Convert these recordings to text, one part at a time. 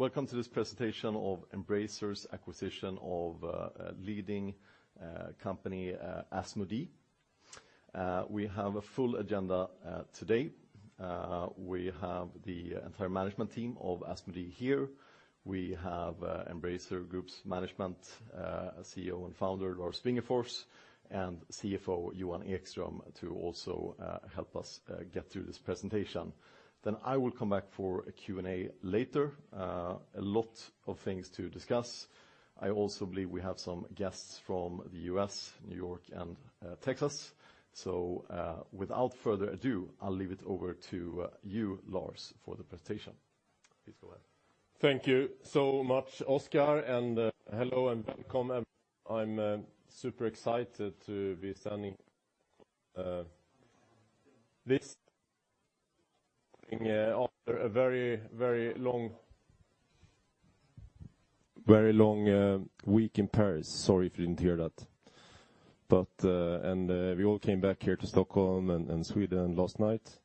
Welcome to this presentation of Embracer's acquisition of a leading company, Asmodee. We have a full agenda today. We have the entire management team of Asmodee here. We have Embracer Group's management, CEO and founder Lars Wingefors, and CFO Johan Ekström to also help us get through this presentation. I will come back for a Q&A later. A lot of things to discuss. I also believe we have some guests from the U.S., New York, and Texas. Without further ado, I'll leave it over to you, Lars, for the presentation. Please go ahead. Thank you so much, Oscar, and hello and welcome. I'm super excited to be standing here after a very long week in Paris. Sorry if you didn't hear that. We all came back here to Stockholm and Sweden last night.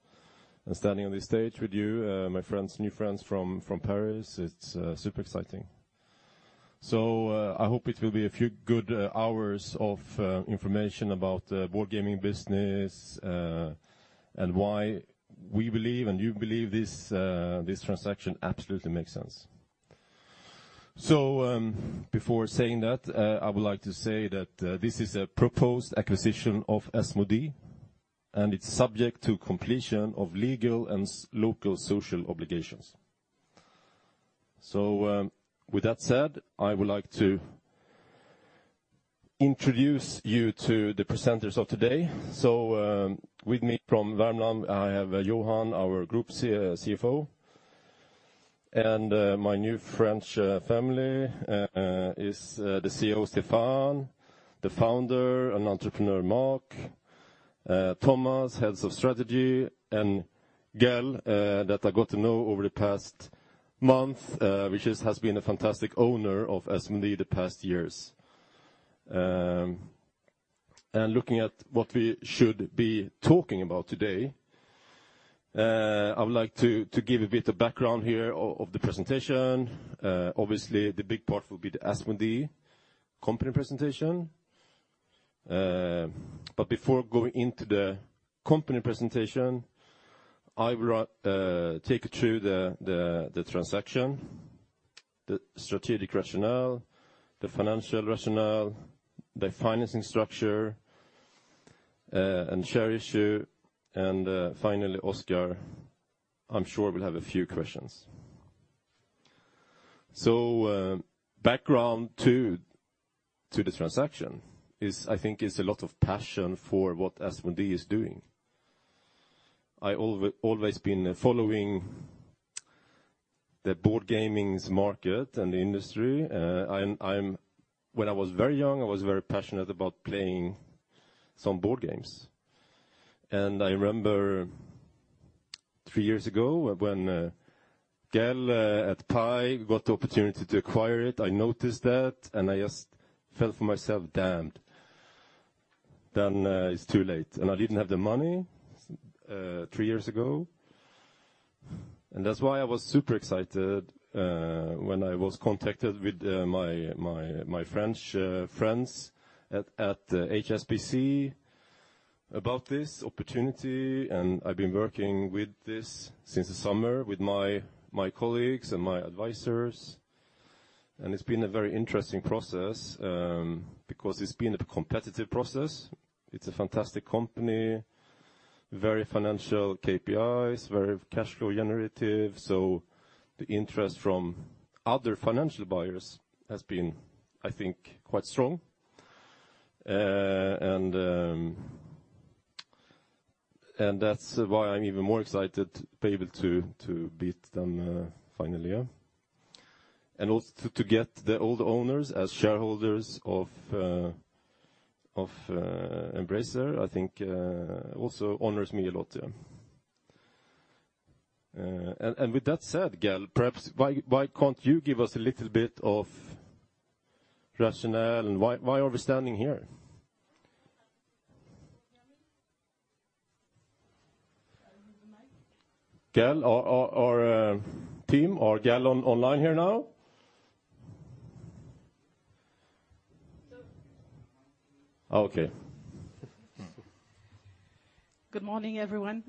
Standing on this stage with you, my friends, new friends from Paris, it's super exciting. I hope it will be a few good hours of information about the board gaming business and why we believe and you believe this transaction absolutely makes sense. Before saying that, I would like to say that this is a proposed acquisition of Asmodee, and it's subject to completion of legal and social obligations. With that said, I would like to introduce you to the presenters of today. With me from Värnamo, I have Johan, our Group CFO, and my new French family is the CEO, Stéphane, the founder and entrepreneur, Marc, Thomas, Head of Strategy, and Gaëlle, that I got to know over the past month, which has been a fantastic owner of Asmodee the past years. Looking at what we should be talking about today, I would like to give a bit of background here of the presentation. Obviously, the big part will be the Asmodee company presentation. Before going into the company presentation, I will take you through the transaction, the strategic rationale, the financial rationale, the financing structure, and share issue. Finally, Oscar, I'm sure will have a few questions. Background to the transaction is, I think, a lot of passion for what Asmodee is doing. I always been following the board gaming market and the industry. When I was very young, I was very passionate about playing some board games. I remember three years ago when Gaëlle at PAI got the opportunity to acquire it, I noticed that, and I just felt for myself, "Damn. Then, it's too late." I didn't have the money three years ago. That's why I was super excited when I was contacted with my French friends at HSBC about this opportunity. I've been working with this since the summer with my colleagues and my advisors. It's been a very interesting process, because it's been a competitive process. It's a fantastic company, very strong financial KPIs, very cash flow generative. The interest from other financial buyers has been, I think, quite strong. That's why I'm even more excited to be able to beat them finally, yeah. Also to get the old owners as shareholders of Embracer, I think also honors me a lot, yeah. With that said, Gaëlle, perhaps why can't you give us a little bit of rationale and why are we standing here? Gaëlle? Or Tim? Or Gaëlle online here now? So- Okay. Good morning, everyone.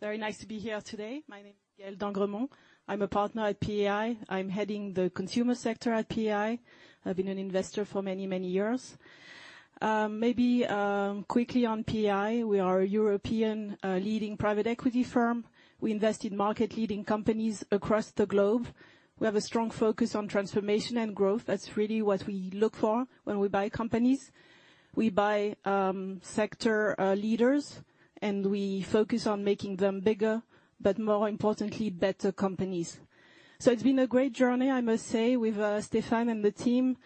Very nice to be here today. My name is Gaëlle d'Engremont. I'm a partner at PAI. I'm heading the consumer sector at PAI. I've been an investor for many, many years. Quickly on PAI, we are a European leading private equity firm. We invest in market-leading companies across the globe. We have a strong focus on transformation and growth. That's really what we look for when we buy companies. We buy sector leaders, and we focus on making them bigger, but more importantly, better companies. It's been a great journey, I must say, with Stéphane and the team.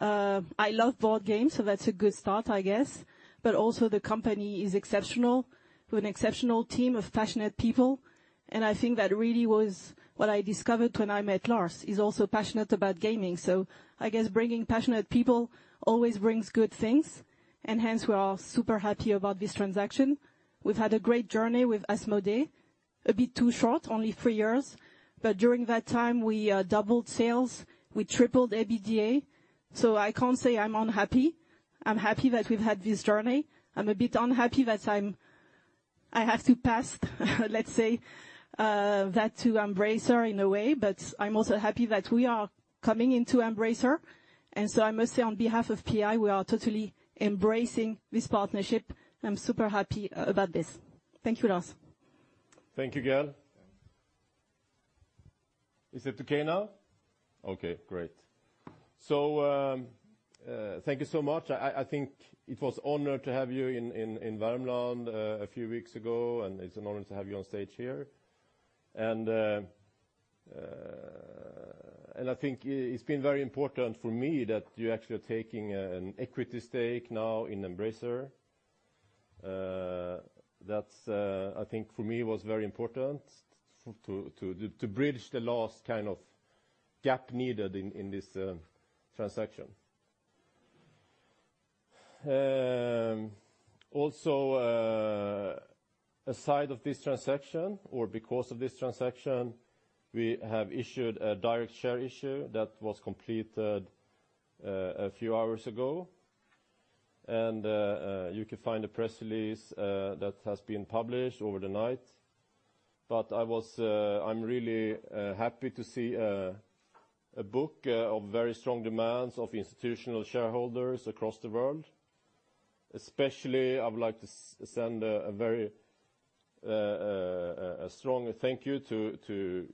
I love board games, so that's a good start, I guess. Also the company is exceptional, with an exceptional team of passionate people. I think that really was what I discovered when I met Lars. He's also passionate about gaming. I guess bringing passionate people always brings good things. Hence we are super happy about this transaction. We've had a great journey with Asmodee, a bit too short, only three years. During that time, we doubled sales, we tripled EBITDA. I can't say I'm unhappy. I'm happy that we've had this journey. I'm a bit unhappy that I have to pass, let's say, that to Embracer in a way, but I'm also happy that we are coming into Embracer. I must say on behalf of PAI, we are totally embracing this partnership, and I'm super happy about this. Thank you, Lars. Thank you, Gaëlle. Is it okay now? Okay, great. Thank you so much. I think it was an honor to have you in Värmland a few weeks ago, and it's an honor to have you on stage here. I think it's been very important for me that you actually are taking an equity stake now in Embracer. That's, I think, for me was very important to bridge the last kind of gap needed in this transaction. Also, aside from this transaction or because of this transaction, we have issued a direct share issue that was completed a few hours ago. You can find the press release that has been published overnight. I was, I'm really happy to see a book of very strong demand of institutional shareholders across the world. Especially, I would like to send a very strong thank you to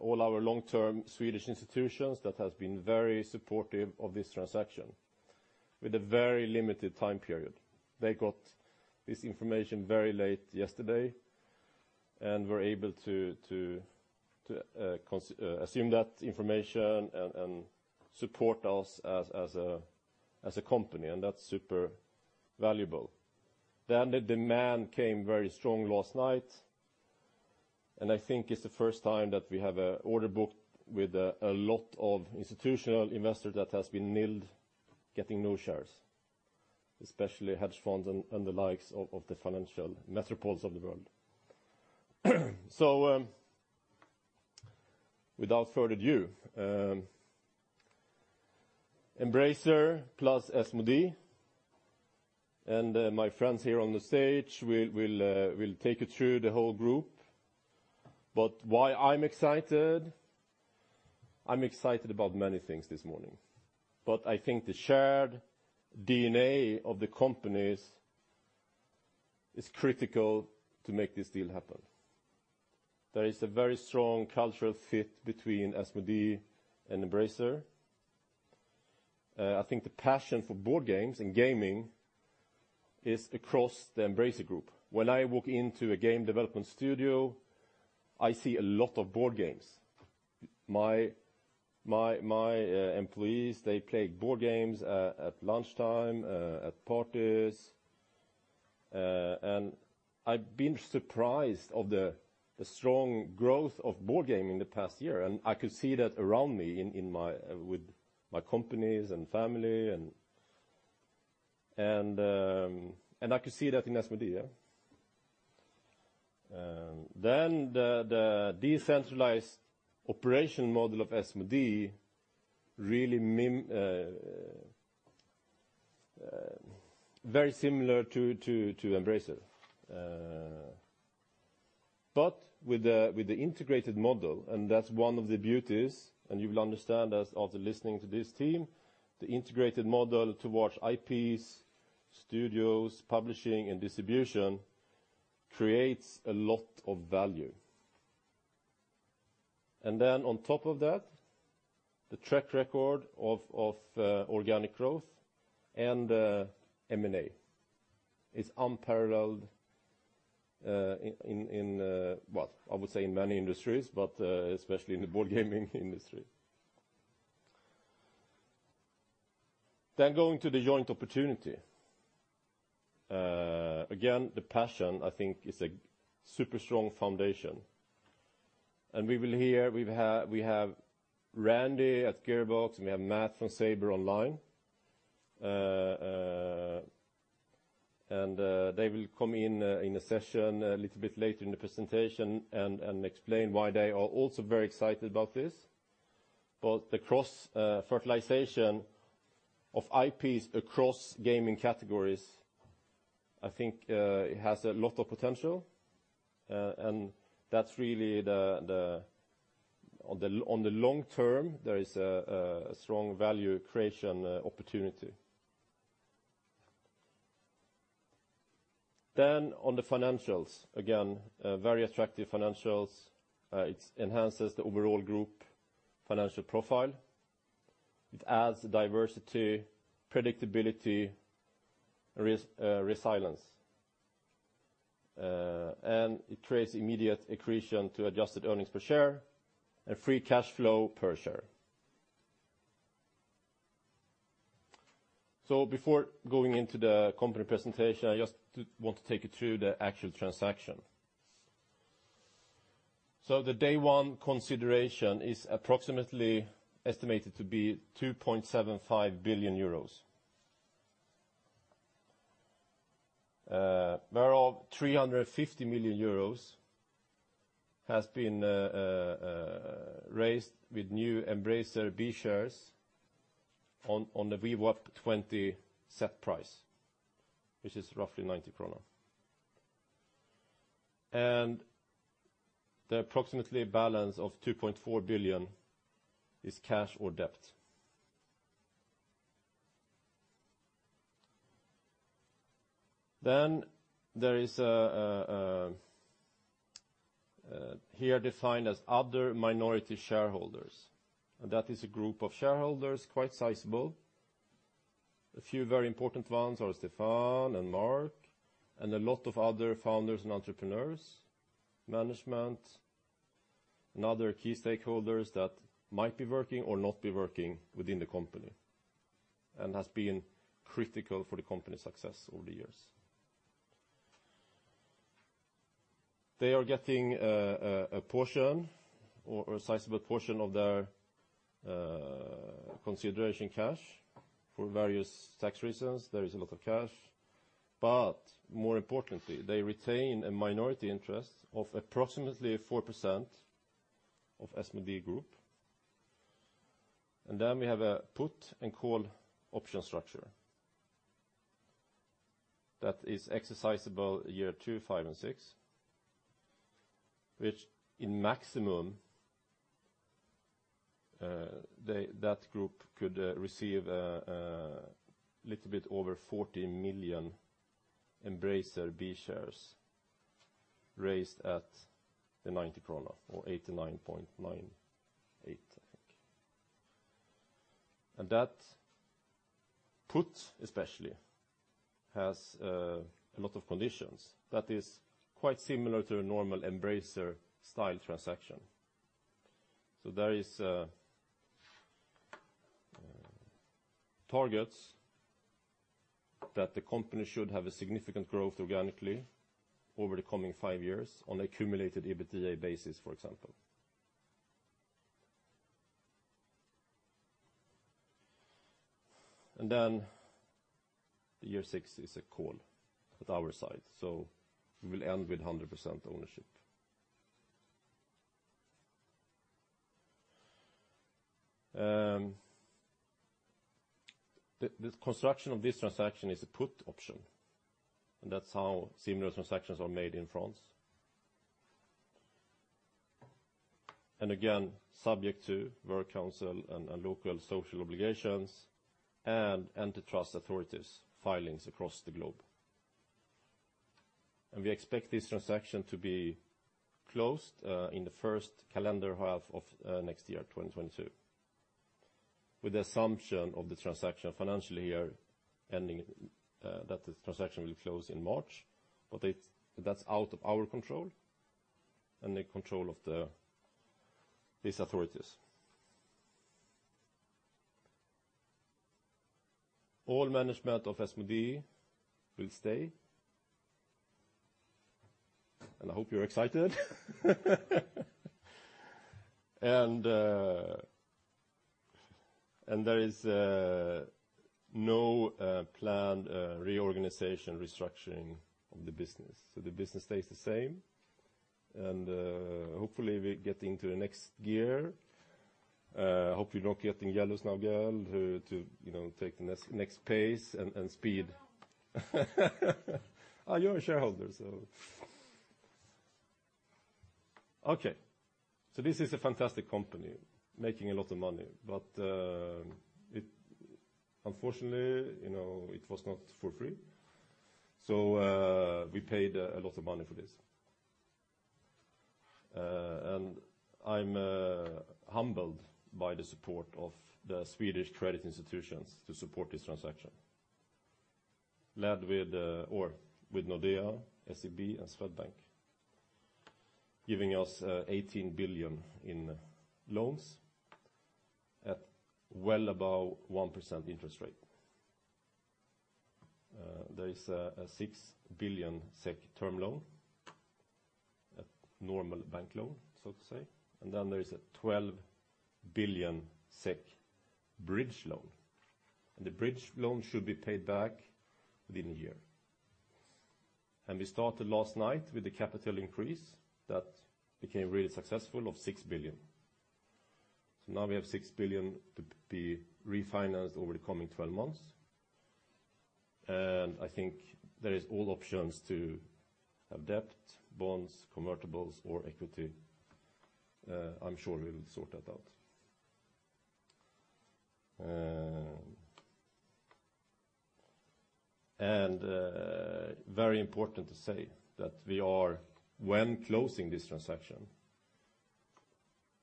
all our long-term Swedish institutions that has been very supportive of this transaction with a very limited time period. They got this information very late yesterday and were able to consider that information and support us as a company, and that's super valuable. The demand came very strong last night, and I think it's the first time that we have an order book with a lot of institutional investors that has been filled getting new shares, especially hedge funds and the likes of the financial metropoles of the world. Without further ado, Embracer plus Asmodee and my friends here on the stage will take you through the whole group. Why I'm excited? I'm excited about many things this morning. I think the shared DNA of the companies is critical to make this deal happen. There is a very strong cultural fit between Asmodee and Embracer. I think the passion for board games and gaming is across the Embracer Group. When I walk into a game development studio, I see a lot of board games. My employees, they play board games at lunchtime, at parties. I've been surprised by the strong growth of board games in the past year, and I could see that around me with my companies and family, and I could see that in Asmodee, yeah. The decentralized operation model of Asmodee is really very similar to Embracer. With the integrated model, that's one of the beauties, and you will understand especially after listening to this team, the integrated model towards IPs, studios, publishing, and distribution creates a lot of value. On top of that, the track record of organic growth and M&A is unparalleled, well, I would say in many industries, but especially in the board gaming industry. Going to the joint opportunity. Again, the passion, I think, is a super strong foundation. We will hear, we have Randy at Gearbox, and we have Matt from Saber. They will come in in a session a little bit later in the presentation and explain why they are also very excited about this. The cross fertilization of IPs across gaming categories, I think, it has a lot of potential. That's really the on the long term, there is a strong value creation opportunity. On the financials, again, very attractive financials. It enhances the overall group financial profile. It adds diversity, predictability, resilience. It creates immediate accretion to adjusted earnings per share and free cash flow per share. Before going into the company presentation, I just want to take you through the actual transaction. The day one consideration is approximately estimated to be 2.75 billion euros, where 350 million euros has been raised with new Embracer B shares on the VWAP 20 set price, which is roughly 90 krona. The approximate balance of 2.4 billion is cash or debt. There is here defined as other minority shareholders. That is a group of shareholders, quite sizable. A few very important ones are Stephane and Marc, and a lot of other founders and entrepreneurs, management, and other key stakeholders that might be working or not be working within the company, and has been critical for the company's success over the years. They are getting a portion or a sizable portion of their consideration cash for various tax reasons. There is a lot of cash. More importantly, they retain a minority interest of approximately 4% of Asmodee Group. Then we have a put and call option structure that is exercisable year two, five and six, which in maximum, that group could receive a little bit over 40 million Embracer B shares raised at the 90 krona or 89.98, I think. That put especially has a lot of conditions that is quite similar to a normal Embracer style transaction. There is targets that the company should have a significant growth organically over the coming five years on accumulated EBITDA basis, for example. Then year six is a call at our side, so we will end with 100% ownership. The construction of this transaction is a put option, and that's how similar transactions are made in France. Again, subject to works council and local social obligations and antitrust authorities filings across the globe. We expect this transaction to be closed in the first half of next year, 2022, with the assumption of the transaction financially year ending that the transaction will close in March. It's out of our control and the control of these authorities. All management of Asmodee Group will stay. I hope you're excited. There is no planned reorganization, restructuring of the business. The business stays the same. Hopefully we get into the next gear. Hopefully we're not getting jealous now, Girl, to you know, take the next pace and speed. No. You're a shareholder. This is a fantastic company making a lot of money. Unfortunately, you know, it was not for free. We paid a lot of money for this. I'm humbled by the support of the Swedish credit institutions to support this transaction. Led by Nordea, SEB and Swedbank, giving us 18 billion in loans at well above 1% interest rate. There is a 6 billion SEK term loan, a normal bank loan, so to say. Then there is a 12 billion SEK bridge loan. The bridge loan should be paid back within a year. We started last night with a capital increase that became really successful of 6 billion. Now we have 6 billion to be refinanced over the coming twelve months. I think there is all options to have debt, bonds, convertibles, or equity. I'm sure we will sort that out. Very important to say that we are when closing this transaction,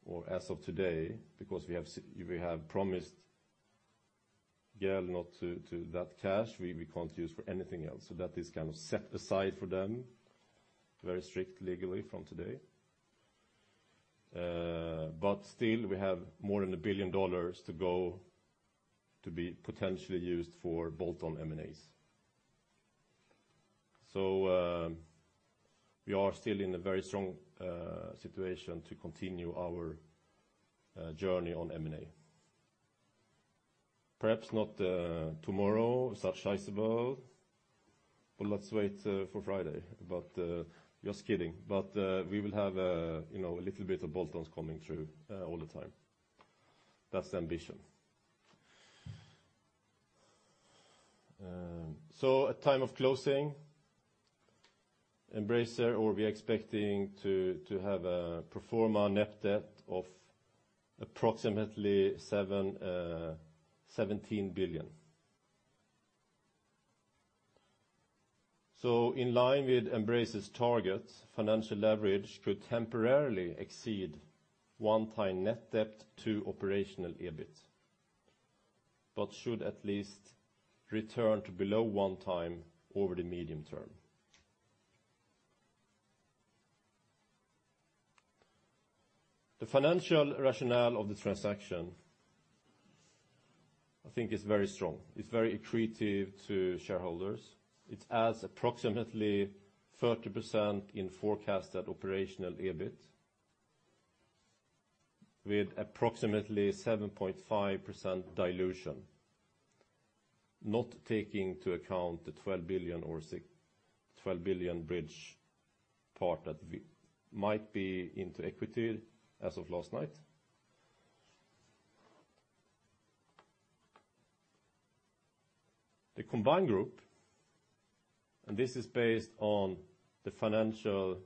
or as of today, because we have promised Gaëlle not to. That cash we can't use for anything else. That is kind of set aside for them very strict legally from today. But still we have more than $1 billion to go to be potentially used for bolt-on M&As. We are still in a very strong situation to continue our journey on M&A. Perhaps not tomorrow, substantial, but let's wait for Friday. Just kidding. We will have, you know, a little bit of bolt-ons coming through all the time. That's the ambition. At time of closing Embracer will be expecting to have a pro forma net debt of approximately SEK 17 billion. In line with Embracer's target, financial leverage could temporarily exceed 1x net debt to operational EBIT, but should at least return to below 1x over the medium term. The financial rationale of the transaction, I think is very strong. It is very accretive to shareholders. It adds approximately 30% in forecasted operational EBIT with approximately 7.5% dilution, not taking into account the 12 billion bridge that we might convert to equity as of last night. The combined group, and this is based on the financial,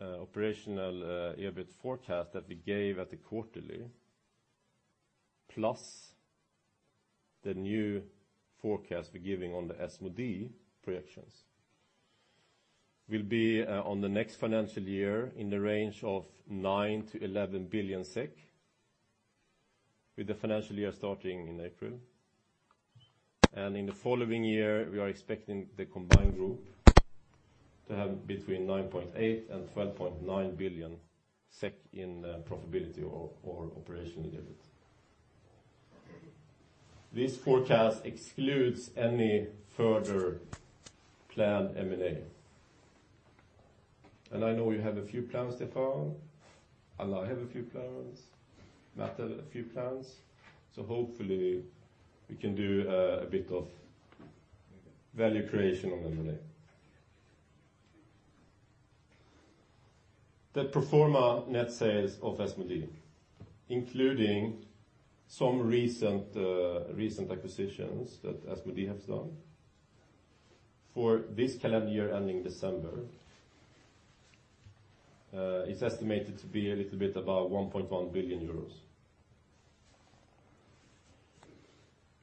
operational, EBIT forecast that we gave at the quarterly, plus the new forecast we're giving on the Asmodee projections, will be on the next financial year in the range of 9 billion-11 billion SEK, with the financial year starting in April. In the following year, we are expecting the combined group to have between 9.8 billion and 12.9 billion SEK in profitability or operational EBIT. This forecast excludes any further plan M&A. I know you have a few plans, Stefan, and I have a few plans, Matt has a few plans, so hopefully we can do a bit of value creation on M&A. The pro forma net sales of Asmodee, including some recent recent acquisitions that Asmodee has done, for this calendar year ending December, is estimated to be a little bit above 1.1 billion.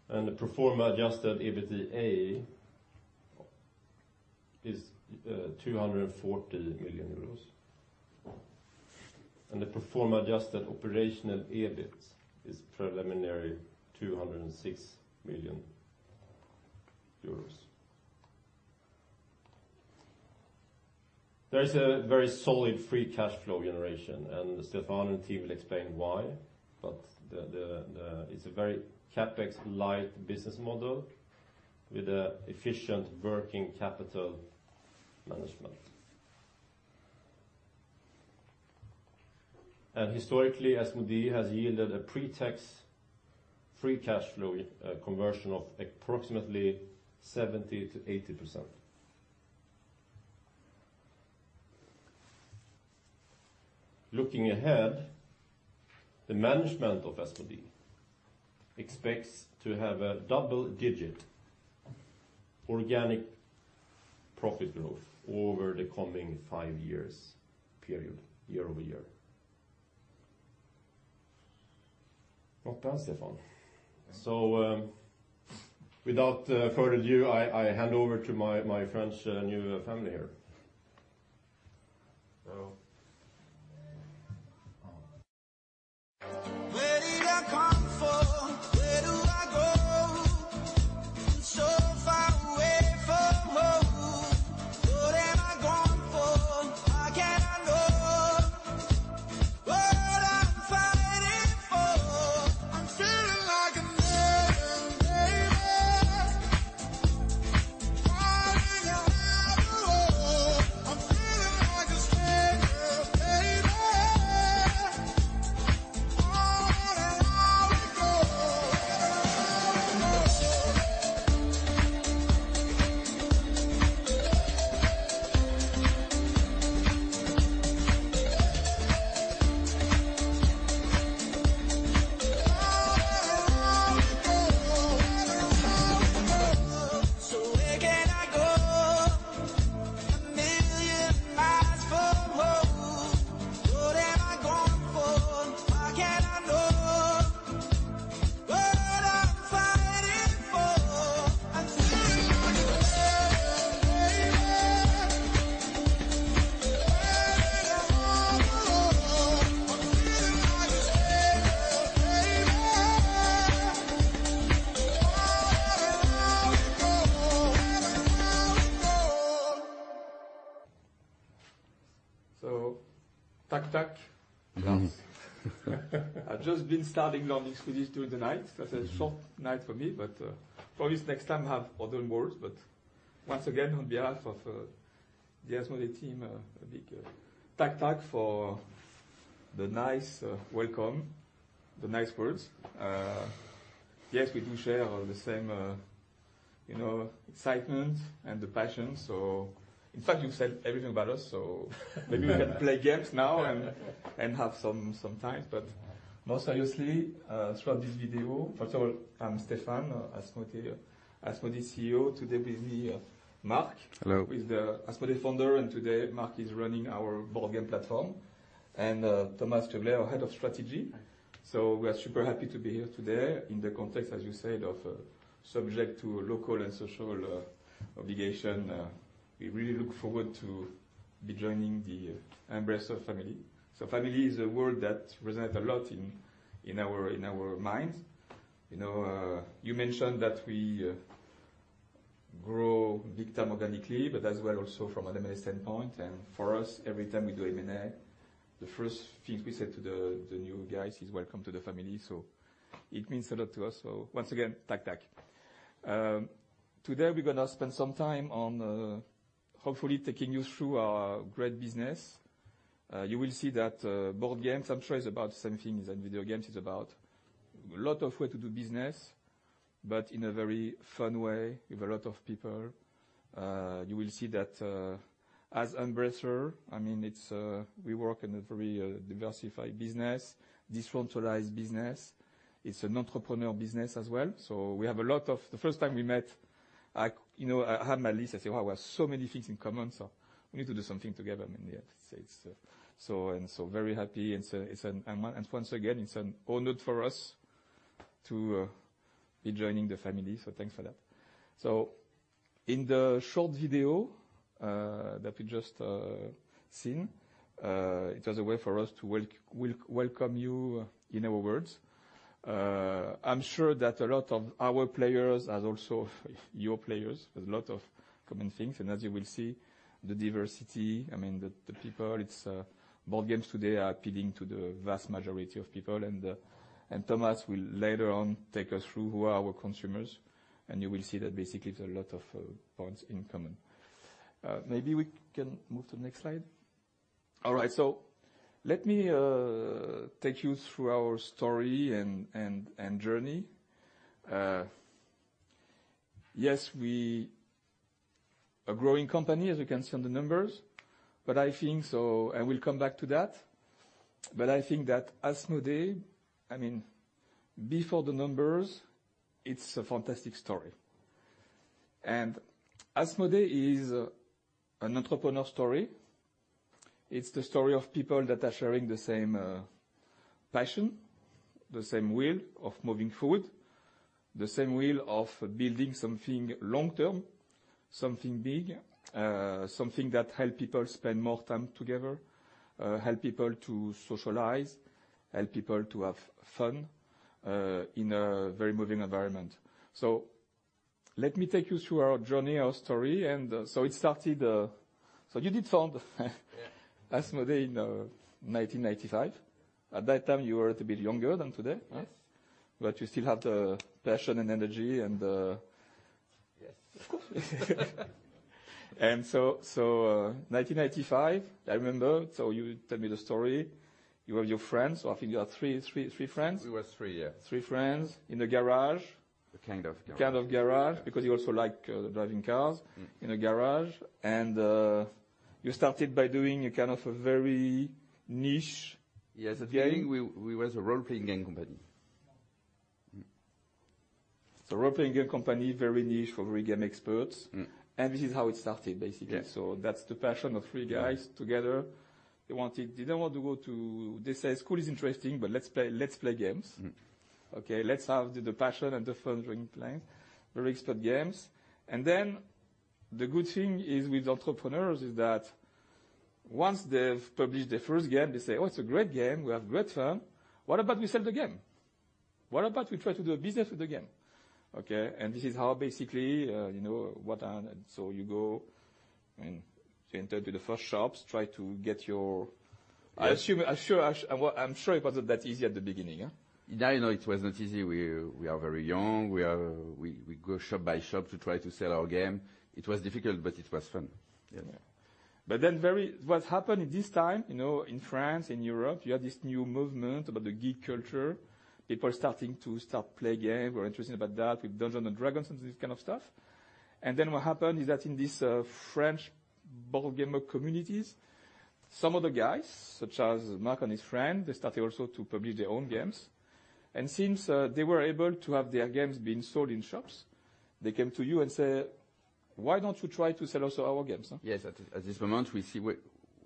The pro forma Adjusted EBITDA is two hundred and forty million euros. The pro forma adjusted operational EBIT is preliminary EUR 206 million. There is a very solid free cash flow generation, and Stefan and team will explain why, but it's a very CapEx-light business model with an efficient working capital management. Historically, Asmodee has yielded a pre-tax free cash flow conversion of approximately 70%-80%. Looking ahead, the management of Asmodee expects to have a double-digit organic profit growth over the coming five years period, year-over-year. Not bad, Stefan. Without further ado, I hand over to my French new family here. Hello. Where did I come from? Where do I go? I'm so far away from home. What am I going for? Why can't I know what I'm fighting for? I'm feeling like a man, baby, finally I have a home. I'm feeling like a stranger, baby, on and on we go. On and on we go. On and on we go. On and on we go. So where can I go? A million miles from home. What am I going for? Why can't I know what I'm fighting for? I'm feeling like a man, baby, finally I have a home. I'm feeling like a stranger, baby, on and on we go. On and on we go Tack, tack. I've just been starting learning Swedish during the night. It was a short night for me, but promise next time have other words. Once again, on behalf of the Asmodee team, a big tack for the nice welcome, the nice words. Yes, we do share all the same, you know, excitement and the passion. In fact, you've said everything about us, so maybe we can play games now and have some time. More seriously, throughout this video, first of all, I'm Stéphane, Asmodee CEO. Today with me, Marc. Hello. Who is the Asmodee founder, and today Marc is running our board game platform. Thomas Koegler, our head of strategy. Hi. We are super happy to be here today in the context, as you said, of subject to local and social obligation. We really look forward to be joining the Embracer family. Family is a word that resonates a lot in our minds. You know, you mentioned that we grow big time organically, but as well also from an M&A standpoint. For us, every time we do M&A, the first thing we say to the new guys is, "Welcome to the family." It means a lot to us. Once again, Tack. Today we're gonna spend some time on hopefully taking you through our great business. You will see that board games, I'm sure is about the same thing as video games is about. Lots of ways to do business, but in a very fun way with a lot of people. You will see that, as Embracer, I mean, it's. We work in a very diversified business, disruptorialized business. It's an entrepreneurial business as well. We have a lot of. The first time we met, you know, I had my list. I say, "Wow, we have so many things in common, so we need to do something together." I mean, yeah, it's so very happy and so. Once again, it's an honor for us to be joining the family, so thanks for that. In the short video that we just seen, it was a way for us to welcome you in our world. I'm sure that a lot of our players, as also your players, there's a lot of common things. As you will see, the diversity, I mean, the people, it's board games today are appealing to the vast majority of people. Thomas will later on take us through who are our consumers, and you will see that basically there are a lot of points in common. Maybe we can move to the next slide. All right. Let me take you through our story and journey. Yes, we are a growing company, as you can see on the numbers, but I think I will come back to that. I think that Asmodee, I mean, before the numbers, it's a fantastic story. Asmodee is an entrepreneur story. It's the story of people that are sharing the same passion, the same will of moving forward, the same will of building something long-term, something big, something that help people spend more time together, help people to socialize, help people to have fun, in a very moving environment. Let me take you through our journey, our story. It started, so you founded Asmodee in 1995. At that time, you were a bit younger than today. Yes. You still have the passion and energy and Yes, of course. 1995, I remember. You tell me the story. You have your friends. I think you have three friends. We were three, yeah. Three friends in a garage. A kind of garage. Kind of garage because you also like, driving cars. Mm. In a garage, you started by doing a kind of a very niche- Yes. At the beginning, we was a role-playing game company. Role-playing game company, very niche for very game experts. Mm. This is how it started, basically. Yeah. That's the passion of three guys together. They didn't want to go to school. They say school is interesting, but let's play games. Mm. Okay, let's have the passion and the fun during playing very expert games. The good thing is with entrepreneurs that once they've published their first game, they say, "Oh, it's a great game. We have great fun. What about we sell the game? What about we try to do a business with the game?" Okay, this is how basically, you know what, and so you go and to enter to the first shops, try to get your- Yes. I assume, I'm sure it wasn't that easy at the beginning, huh? Yeah, you know, it was not easy. We are very young. We go shop by shop to try to sell our game. It was difficult, but it was fun. Yeah. What happened in this time, you know, in France, in Europe, you had this new movement about the geek culture. People are starting to play games or interested about that with Dungeons & Dragons and this kind of stuff. What happened is that in this French board game communities, some of the guys, such as Marc and his friend, they started also to publish their own games. And since they were able to have their games being sold in shops, they came to you and said, "Why don't you try to sell also our games? Yes. At this moment,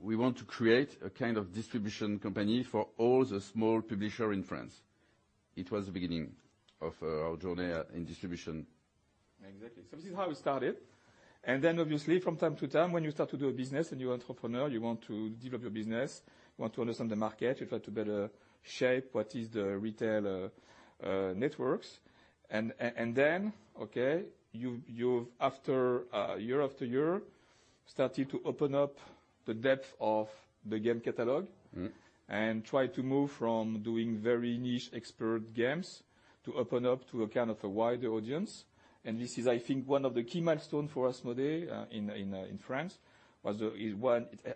we want to create a kind of distribution company for all the small publisher in France. It was the beginning of our journey in distribution. Exactly. This is how it started. Obviously from time to time, when you start to do a business and you entrepreneur, you want to develop your business, you want to understand the market, you try to better shape what is the retail networks. Okay, you've after year after year started to open up the depth of the game catalog. Mm-hmm. Try to move from doing very niche expert games to open up to a kind of a wider audience. This is, I think, one of the key milestone for Asmodee in France. In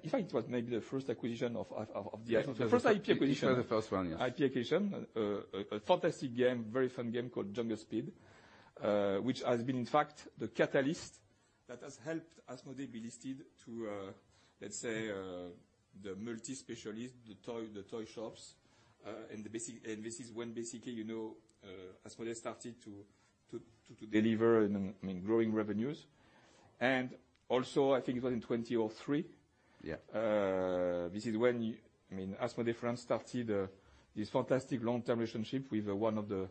fact, it was maybe the first acquisition of the- Yes. The first IP acquisition. It was the first one, yes. IP acquisition. A fantastic game, very fun game called Jungle Speed, which has been in fact the catalyst that has helped Asmodee be listed to, let's say, the multi-specialist, the toy shops. This is when basically, you know, Asmodee started to deliver and, I mean, growing revenues. Also, I think it was in 2023. Yeah. This is when, I mean, Asmodee France started this fantastic long-term relationship with one of the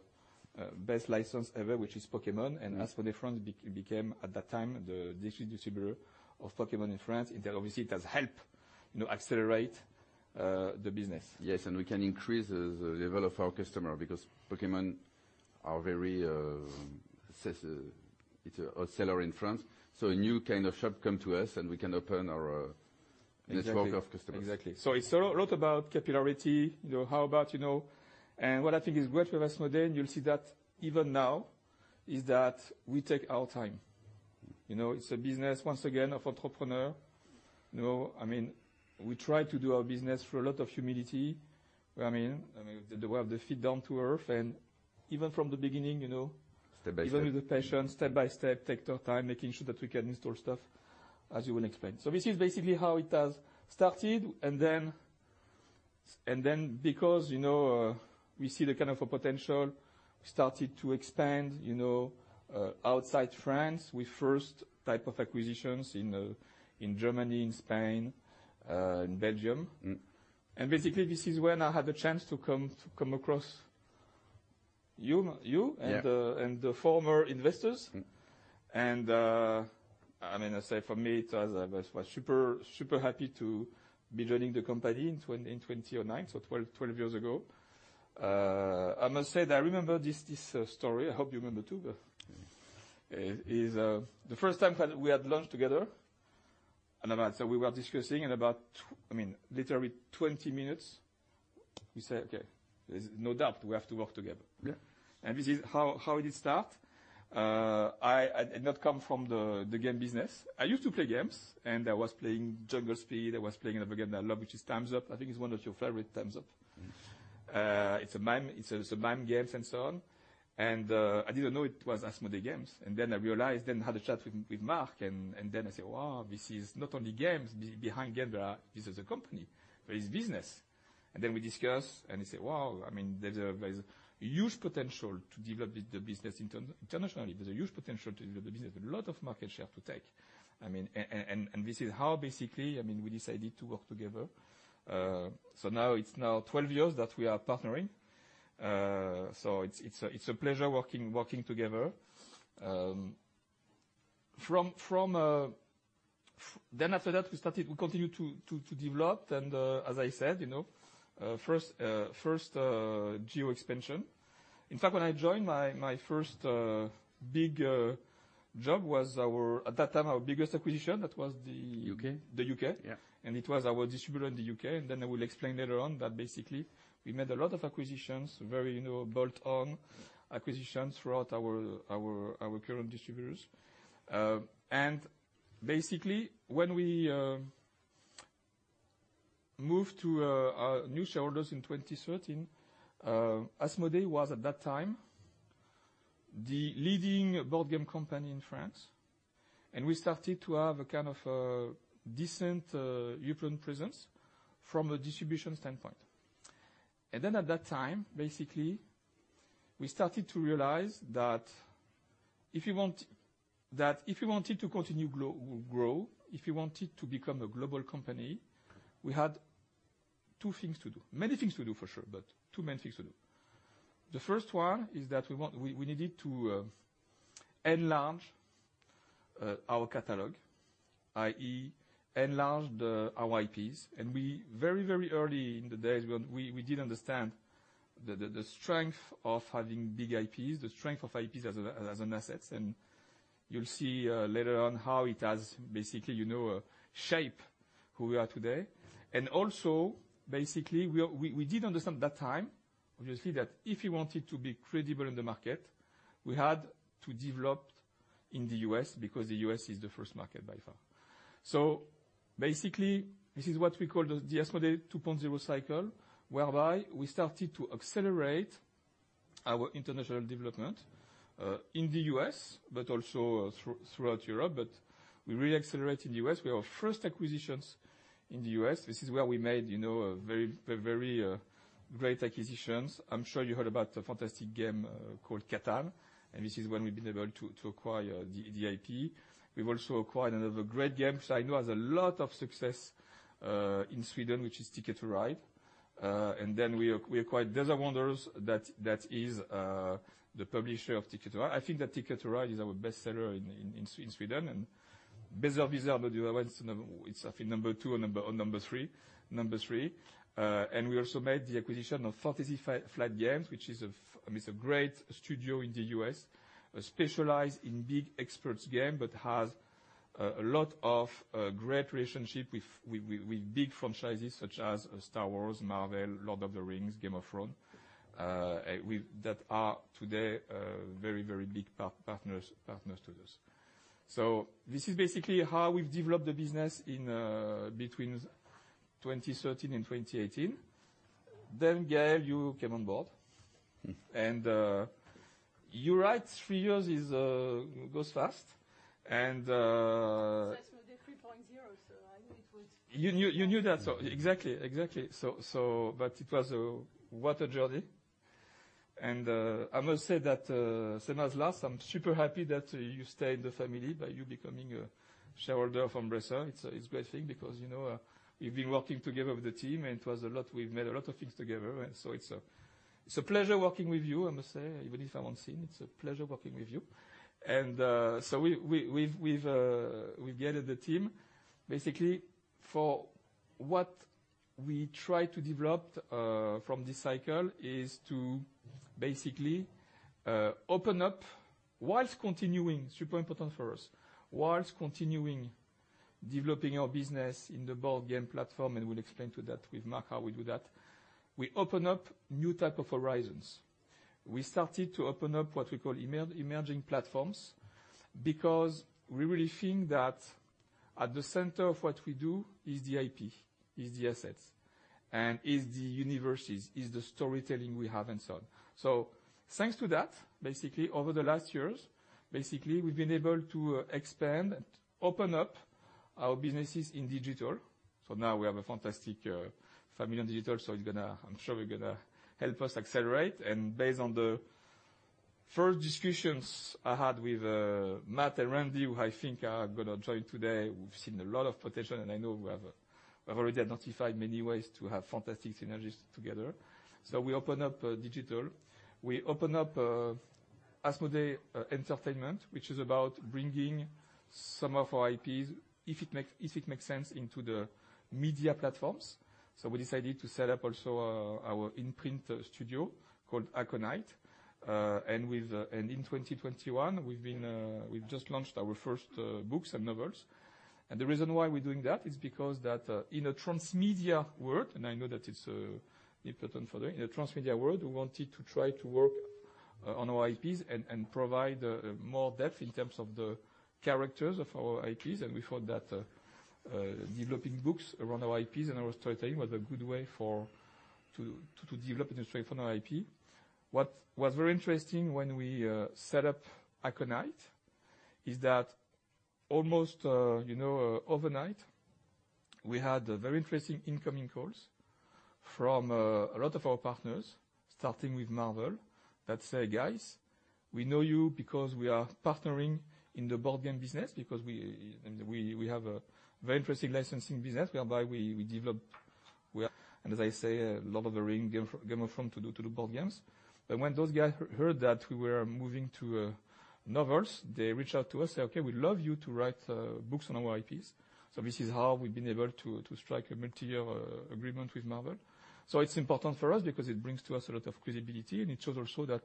best license ever, which is Pokémon. Mm-hmm. Asmodee France became at that time, the distributor of Pokémon in France. Obviously, it has helped, you know, accelerate the business. Yes, we can increase the level of our customer because Pokémon are very, it's a bestseller in France. A new kind of shop come to us, and we can open our- Exactly. network of customers. Exactly. It's a lot about capillarity, you know, how about, you know. What I think is great for Asmodee, and you'll see that even now, is that we take our time. You know, it's a business, once again, of entrepreneur. You know, I mean, we try to do our business through a lot of humility. I mean, we have the feet down to earth. Even from the beginning, you know. Step by step. Even with the patience, step by step, take the time, making sure that we can install stuff, as you will explain. This is basically how it has started. Because, you know, we see the kind of a potential, we started to expand, you know, outside France with first type of acquisitions in Germany, in Spain, in Belgium. Mm-hmm. Basically, this is when I had the chance to come across you. Yeah. the former investors. Mm-hmm. I mean, I say for me, it was, I was super happy to be joining the company in 2009, so 12 years ago. I must say that I remember this story. I hope you remember too, but. Yeah. It's the first time that we had lunch together, and about 20 minutes, I mean, literally 20 minutes, we say, "Okay, there's no doubt we have to work together. Yeah. This is how it did start. I did not come from the game business. I used to play games, and I was playing Jungle Speed. I was playing another game that I love, which is Time's Up!. I think it's one of your favorite, Time's Up!. Mm-hmm. It's mime games and so on. I didn't know it was Asmodee games. Then I realized, then had a chat with Marc, and then I said, "Wow, this is not only games. Behind game there are this is a company. There is business." Then we discussed, and we said, "Wow." I mean, there's a huge potential to develop the business internationally. There's a huge potential to develop the business. A lot of market share to take. I mean, this is how basically, I mean, we decided to work together. Now it's 12 years that we are partnering. It's a pleasure working together. From then after that, we started. We continue to develop and, as I said, you know, first geo expansion. In fact, when I joined, my first big job was our biggest acquisition at that time, that was the- UK. The U.K. Yeah. It was our distributor in the U.K., and then I will explain later on that basically we made a lot of acquisitions, very, you know, built on acquisitions throughout our current distributors. Basically when we moved to our new shareholders in 2013, Asmodee was at that time the leading board game company in France. We started to have a kind of a decent European presence from a distribution standpoint. Then at that time, basically, we started to realize that if you wanted to continue to grow, if you wanted to become a global company, we had two things to do. Many things to do, for sure, but two main things to do. The first one is that we needed to enlarge our catalog, i.e. enlarge our IPs. We very early in the days when we did understand the strength of having big IPs, the strength of IPs as an assets, and you'll see later on how it has basically shaped who we are today. Also, basically, we did understand that time, obviously, that if you wanted to be credible in the market, we had to develop in the U.S. because the U.S. is the first market by far. Basically, this is what we call the Asmodee 2.0 cycle, whereby we started to accelerate our international development in the U.S., but also throughout Europe. We really accelerated in the U.S. We had our first acquisitions in the U.S. This is where we made a very, very great acquisitions. I'm sure you heard about a fantastic game called Catan. This is when we've been able to acquire the IP. We've also acquired another great game, which I know has a lot of success in Sweden, which is Ticket to Ride. We acquired Days of Wonder. That is the publisher of Ticket to Ride. I think that Ticket to Ride is our best seller in Sweden and Berserk. It's number two or number three. We also made the acquisition of Fantasy Flight Games, which is a great studio in the U.S., specialized in big expert games, but has a lot of great relationships with big franchises such as Star Wars, Marvel, Lord of the Rings, Game of Thrones. That are today very big partners to us. This is basically how we've developed the business in between 2013 and 2018. Gaëlle, you came on board. You're right, three years goes fast and It says we did 3.0, so I knew it would. You knew that. Exactly. It was. What a journey. I must say that, same as Lars, I'm super happy that you stay in the family by you becoming a shareholder in Embracer. It's a great thing because, you know, we've been working together with the team, and it was a lot. We've made a lot of things together, so it's a pleasure working with you, I must say. Even if I won't see you, it's a pleasure working with you. We've gathered the team basically for what we try to develop from this cycle is to basically open up while continuing, super important for us, while continuing developing our business in the board game platform, and we'll explain that with Marc, how we do that. We open up new type of horizons. We started to open up what we call emerging platforms because we really think that at the center of what we do is the IP, is the assets and is the universes, is the storytelling we have and so on. Thanks to that, basically over the last years, basically, we've been able to expand and open up our businesses in digital. Now we have a fantastic family on digital. It's gonna help us accelerate. I'm sure. Based on the first discussions I had with Matt and Randy, who I think are gonna join today, we've seen a lot of potential, and I know we have, we've already identified many ways to have fantastic synergies together. We open up digital. We open up Asmodee Entertainment, which is about bringing some of our IPs, if it makes sense, into the media platforms. We decided to set up also our in-print studio called Aconyte. In 2021, we've just launched our first books and novels. The reason why we're doing that is because in a transmedia world, we wanted to try to work on our IPs and provide more depth in terms of the characters of our IPs. We thought that developing books around our IPs and our storytelling was a good way to develop and strengthen our IP. What was very interesting when we set up Aconyte is that almost, you know, overnight, we had very interesting incoming calls from a lot of our partners, starting with Marvel that say, "Guys, we know you because we are partnering in the board game business because we have a very interesting licensing business whereby we develop," and as I say, "Lord of the Rings, Game of Thrones to do board games." When those guys heard that we were moving to novels, they reached out to us, say, "Okay, we'd love you to write books on our IPs." This is how we've been able to strike a multiyear agreement with Marvel. It's important for us because it brings to us a lot of credibility, and it shows also that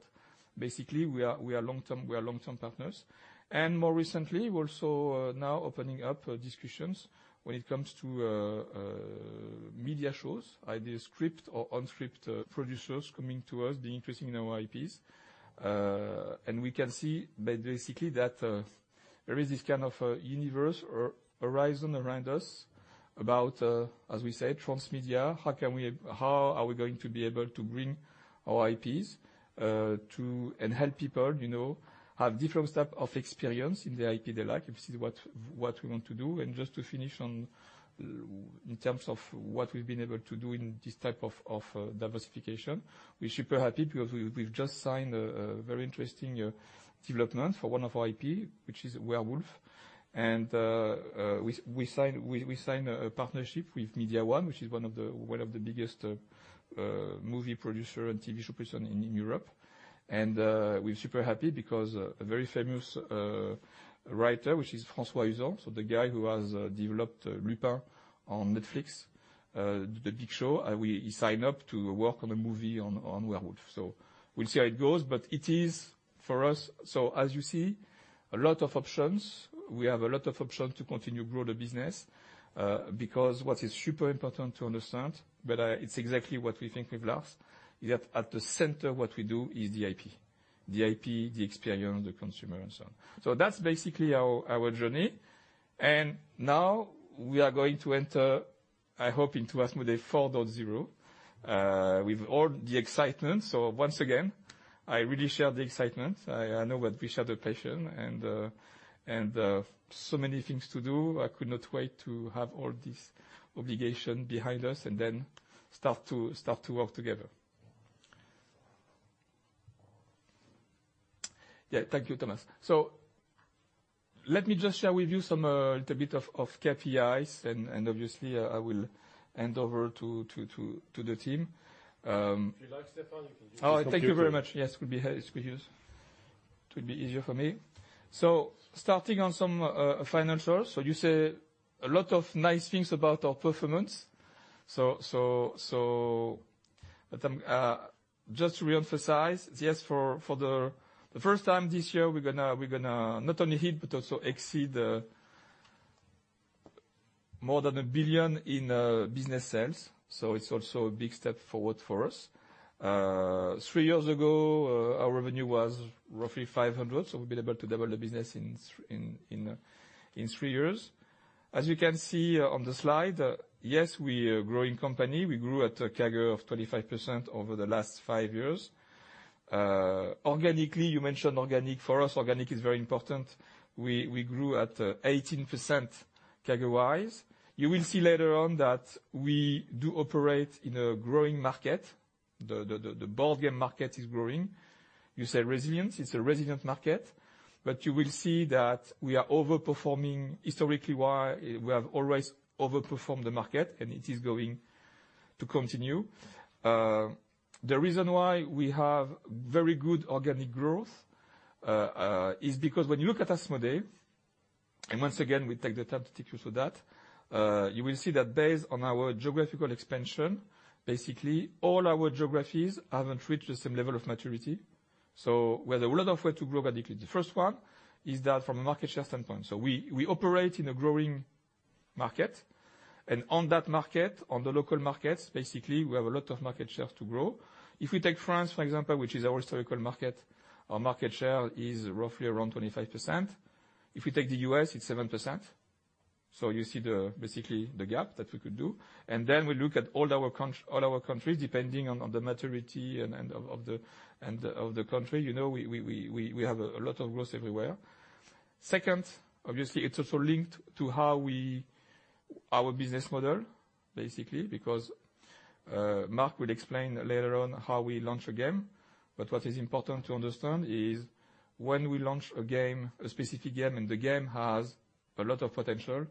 basically we are long-term partners. More recently, we're also now opening up discussions when it comes to media shows, either scripted or unscripted, producers coming to us being interested in our IPs. We can see basically that there is this kind of a universe or horizon around us about, as we said, transmedia. How are we going to be able to bring our IPs and help people, you know, have different type of experience in the IP they like? This is what we want to do. Just to finish on in terms of what we've been able to do in this type of diversification, we're super happy because we've just signed a very interesting development for one of our IP, which is Werewolf. We signed a partnership with Mediawan, which is one of the biggest movie producer and TV producer in Europe. We're super happy because a very famous writer, which is François Uzan, so the guy who has developed Lupin on Netflix, the big show. He signed up to work on a movie on Werewolf. We'll see how it goes, but it is for us. As you see, a lot of options. We have a lot of options to continue grow the business, because what is super important to understand, but it's exactly what we think with Lars, is that at the center what we do is the IP. The IP, the experience, the consumer and so on. That's basically our journey. Now we are going to enter, I hope, into Asmodee 4.0, with all the excitement. Once again, I really share the excitement. I know that we share the passion and so many things to do. I could not wait to have all this obligation behind us and then start to work together. Yeah. Thank you, Thomas. Let me just share with you some little bit of KPIs and obviously I will hand over to the team. If you like, Stefan, you can use the computer. Thank you very much. Yes, could be, could use it. It will be easier for me. Starting on some financials. You say a lot of nice things about our performance. Just to reemphasize, yes, for the first time this year, we're gonna not only hit but also exceed more than 1 billion in business sales. It's also a big step forward for us. Three years ago, our revenue was roughly 500 million, so we've been able to double the business in three years. As you can see on the slide, yes, we're a growing company. We grew at a CAGR of 25% over the last five years. Organically, you mentioned organic. For us, organic is very important. We grew at 18% CAGR-wise. You will see later on that we do operate in a growing market. The board game market is growing. You say resilient, it's a resilient market, but you will see that we are overperforming historically why we have always overperformed the market, and it is going to continue. The reason why we have very good organic growth is because when you look at Asmodee, and once again, we take the time to take you through that, you will see that based on our geographical expansion, basically all our geographies haven't reached the same level of maturity, so we have a lot of way to grow radically. The first one is that from a market share standpoint. We operate in a growing market, and on that market, on the local markets, basically, we have a lot of market share to grow. If we take France, for example, which is our historical market, our market share is roughly around 25%. If we take the U.S., it's 7%. You see basically the gap that we could do. We look at all our countries, depending on the maturity and of the country. You know, we have a lot of growth everywhere. Second, obviously, it's also linked to our business model, basically, because Marc will explain later on how we launch a game. What is important to understand is when we launch a game, a specific game, and the game has a lot of potential,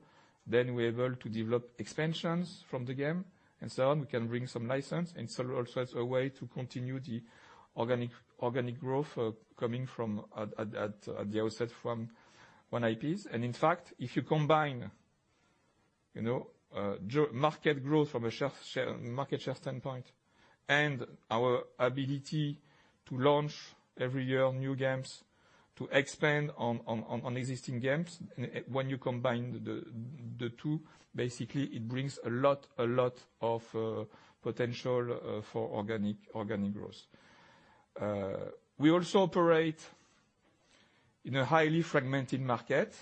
then we're able to develop expansions from the game and so on. We can bring some license and sell also as a way to continue the organic growth coming from our IPs at the outset. In fact, if you combine, you know, market growth from a market share standpoint and our ability to launch every year new games to expand on existing games, and when you combine the two, basically it brings a lot of potential for organic growth. We also operate in a highly fragmented market,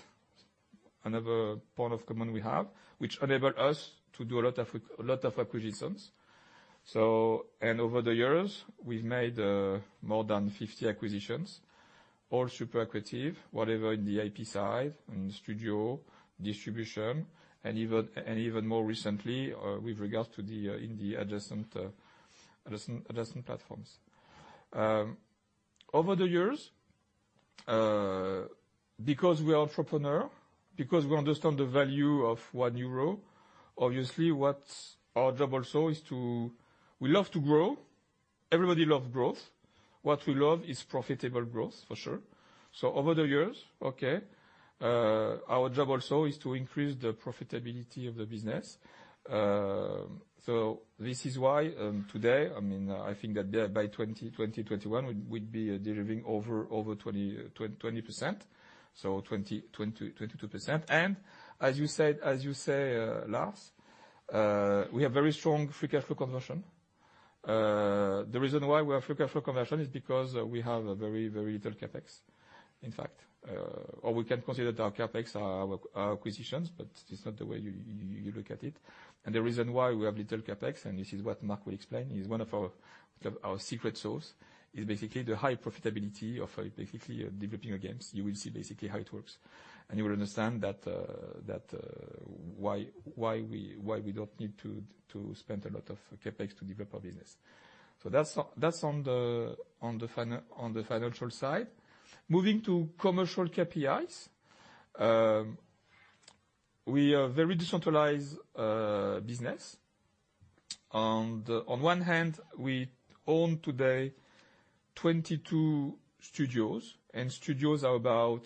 another point in common we have, which enable us to do a lot of acquisitions. Over the years, we've made more than 50 acquisitions, all super accretive, whatever in the IP side, in studio, distribution, and even more recently with regards to the adjacent platforms. Over the years, because we are entrepreneur, because we understand the value of one euro, obviously what's our job also is to. We love to grow. Everybody love growth. What we love is profitable growth, for sure. Over the years, our job also is to increase the profitability of the business. This is why, today, I mean, I think that by 2021, we'd be deriving over 20%. So 22%. And as you said, Lars, we have very strong free cash flow conversion. The reason why we have free cash flow conversion is because we have a very little CapEx, in fact. Or we can consider that our CapEx are our acquisitions, but it's not the way you look at it. The reason why we have little CapEx, and this is what Marc will explain, is one of our secret sauce is basically the high profitability of basically developing your games. You will see basically how it works, and you will understand that why we don't need to spend a lot of CapEx to develop our business. That's on the financial side. Moving to commercial KPIs, we are very decentralized business. On one hand, we own today 22 studios, and studios are about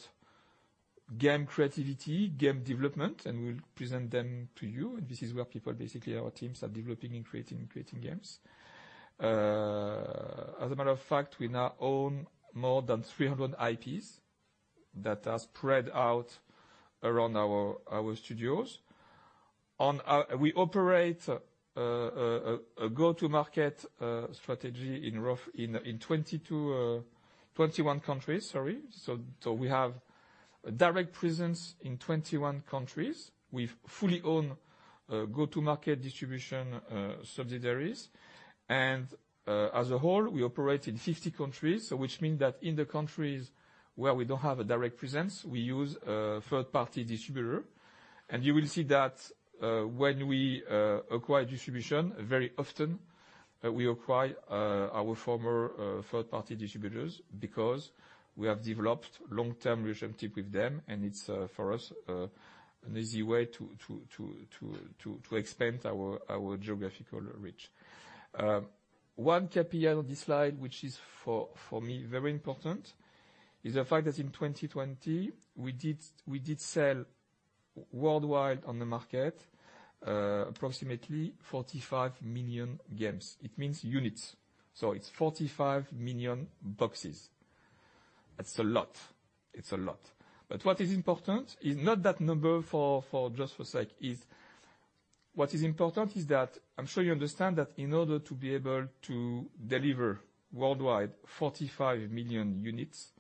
game creativity, game development, and we'll present them to you. This is where people, basically our teams are developing and creating games. As a matter of fact, we now own more than 300 IPs that are spread out around our studios. We operate a go-to-market strategy in 21 countries, sorry. We have direct presence in 21 countries. We fully own go-to-market distribution subsidiaries. As a whole, we operate in 50 countries, which means that in the countries where we don't have a direct presence, we use a third-party distributor. You will see that, when we acquire distribution, very often we acquire our former third-party distributors because we have developed long-term relationship with them, and it's for us an easy way to expand our geographical reach. One KPI on this slide, which is for me very important, is the fact that in 2020 we did sell worldwide on the market approximately 45 million games. It means units. So it's 45 million boxes. It's a lot. But what is important is not that number for its own sake. What is important is that I'm sure you understand that in order to be able to deliver worldwide 45 million units,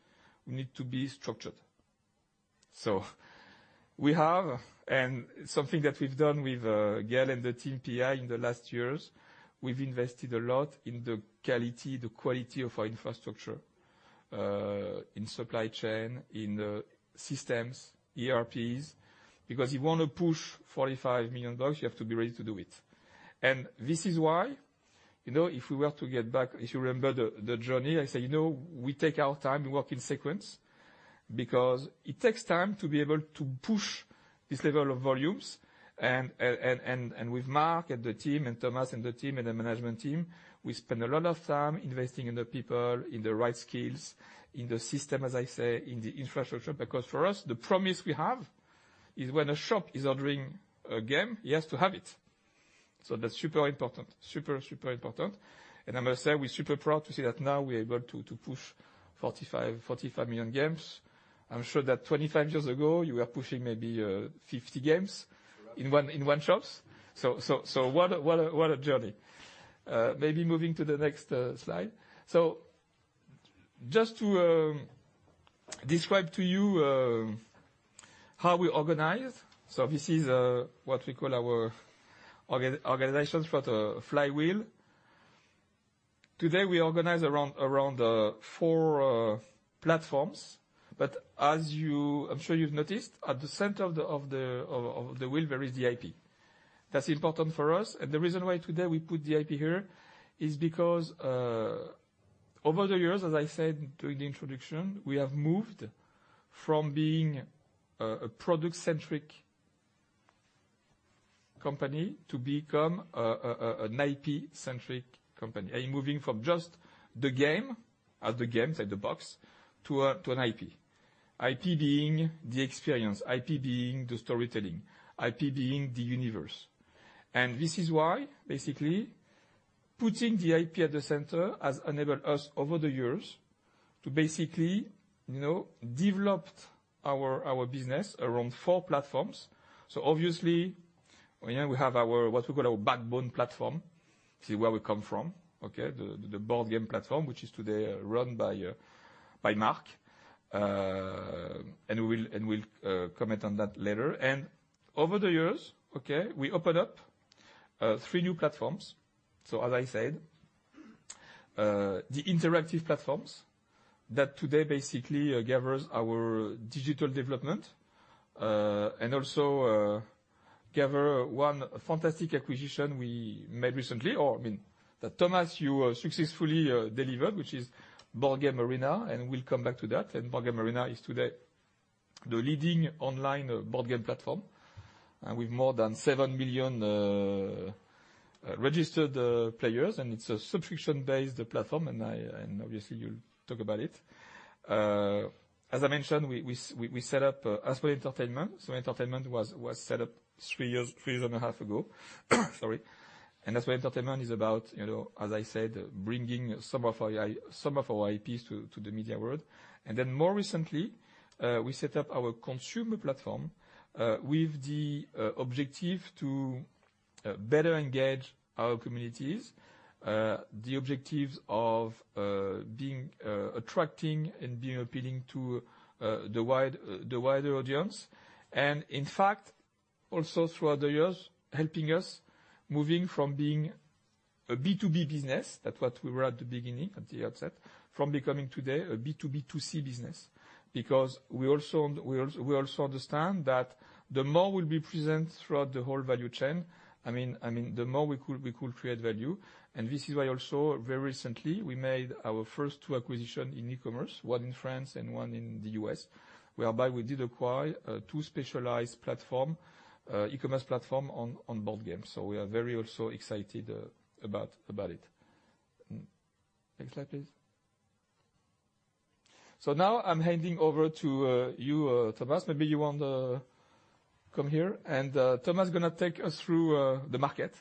we need to be structured. We have something that we've done with Gaëlle and the team PAI in the last years. We've invested a lot in the quality of our infrastructure in supply chain, in the systems, ERPs, because you wanna push 45 million box. You have to be ready to do it. This is why, you know, if we were to get back, if you remember the journey, I say, you know, we take our time. We work in sequence because it takes time to be able to push this level of volumes. With Marc and the team, and Thomas, and the team, and the management team, we spend a lot of time investing in the people, in the right skills, in the system, as I say, in the infrastructure. Because for us, the promise we have is when a shop is ordering a game, he has to have it. That's super important. Super important. I must say, we're super proud to see that now we're able to push 45 million games. I'm sure that 25 years ago you were pushing maybe 50 games. Correct. In one shops. What a journey. Maybe moving to the next slide. Just to describe to you how we organize. This is what we call our organization. It's got a flywheel. Today we organize around four platforms, but as you, I'm sure you've noticed at the center of the wheel there is the IP. That's important for us. The reason why today we put the IP here is because over the years, as I said during the introduction, we have moved from being a product-centric company to become an IP-centric company, and moving from just the game or the games, like the box, to an IP. IP being the experience, IP being the storytelling, IP being the universe. This is why basically putting the IP at the center has enabled us over the years to basically, you know, developed our business around four platforms. Obviously, you know, we have our what we call our backbone platform. This is where we come from. The board game platform, which is today run by Marc. And we'll comment on that later. Over the years, we opened up three new platforms. As I said, the interactive platforms that today basically gathers our digital development and also gather one fantastic acquisition we made recently, that Thomas you successfully delivered, which is Board Game Arena, and we'll come back to that. Board Game Arena is today the leading online board game platform, with more than 7 million registered players, and it's a subscription-based platform, and obviously you'll talk about it. As I mentioned, we set up Asmodee Entertainment. Entertainment was set up three years and a half ago. Sorry. Asmodee Entertainment is about, you know, as I said, bringing some of our IPs to the media world. Then more recently, we set up our consumer platform with the objective to better engage our communities. The objectives of being attracting and being appealing to the wider audience. In fact, also throughout the years, helping us moving from being a B2B business. That's what we were at the beginning, at the outset, from becoming today a B2B2C business. Because we also understand that the more we'll be present throughout the whole value chain, I mean, the more we could create value. This is why also very recently we made our first 2 acquisition in e-commerce, one in France and one in the U.S., whereby we did acquire two specialized platform, e-commerce platform on board games. We are very also excited about it. Next slide, please. Now I'm handing over to you, Thomas, maybe you want to come here and Thomas is gonna take us through the market.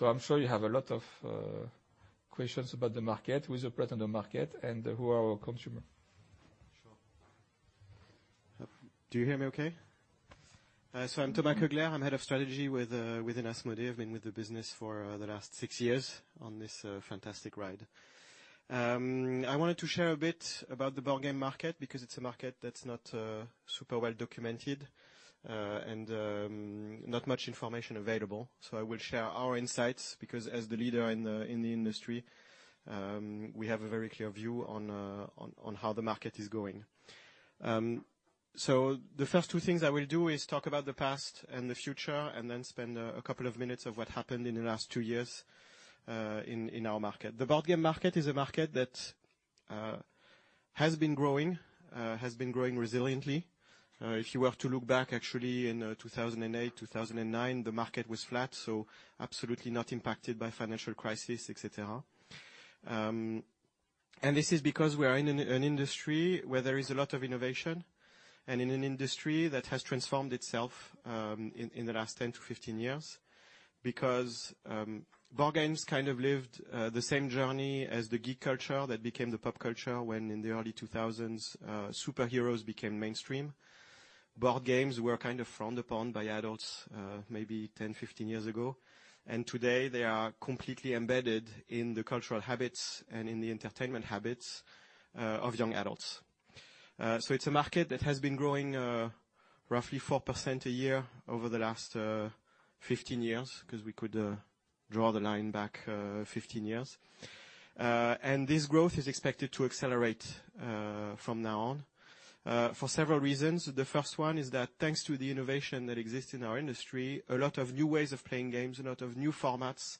I'm sure you have a lot of questions about the market. Who's your partner on the market and who are our consumer? Sure. Do you hear me okay? I'm Thomas Koegler, I'm head of strategy within Asmodee. I've been with the business for the last six years on this fantastic ride. I wanted to share a bit about the board game market because it's a market that's not super well documented, and not much information available. I will share our insights because as the leader in the industry, we have a very clear view on how the market is going. The first two things I will do is talk about the past and the future, and then spend a couple of minutes on what happened in the last two years in our market. The board game market is a market that has been growing resiliently. If you were to look back actually in 2008, 2009, the market was flat, so absolutely not impacted by financial crisis, et cetera. This is because we are in an industry where there is a lot of innovation, and in an industry that has transformed itself in the last 10-15 years. Board games kind of lived the same journey as the geek culture that became the pop culture when in the early 2000s superheroes became mainstream. Board games were kind of frowned upon by adults maybe 10, 15 years ago. Today, they are completely embedded in the cultural habits and in the entertainment habits of young adults. It's a market that has been growing roughly 4% a year over the last 15 years, 'cause we could draw the line back 15 years. This growth is expected to accelerate from now on for several reasons. The first one is that thanks to the innovation that exists in our industry, a lot of new ways of playing games, a lot of new formats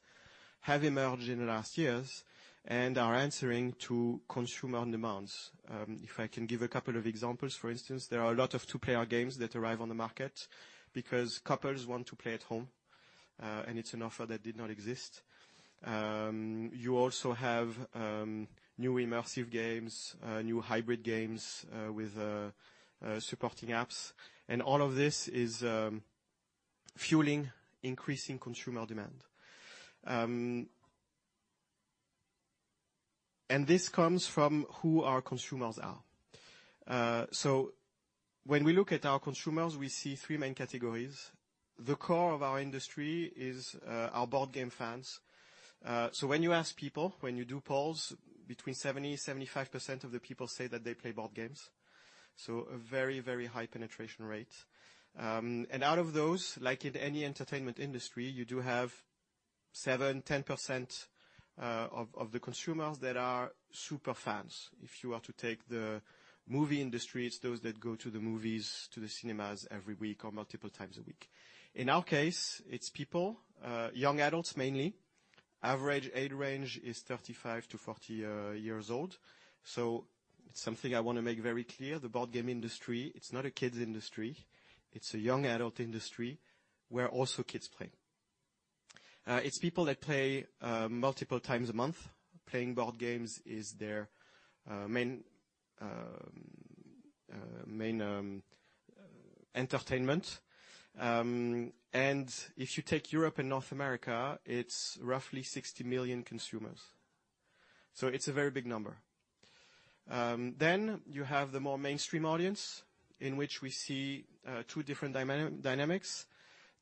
have emerged in the last years and are answering to consumer demands. If I can give a couple of examples, for instance, there are a lot of two-player games that arrive on the market because couples want to play at home, and it's an offer that did not exist. You also have new immersive games, new hybrid games, with supporting apps, and all of this is fueling increasing consumer demand. This comes from who our consumers are. When we look at our consumers, we see three main categories. The core of our industry is our board game fans. When you ask people, when you do polls, between 70-75% of the people say that they play board games, so a very high penetration rate. Out of those, like in any entertainment industry, you do have 7-10% of the consumers that are super fans. If you are to take the movie industry, it's those that go to the movies, to the cinemas every week or multiple times a week. In our case, it's people, young adults, mainly. Average age range is 35-40 years old. Something I wanna make very clear, the board game industry, it's not a kids industry. It's a young adult industry where also kids play. It's people that play multiple times a month. Playing board games is their main entertainment. If you take Europe and North America, it's roughly 60 million consumers. It's a very big number. You have the more mainstream audience in which we see two different dynamics.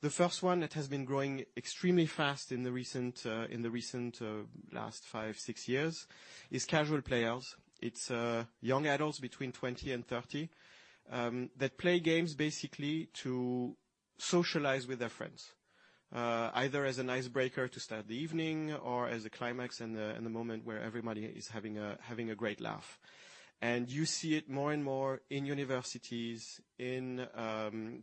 The first one, it has been growing extremely fast in the last five to six years, is casual players. It's young adults between 20 and 30 that play games basically to socialize with their friends, either as an icebreaker to start the evening or as a climax in the moment where everybody is having a great laugh. You see it more and more in universities,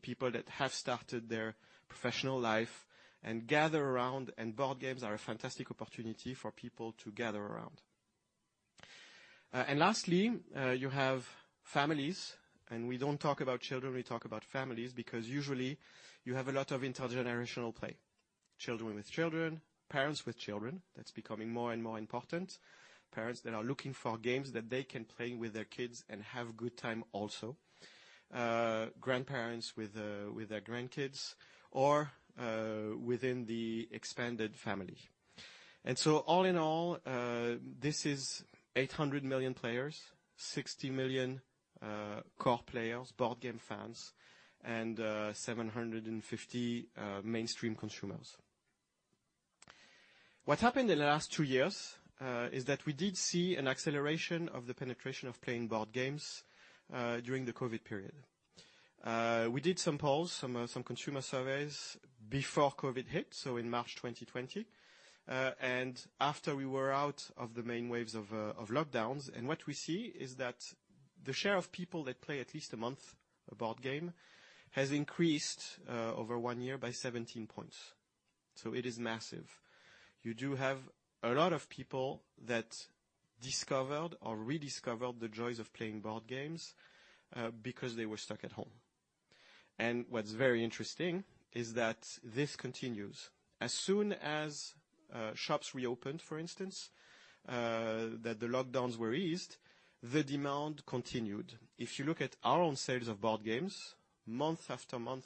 people that have started their professional life and gather around, and board games are a fantastic opportunity for people to gather around. Lastly, you have families, and we don't talk about children, we talk about families, because usually you have a lot of intergenerational play. Children with children, parents with children, that's becoming more and more important. Parents that are looking for games that they can play with their kids and have good time also. Grandparents with their grandkids or within the expanded family. All in all, this is 800 million players, 60 million core players, board game fans, and 750 mainstream consumers. What happened in the last two years is that we did see an acceleration of the penetration of playing board games during the COVID period. We did some polls, some consumer surveys before COVID hit, so in March 2020, and after we were out of the main waves of lockdowns. What we see is that the share of people that play board games at least once a month has increased over one year by 17 points, so it is massive. You do have a lot of people that discovered or rediscovered the joys of playing board games because they were stuck at home. What's very interesting is that this continues. As soon as shops reopened, for instance, that the lockdowns were eased, the demand continued. If you look at our own sales of board games, month after month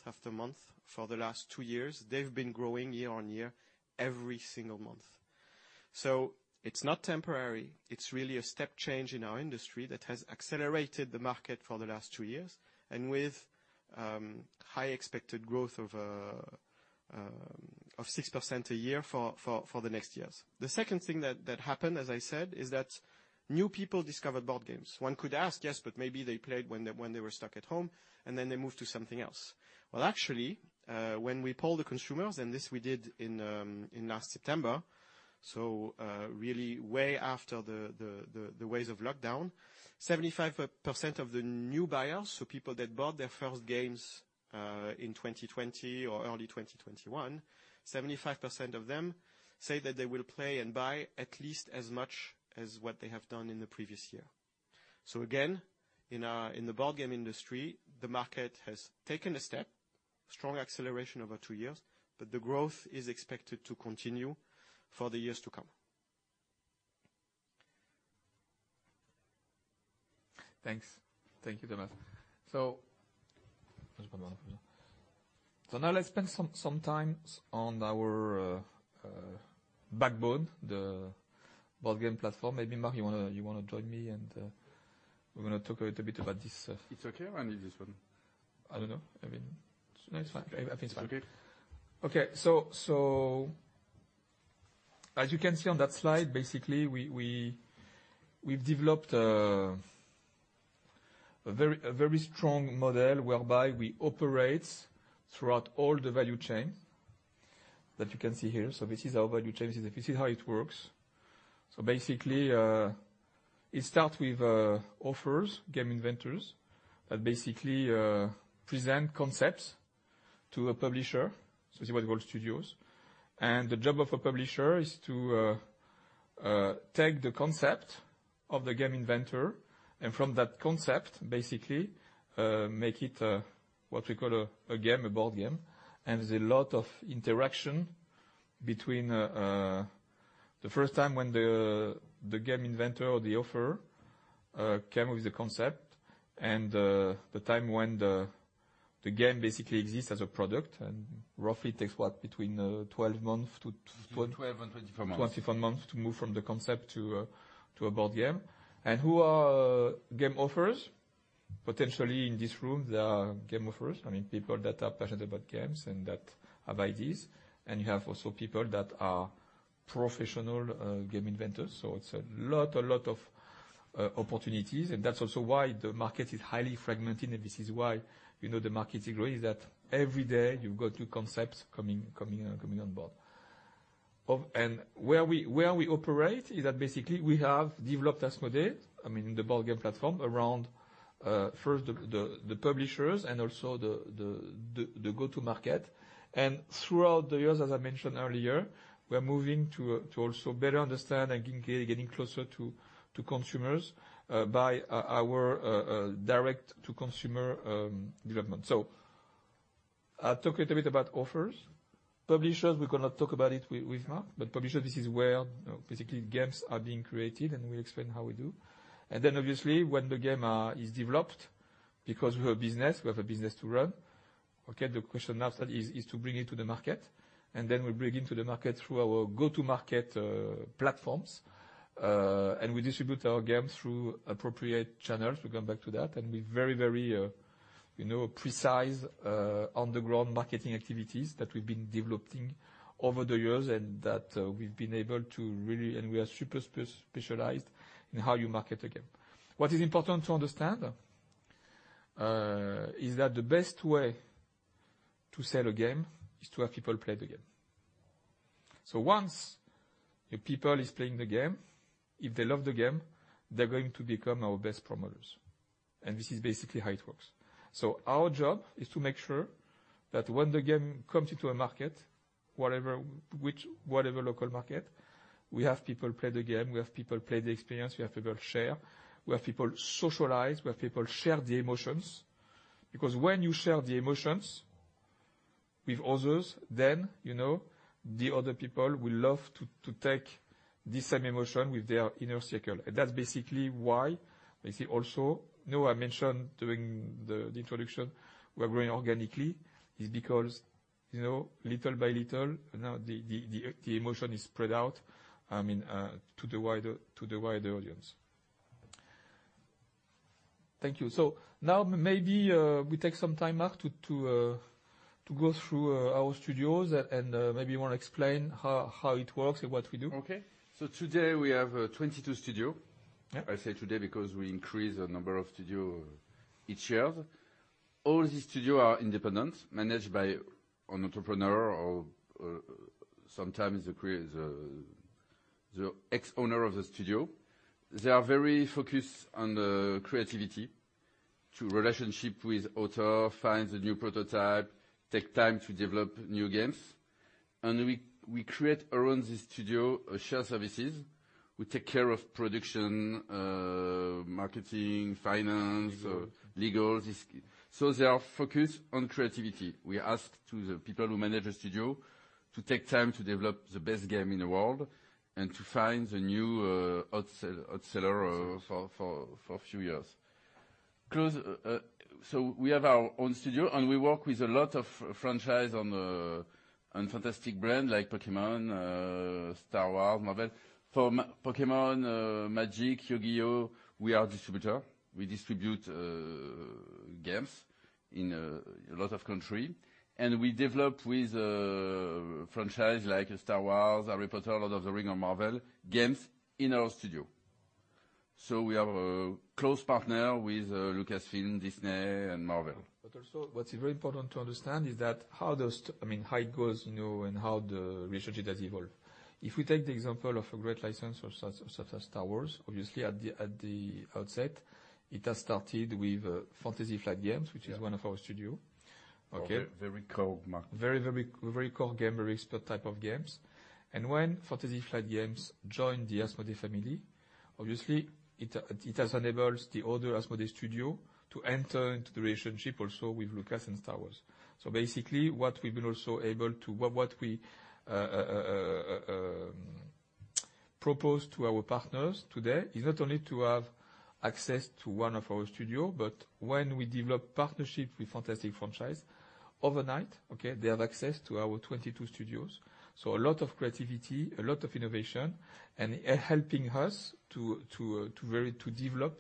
for the last two years, they've been growing year on year every single month. It's not temporary. It's really a step change in our industry that has accelerated the market for the last two years and with high expected growth of 6% a year for the next years. The second thing that happened, as I said, is that new people discovered board games. One could ask, yes, but maybe they played when they were stuck at home, and then they moved to something else. Well, actually, when we poll the consumers, and this we did in last September, really way after the waves of lockdown, 75% of the new buyers, so people that bought their first games in 2020 or early 2021, 75% of them say that they will play and buy at least as much as what they have done in the previous year. Again, in the board game industry, the market has taken a step strong acceleration over two years, but the growth is expected to continue for the years to come. Thanks. Thank you, Thomas. Now let's spend some times on our backbone, the board game platform. Maybe, Marc, you wanna join me and we're gonna talk a little bit about this. It's okay? Or maybe this one. I don't know. I mean, no, it's fine. I think it's fine. Okay. Okay. As you can see on that slide, basically we've developed a very strong model whereby we operate throughout all the value chain that you can see here. This is our value chain. This is how it works. Basically, it start with authors, game inventors that basically present concepts to a publisher, so this is what you call studios. The job of a publisher is to take the concept of the game inventor and from that concept basically make it what we call a game, a board game. There's a lot of interaction between the first time when the game inventor or the author came up with the concept and the time when the game basically exists as a product and roughly takes what, between 12 months to tw- 12-24 months. 24 months to move from the concept to a board game. Who are game authors? Potentially in this room there are game authors, I mean, people that are passionate about games and that have ideas, and you have also people that are professional game inventors. It's a lot of opportunities, and that's also why the market is highly fragmented, and this is why, you know, the market is growing is that every day you've got new concepts coming on board. Where we operate is that basically we have developed Asmodee, I mean, the board game platform around first the publishers and also the go-to market. Throughout the years, as I mentioned earlier, we're moving to also better understand and getting closer to consumers by our direct-to-consumer development. I talk a little bit about authors. Publishers, we're gonna talk about it with Marc, but publisher, this is where, you know, basically games are being created, and we explain how we do. Then obviously when the game is developed, because we're a business, we have a business to run, the question now is to bring it to the market, and then we bring into the market through our go-to-market platforms. We distribute our games through appropriate channels. We come back to that, and we very precise on the ground marketing activities that we've been developing over the years and that we've been able to really. We are super specialized in how you market a game. What is important to understand is that the best way to sell a game is to have people play the game. Once the people is playing the game, if they love the game, they're going to become our best promoters. This is basically how it works. Our job is to make sure that when the game comes into a market, whatever, which, whatever local market, we have people play the game, we have people play the experience, we have people share, we have people socialize, we have people share the emotions. Because when you share the emotions with others, then, you know, the other people will love to take the same emotion with their inner circle. That's basically why, basically also, you know how I mentioned during the introduction we are growing organically is because, you know, little by little, you know, the emotion is spread out, I mean, to the wider audience. Thank you. Now maybe we take some time, Marc, to go through our studios and maybe you wanna explain how it works and what we do. Okay. Today we have 22 studios. Yeah. I say today because we increase the number of studio each year. All the studio are independent, managed by an entrepreneur or sometimes the ex-owner of the studio. They are very focused on the creativity to relationship with author, find the new prototype, take time to develop new games. We create around the studio a shared services. We take care of production, marketing, finance, legal. They are focused on creativity. We ask the people who manage the studio to take time to develop the best game in the world and to find the new bestseller for a few years. We have our own studio, and we work with a lot of franchise on fantastic brand like Pokémon, Star Wars, Marvel. For Pokémon, Magic, Yu-Gi-Oh!, we are distributor. We distribute games in a lot of countries. We develop franchises like Star Wars, Harry Potter, Lord of the Rings or Marvel games in our studio. We are a close partner with Lucasfilm, Disney and Marvel. Also what's very important to understand is that I mean, how it goes, and how the research it has evolved. If we take the example of a great license or such as Star Wars, obviously at the outset, it has started with Fantasy Flight Games. Yeah. which is one of our studios. Okay. Very, very core market. Very core gamer, expert type of games. When Fantasy Flight Games joined the Asmodee family, obviously, it enables the other Asmodee studio to enter into the relationship also with Lucasfilm and Star Wars. Basically what we have been also able to propose to our partners today is not only to have access to one of our studio, but when we develop partnerships with fantastic franchise, overnight, they have access to our 22 studios. A lot of creativity, a lot of innovation, and helping us to develop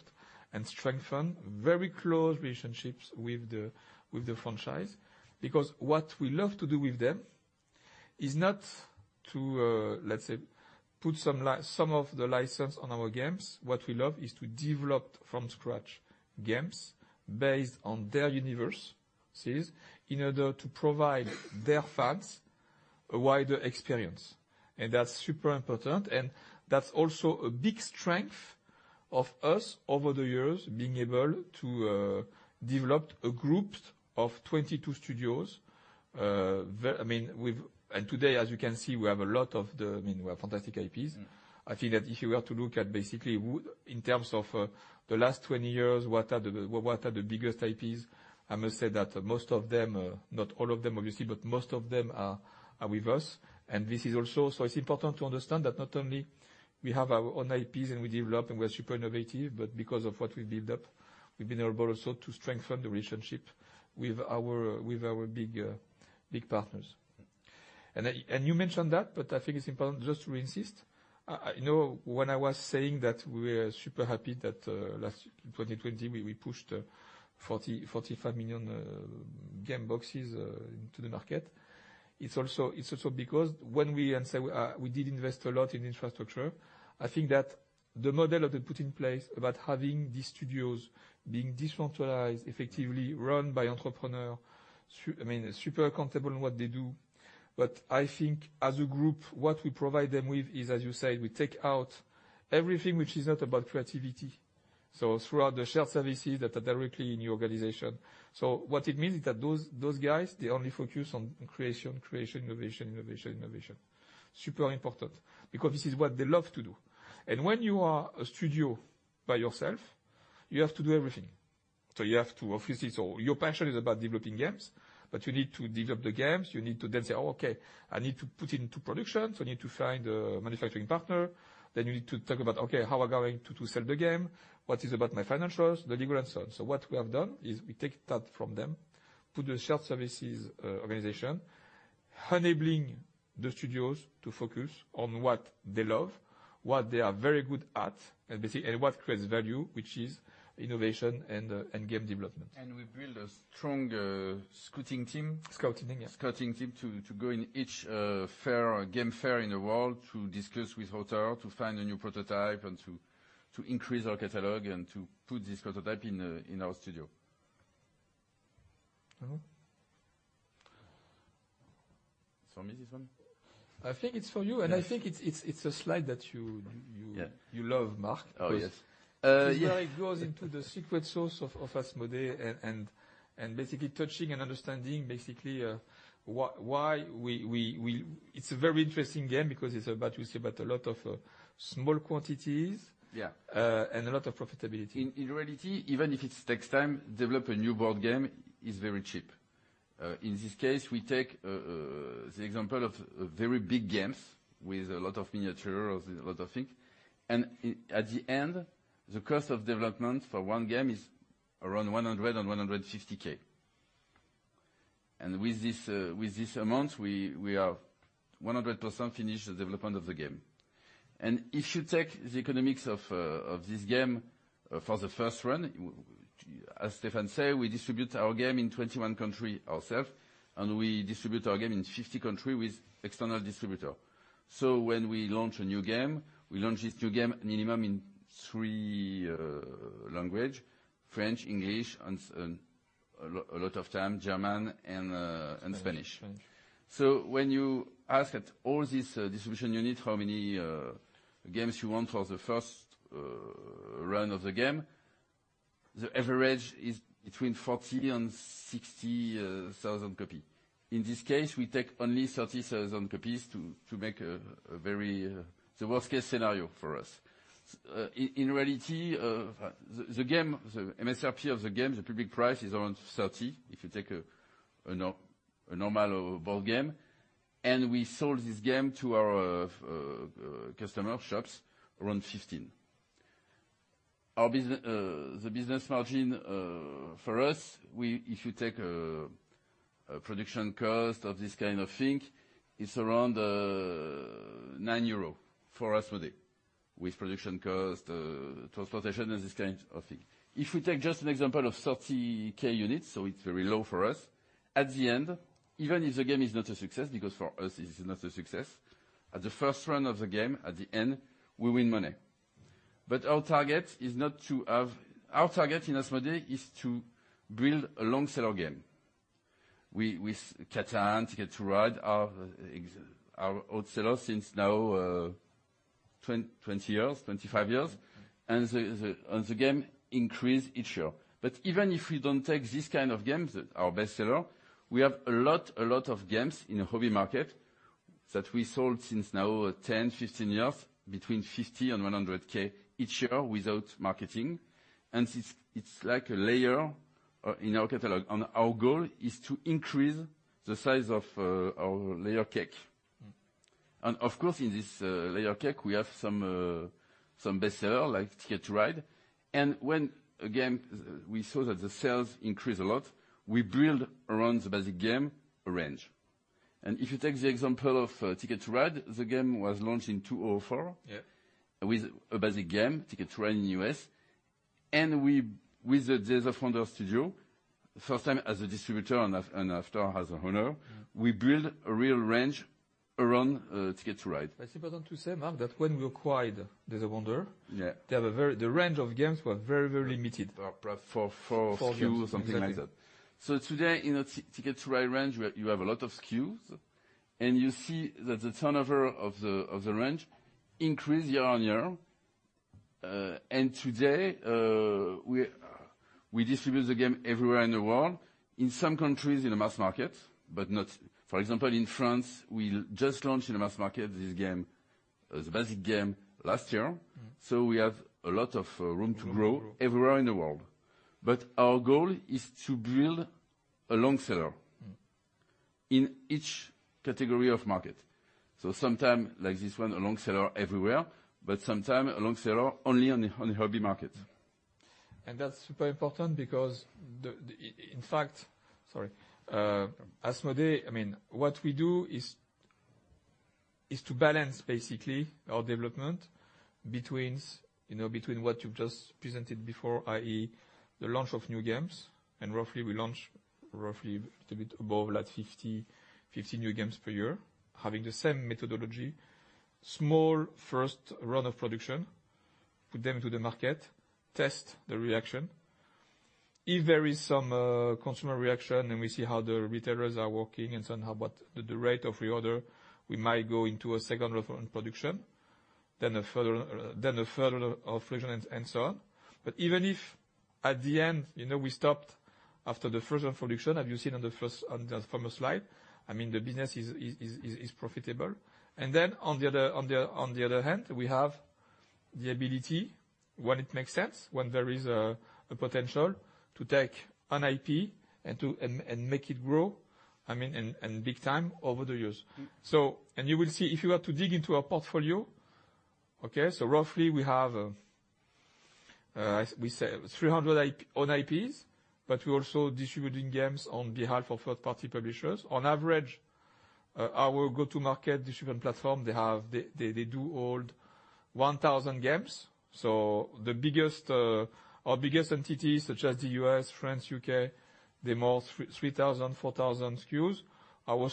and strengthen very close relationships with the franchise. Because what we love to do with them is not to, let's say, put some of the license on our games. What we love is to develop from scratch games based on their universes in order to provide their fans a wider experience. That's super important, and that's also a big strength of us over the years, being able to develop a group of 22 studios. I mean, today, as you can see, we have a lot of them. I mean, we have fantastic IPs. Mm. I think that if you were to look at basically in terms of the last 20 years, what are the biggest IPs. I must say that most of them, not all of them, obviously, but most of them are with us. It's important to understand that not only we have our own IPs and we develop and we are super innovative, but because of what we built up, we've been able also to strengthen the relationship with our big partners. Mm. You mentioned that, but I think it's important just to insist. You know, when I was saying that we're super happy that in 2020 we pushed 45 million game boxes into the market, it's also because when we did invest a lot in infrastructure. I think that the model that we put in place about having these studios being decentralized, effectively run by entrepreneurs, I mean, super accountable in what they do. I think as a group, what we provide them with is, as you said, we take out everything which is not about creativity. Throughout the shared services that are directly in the organization. What it means is that those guys, they only focus on creation, innovation. Super important, because this is what they love to do. When you are a studio by yourself, you have to do everything. Your passion is about developing games, but you need to develop the games. You need to then say, "Oh, okay, I need to put it into production, so I need to find a manufacturing partner." You need to talk about, "Okay, how we're going to sell the game? What about my financials? Delivery and so on." What we have done is we take that from them to the shared services organization, enabling the studios to focus on what they love, what they are very good at, and basically what creates value, which is innovation and game development. We build a strong scouting team. Scouting, yeah. Scouting team to go in each game fair in the world to discuss with author, to find a new prototype, and to increase our catalog and to put this prototype in our studio. It's for me, this one? I think it's for you. Yes. I think it's a slide that you Yeah. You love, Marc. Oh, yes. Yeah. This is where it goes into the secret sauce of Asmodee and basically touching and understanding basically why we. It's a very interesting game because it's about you say about a lot of small quantities. Yeah a lot of profitability. In reality, even if it takes time, develop a new board game is very cheap. In this case, we take the example of very big games with a lot of miniature or a lot of things, and at the end, the cost of development for one game is around 100,000-150,000. With this amount, we have 100% finished the development of the game. If you take the economics of this game for the first run, as Stefan say, we distribute our game in 21 countries ourselves, and we distribute our game in 50 countries with external distributor. When we launch a new game, we launch this new game minimum in three languages, French, English, and Spanish. Spanish. When you ask at all this distribution unit how many games you want for the first run of the game, the average is between 40,000 and 60,000 copies. In this case, we take only 30,000 copies to make a very the worst case scenario for us. In reality, the game, the MSRP of the game, the public price is around 30, if you take a normal board game. We sold this game to our customer shops around 15. The business margin for us, we if you take a production cost of this kind of thing, it's around 9 euro for Asmodee with production cost, transportation and this kind of thing. If we take just an example of 30K units, so it's very low for us, at the end, even if the game is not a success, because for us, it's not a success, at the first run of the game, at the end, we win money. Our target is not to have. Our target in Asmodee is to build a long seller game. We, with Catan, Ticket to Ride, are all sellers since now. 20 years, 25 years, and the games increase each year. Even if we don't take this kind of games, our bestsellers, we have a lot of games in the hobby market that we sold for 10, 15 years, between 50K and 100K each year without marketing. It's like a layer in our catalog, and our goal is to increase the size of our layer cake. Mm. Of course, in this layer cake, we have some bestseller like Ticket to Ride. When, again, we saw that the sales increased a lot, we build around the basic game range. If you take the example of Ticket to Ride, the game was launched in 2004- Yeah. with a basic game, Ticket to Ride in the U.S. With the Days of Wonder, first time as a distributor and after as an owner, we build a real range around Ticket to Ride. It's important to say, Marc, that when we acquired Days of Wonder. Yeah. The range of games were very, very limited. For a few or something like that. For games. Today, in a Ticket to Ride range, you have a lot of SKUs, and you see that the turnover of the range increase year on year. Today, we distribute the game everywhere in the world. In some countries in the mass market, but not. For example, in France, we just launched in the mass market this game, the basic game last year. Mm. We have a lot of room to grow. Room to grow. everywhere in the world. Our goal is to build a long seller. Mm. In each category of market. Sometimes, like this one, a long seller everywhere, but sometimes a long seller only on the hobby market. That's super important because Asmodee, I mean, what we do is to balance basically our development between, you know, between what you just presented before, i.e., the launch of new games, and roughly we launch a bit above like 50 new games per year, having the same methodology, small first run of production, put them to the market, test the reaction. If there is some consumer reaction and we see how the retailers are working and so on, how about the rate of reorder, we might go into a second round of production, then a further round of production and so on. Even if at the end, you know, we stopped after the first production, on the former slide, I mean, the business is profitable. On the other hand, we have the ability, when it makes sense, when there is a potential to take an IP and make it grow, I mean, and big time over the years. Mm. You will see if you were to dig into our portfolio. Roughly we have, we say 300 own IPs, but we're also distributing games on behalf of third-party publishers. On average, our go-to-market distribution platform, they do hold 1,000 games. Our biggest entities such as the U.S., France, U.K., they're more 3,000-4,000 SKUs. Our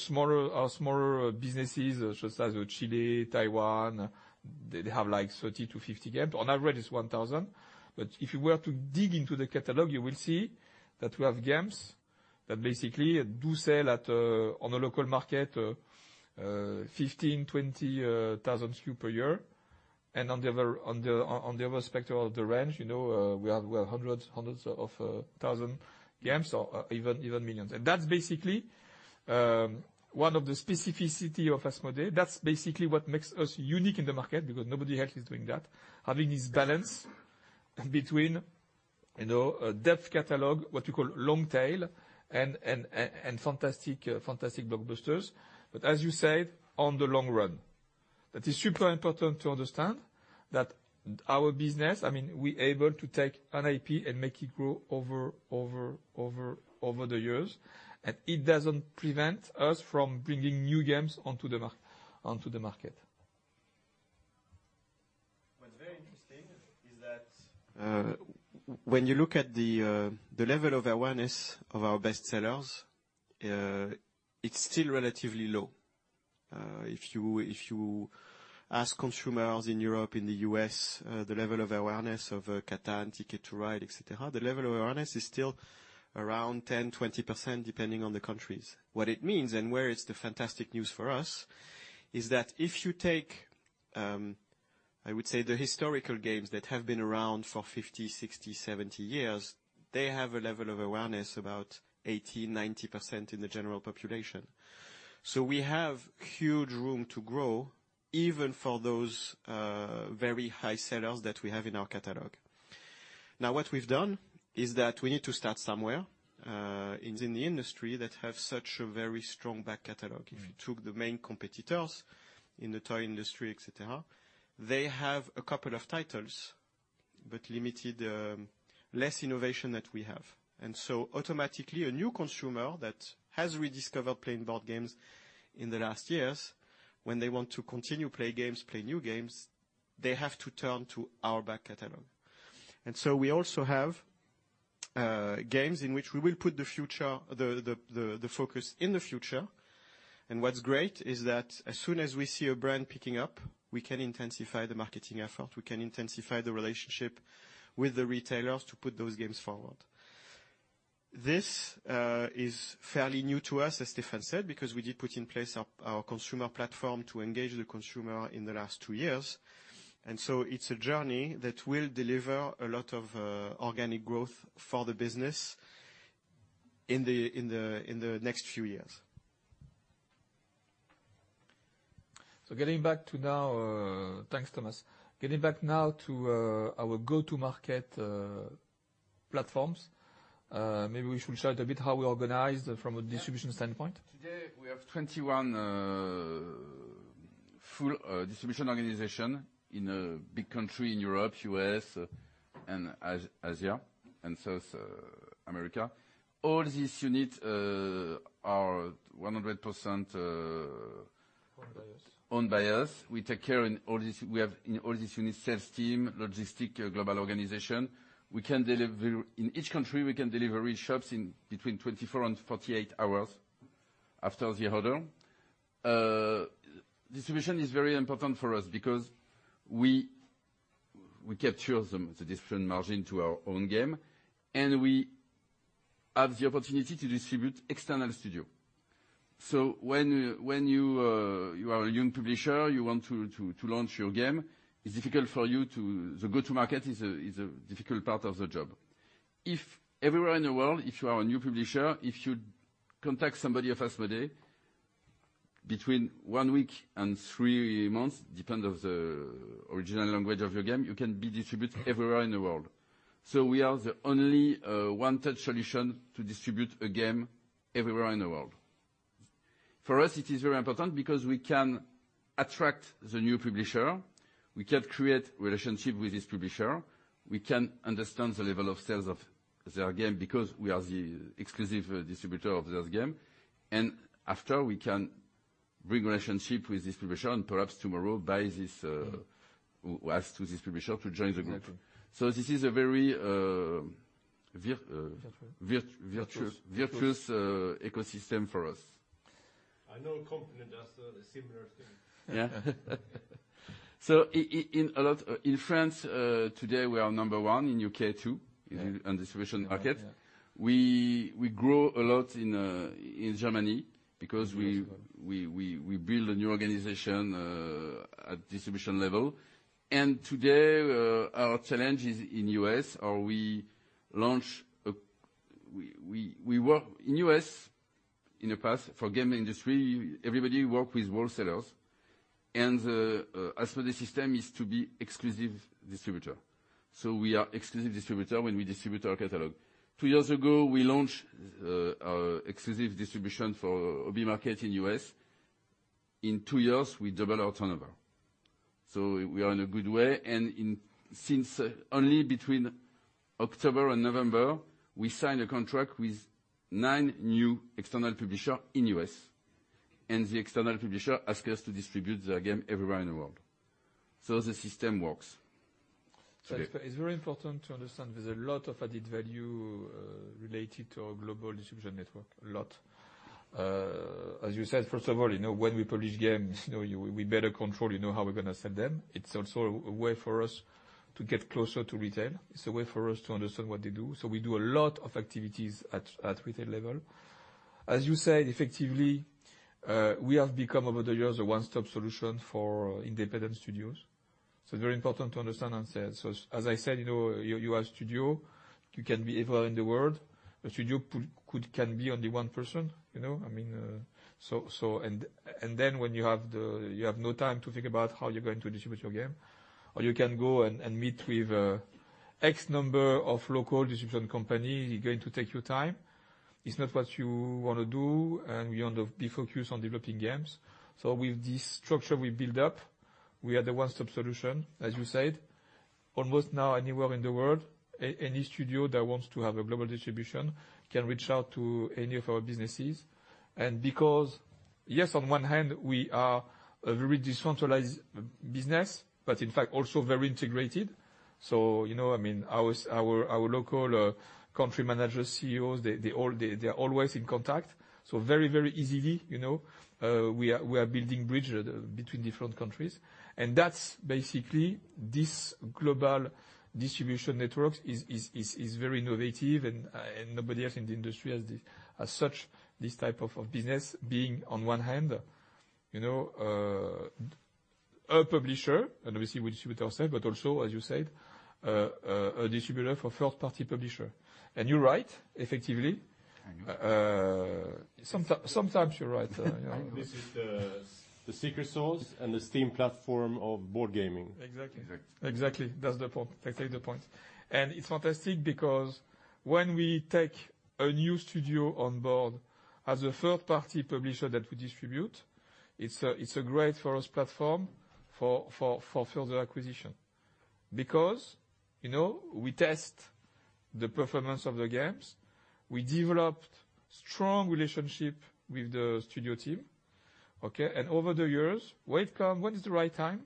smaller businesses for example, Chile, Taiwan, they have like 30-50 games. On average, it's 1,000. But if you were to dig into the catalog, you will see that we have games that basically do sell at, on a local market, 15-20 thousand SKU per year. On the other spectrum of the range, you know, we have hundreds of thousand games or even millions. That's basically one of the specificity of Asmodee. That's basically what makes us unique in the market because nobody else is doing that, having this balance between, you know, a depth catalog, what you call long tail, and fantastic blockbusters. But as you said, on the long run. That is super important to understand that our business, I mean, we're able to take an IP and make it grow over the years, and it doesn't prevent us from bringing new games onto the market. What's very interesting is that, when you look at the level of awareness of our best sellers, it's still relatively low. If you ask consumers in Europe, in the U.S., the level of awareness of Catan, Ticket to Ride, et cetera, the level of awareness is still around 10, 20% depending on the countries. What it means and where it's the fantastic news for us is that if you take, I would say the historical games that have been around for 50, 60, 70 years, they have a level of awareness about 80, 90% in the general population. We have huge room to grow even for those very high sellers that we have in our catalog. Now, what we've done is that we need to start somewhere, in the industry that have such a very strong back catalog. Mm. If you took the main competitors in the toy industry, et cetera, they have a couple of titles but limited, less innovation that we have. Automatically, a new consumer that has rediscovered playing board games in the last years, when they want to continue play games, play new games, they have to turn to our back catalog. We also have games in which we will put the focus in the future. What's great is that as soon as we see a brand picking up, we can intensify the marketing effort. We can intensify the relationship with the retailers to put those games forward. This is fairly new to us, as Stefan said, because we did put in place our consumer platform to engage the consumer in the last two years. It's a journey that will deliver a lot of organic growth for the business in the next few years. Thanks, Thomas. Getting back now to our go-to-market platforms, maybe we should share it a bit how we organize from a distribution standpoint. Yeah. Today, we have 21 full distribution organizations in big countries in Europe, U.S., and Asia and South America. All these units are 100%. Owned by us. Owned by us. We take care in all this. We have in all these units sales team, logistics, global organization. We can deliver in each country. We can deliver to each shop in between 24 and 48 hours after the order. Distribution is very important for us because we capture the different margins on our own games, and we have the opportunity to distribute external studios. When you are a young publisher, you want to launch your game, it's difficult for you to go-to-market. Go-to-market is a difficult part of the job. If you are a new publisher, if you contact somebody from Asmodee, between one week and three months, depending on the original language of your game, you can be distributed everywhere in the world. We are the only one-touch solution to distribute a game everywhere in the world. For us, it is very important because we can attract the new publisher, we can create relationship with this publisher, we can understand the level of sales of their game because we are the exclusive distributor of this game. After, we can bring relationship with this publisher, and perhaps tomorrow ask this publisher to join the group. Mm-hmm. This is a very virtuous. Virtuous ...virtuous, ecosystem for us. I know a company that does a similar thing. In France, today, we are number one in U.K., too. Yeah in the distribution market. Yeah. We grow a lot in Germany because we Yes We build a new organization at distribution level. Today our challenge is in the U.S. In the U.S., in the past, for game industry, everybody work with wholesalers, and Asmodee system is to be exclusive distributor. We are exclusive distributor when we distribute our catalog. two years ago, we launched our exclusive distribution for hobby market in U.S. In two years, we double our turnover. We are in a good way. Since only between October and November, we signed a contract with nine new external publisher in U.S., and the external publisher ask us to distribute their game everywhere in the world. The system works. It's very important to understand there's a lot of added value related to our global distribution network. A lot. As you said, first of all, you know, when we publish games, you know, we better control, you know, how we're gonna sell them. It's also a way for us to get closer to retail. It's a way for us to understand what they do. We do a lot of activities at retail level. As you said, effectively, we have become, over the years, a one-stop solution for independent studios. Very important to understand and say. As I said, you know, you are a studio, you can be everywhere in the world. A studio can be only one person, you know? I mean. When you have no time to think about how you're going to distribute your game, or you can go and meet with X number of local distribution company, it's going to take you time. It's not what you wanna do, and you want to be focused on developing games. With this structure we build up, we are the one-stop solution, as you said. Almost now anywhere in the world, any studio that wants to have a global distribution can reach out to any of our businesses. Because, yes, on one hand, we are a very decentralized business, but in fact, also very integrated. You know, I mean, our local country managers, CEOs, they all are always in contact, so very easily, you know, we are building bridge between different countries. That's basically this global distribution network is very innovative and nobody else in the industry has this, as such this type of business, being on one hand, you know, a publisher, and obviously we distribute ourselves, but also, as you said, a distributor for third-party publisher. You're right, effectively. I know. Sometimes you're right. This is the secret sauce and the Steam platform of board gaming. Exactly. Exactly. Exactly. That's the point. I take the point. It's fantastic because when we take a new studio on board as a third-party publisher that we distribute, it's a great first platform for further acquisition. Because, you know, we test the performance of the games. We developed strong relationship with the studio team, okay? Over the years, when it's the right time,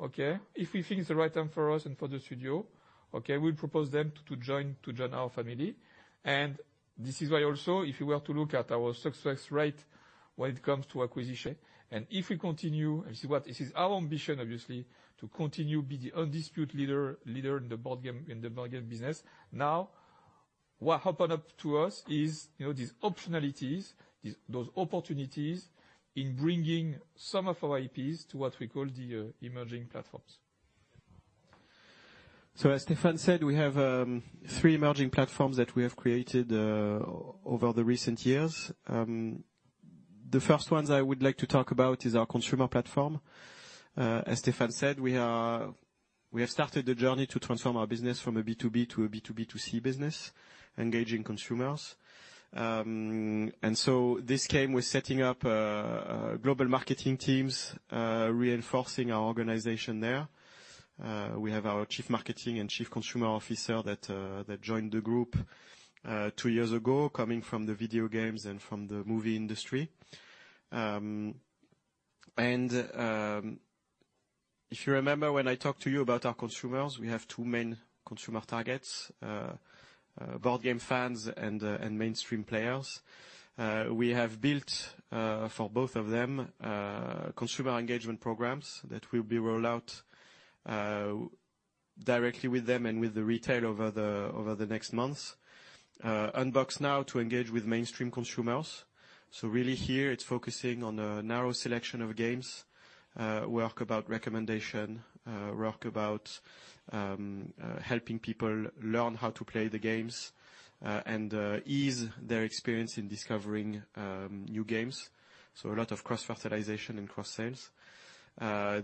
okay, if we think it's the right time for us and for the studio, okay, we propose them to join our family. This is why also, if you were to look at our success rate when it comes to acquisition, if we continue, this is our ambition, obviously, to continue be the undisputed leader in the board game business. Now, what opens up to us is, you know, these optionalities, those opportunities in bringing some of our IPs to what we call the emerging platforms. As Stefan said, we have three emerging platforms that we have created over the recent years. The first ones I would like to talk about is our consumer platform. As Stefan said, we have started the journey to transform our business from a B2B to a B2B2C business, engaging consumers. This came with setting up global marketing teams, reinforcing our organization there. We have our Chief Marketing and Chief Consumer Officer that joined the group two years ago, coming from the video games and from the movie industry. If you remember when I talked to you about our consumers, we have two main consumer targets, board game fans and mainstream players. We have built for both of them consumer engagement programs that will be rolled out directly with them and with the retail over the next months. Unbox Now to engage with mainstream consumers. Really here, it's focusing on a narrow selection of games, work about recommendation, work about helping people learn how to play the games, and ease their experience in discovering new games. A lot of cross-fertilization and cross-sales.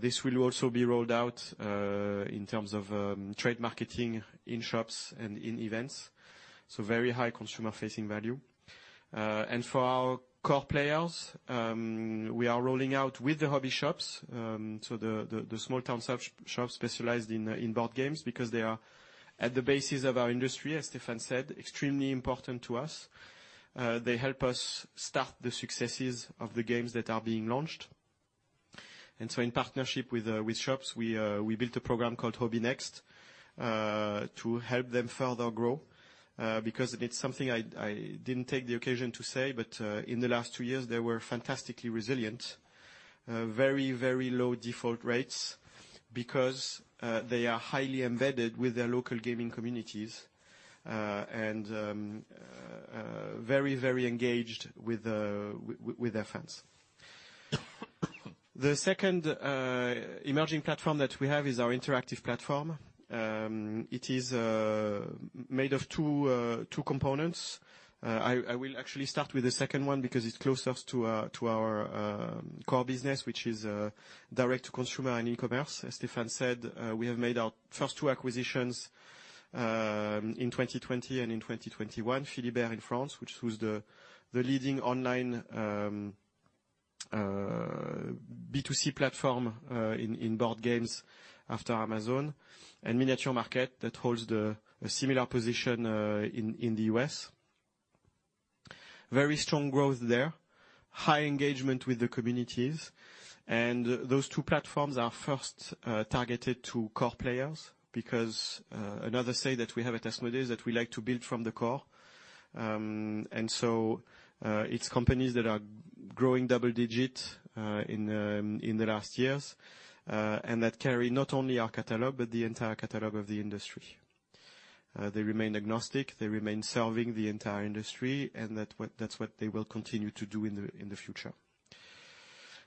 This will also be rolled out in terms of trade marketing in shops and in events. Very high consumer-facing value. For our core players, we are rolling out with the hobby shops, so the small town shops specialized in board games because they are at the basis of our industry, as Stefan said, extremely important to us. They help us start the successes of the games that are being launched. In partnership with shops, we built a program called Hobby Next to help them further grow, because it's something I didn't take the occasion to say, but in the last two years, they were fantastically resilient. Very low default rates because they are highly embedded with their local gaming communities, and very engaged with their fans. The second emerging platform that we have is our interactive platform. It is made of two components. I will actually start with the second one because it's closer to our core business, which is direct to consumer and e-commerce. As Stefan said, we have made our first two acquisitions in 2020 and in 2021. Philibert in France, which was the leading online B2C platform in board games after Amazon, and Miniature Market that holds a similar position in the U.S. Very strong growth there, high engagement with the communities. Those two platforms are first targeted to core players because another saying that we have at Asmodee is that we like to build from the core. It's companies that are growing double-digit in the last years and that carry not only our catalog, but the entire catalog of the industry. They remain agnostic, they remain serving the entire industry, and that's what they will continue to do in the future.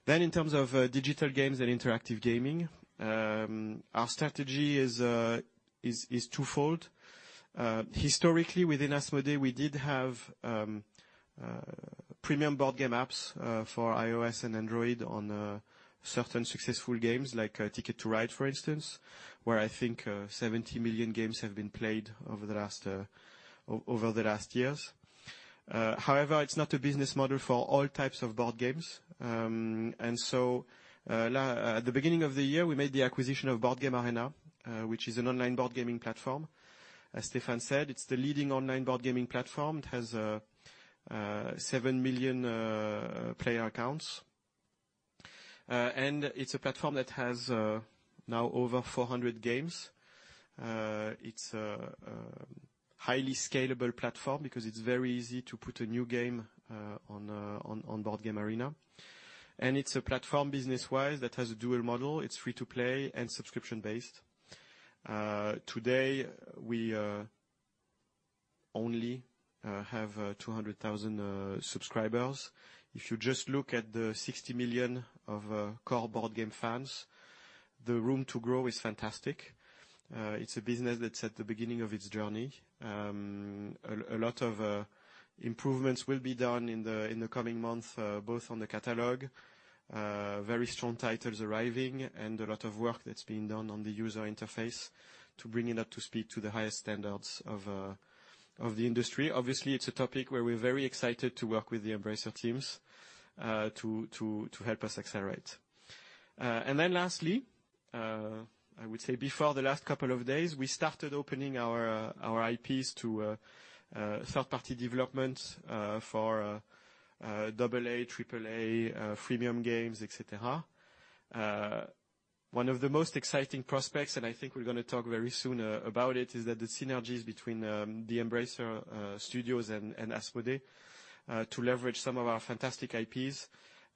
In terms of digital games and interactive gaming, our strategy is twofold. Historically, within Asmodee, we did have premium board game apps for iOS and Android on certain successful games like Ticket to Ride, for instance, where I think 70 million games have been played over the last years. However, it's not a business model for all types of board games. At the beginning of the year, we made the acquisition of Board Game Arena, which is an online board gaming platform. As Stefan said, it's the leading online board gaming platform. It has 7 million player accounts. It's a platform that has now over 400 games. It's a highly scalable platform because it's very easy to put a new game on Board Game Arena. It's a platform business-wise that has a dual model. It's free to play and subscription-based. Today, we only have 200,000 subscribers. If you just look at the 60 million core board game fans, the room to grow is fantastic. It's a business that's at the beginning of its journey. A lot of improvements will be done in the coming month, both on the catalog, very strong titles arriving, and a lot of work that's being done on the user interface to bring it up to speed to the highest standards of the industry. Obviously, it's a topic where we're very excited to work with the Embracer teams to help us accelerate. Lastly, I would say in the last couple of days, we started opening our IPs to third-party development for double A, triple A, freemium games, et cetera. One of the most exciting prospects, and I think we're gonna talk very soon about it, is that the synergies between the Embracer studios and Asmodee to leverage some of our fantastic IPs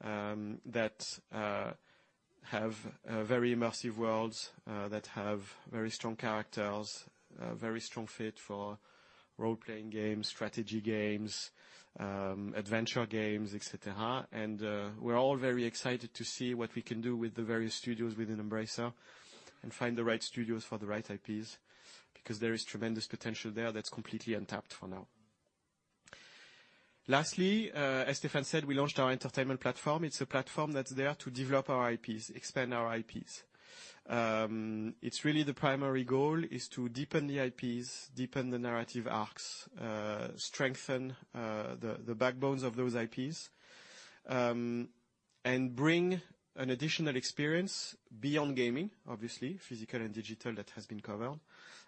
that have very immersive worlds that have very strong characters very strong fit for role-playing games, strategy games, adventure games, et cetera. We're all very excited to see what we can do with the various studios within Embracer and find the right studios for the right IPs, because there is tremendous potential there that's completely untapped for now. Lastly, as Stefan said, we launched our entertainment platform. It's a platform that's there to develop our IPs, expand our IPs. It's really the primary goal is to deepen the IPs, deepen the narrative arcs, strengthen the backbones of those IPs, and bring an additional experience beyond gaming, obviously, physical and digital, that has been covered,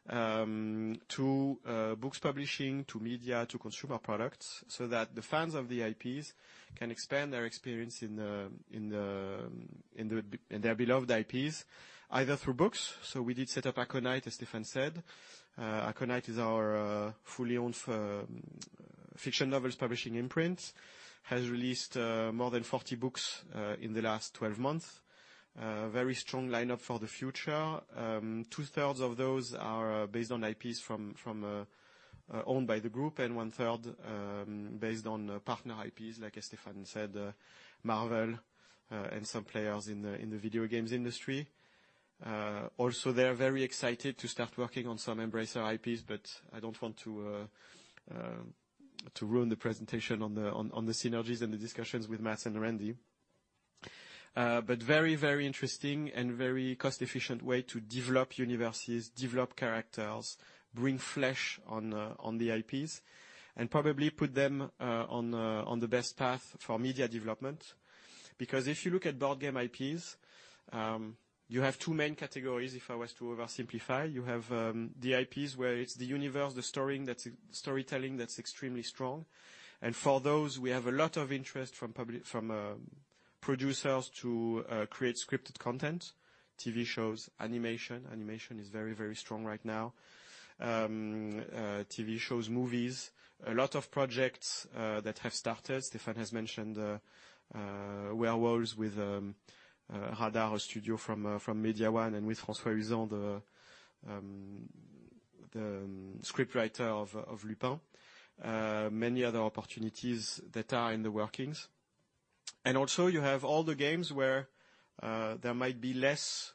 to books publishing, to media, to consumer products, so that the fans of the IPs can expand their experience in their beloved IPs, either through books. We did set up Aconyte, as Stefan said. Aconyte is our fully owned fiction novels publishing imprint, has released more than 40 books in the last 12 months. Very strong lineup for the future. Two-thirds of those are based on IPs owned by the group and one-third based on partner IPs, like as Stefan said, Marvel and some players in the video games industry. Also, they're very excited to start working on some Embracer IPs, but I don't want to ruin the presentation on the synergies and the discussions with Matt and Randy. Very, very interesting and very cost-efficient way to develop universes, develop characters, bring flesh on the IPs, and probably put them on the best path for media development. Because if you look at board game IPs, you have two main categories, if I was to oversimplify. You have the IPs where it's the universe, that's storytelling that's extremely strong. For those, we have a lot of interest from public, from producers to create scripted content, TV shows, animation. Animation is very, very strong right now. TV shows, movies, a lot of projects that have started. Stefan has mentioned Werewolves with Radar, a studio from Mediawan and with François Uzan the scriptwriter of Lupin. Many other opportunities that are in the workings. You have all the games where there might be less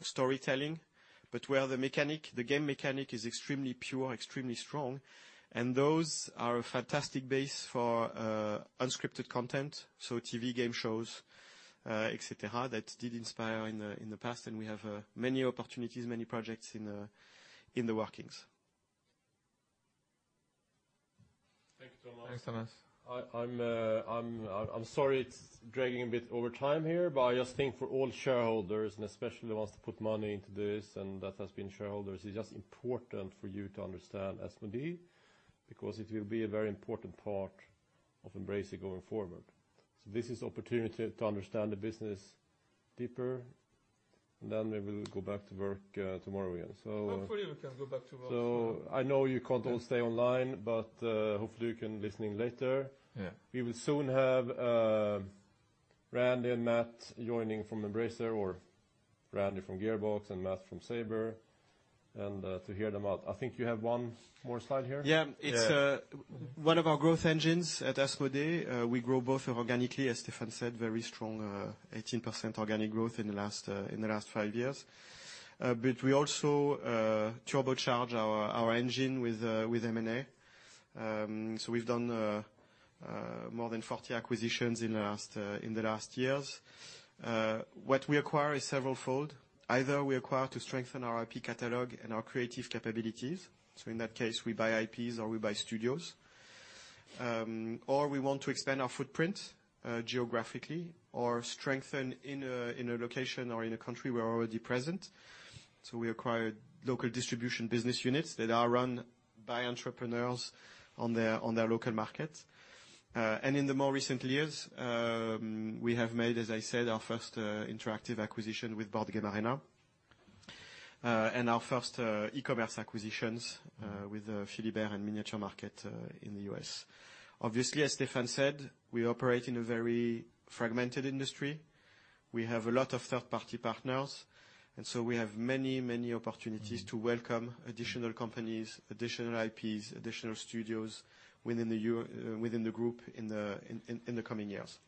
storytelling, but where the mechanic, the game mechanic is extremely pure, extremely strong, and those are a fantastic base for unscripted content. TV game shows, et cetera, that did inspire in the past, and we have many opportunities, many projects in the workings. Thank you, Thomas. Thanks, Thomas. I'm sorry it's dragging a bit over time here, but I just think for all shareholders, and especially the ones that put money into this and that has been shareholders, it's just important for you to understand Asmodee because it will be a very important part of Embracer going forward. This is opportunity to understand the business deeper, and then we will go back to work, tomorrow again. Hopefully we can go back to work tomorrow. I know you can't all stay online, but hopefully you can listen later. Yeah. We will soon have Randy and Matt joining from Embracer or Randy from Gearbox and Matt from Saber, and to hear them out. I think you have one more slide here. Yeah. Yeah. It's one of our growth engines at Asmodee. We grow both organically, as Stefan said, very strong 18% organic growth in the last five years. We also turbocharge our engine with M&A. We've done more than 40 acquisitions in the last years. What we acquire is several fold. Either we acquire to strengthen our IP catalog and our creative capabilities, so in that case, we buy IPs or we buy studios. Or we want to expand our footprint geographically or strengthen in a location or in a country we're already present. We acquire local distribution business units that are run by entrepreneurs on their local markets. In the more recent years, we have made, as I said, our first interactive acquisition with Board Game Arena, and our first e-commerce acquisitions with Philibert and Miniature Market in the U.S. Obviously, as Stefan said, we operate in a very fragmented industry. We have a lot of third-party partners, and so we have many opportunities to welcome additional companies, additional IPs, additional studios within the group in the coming years.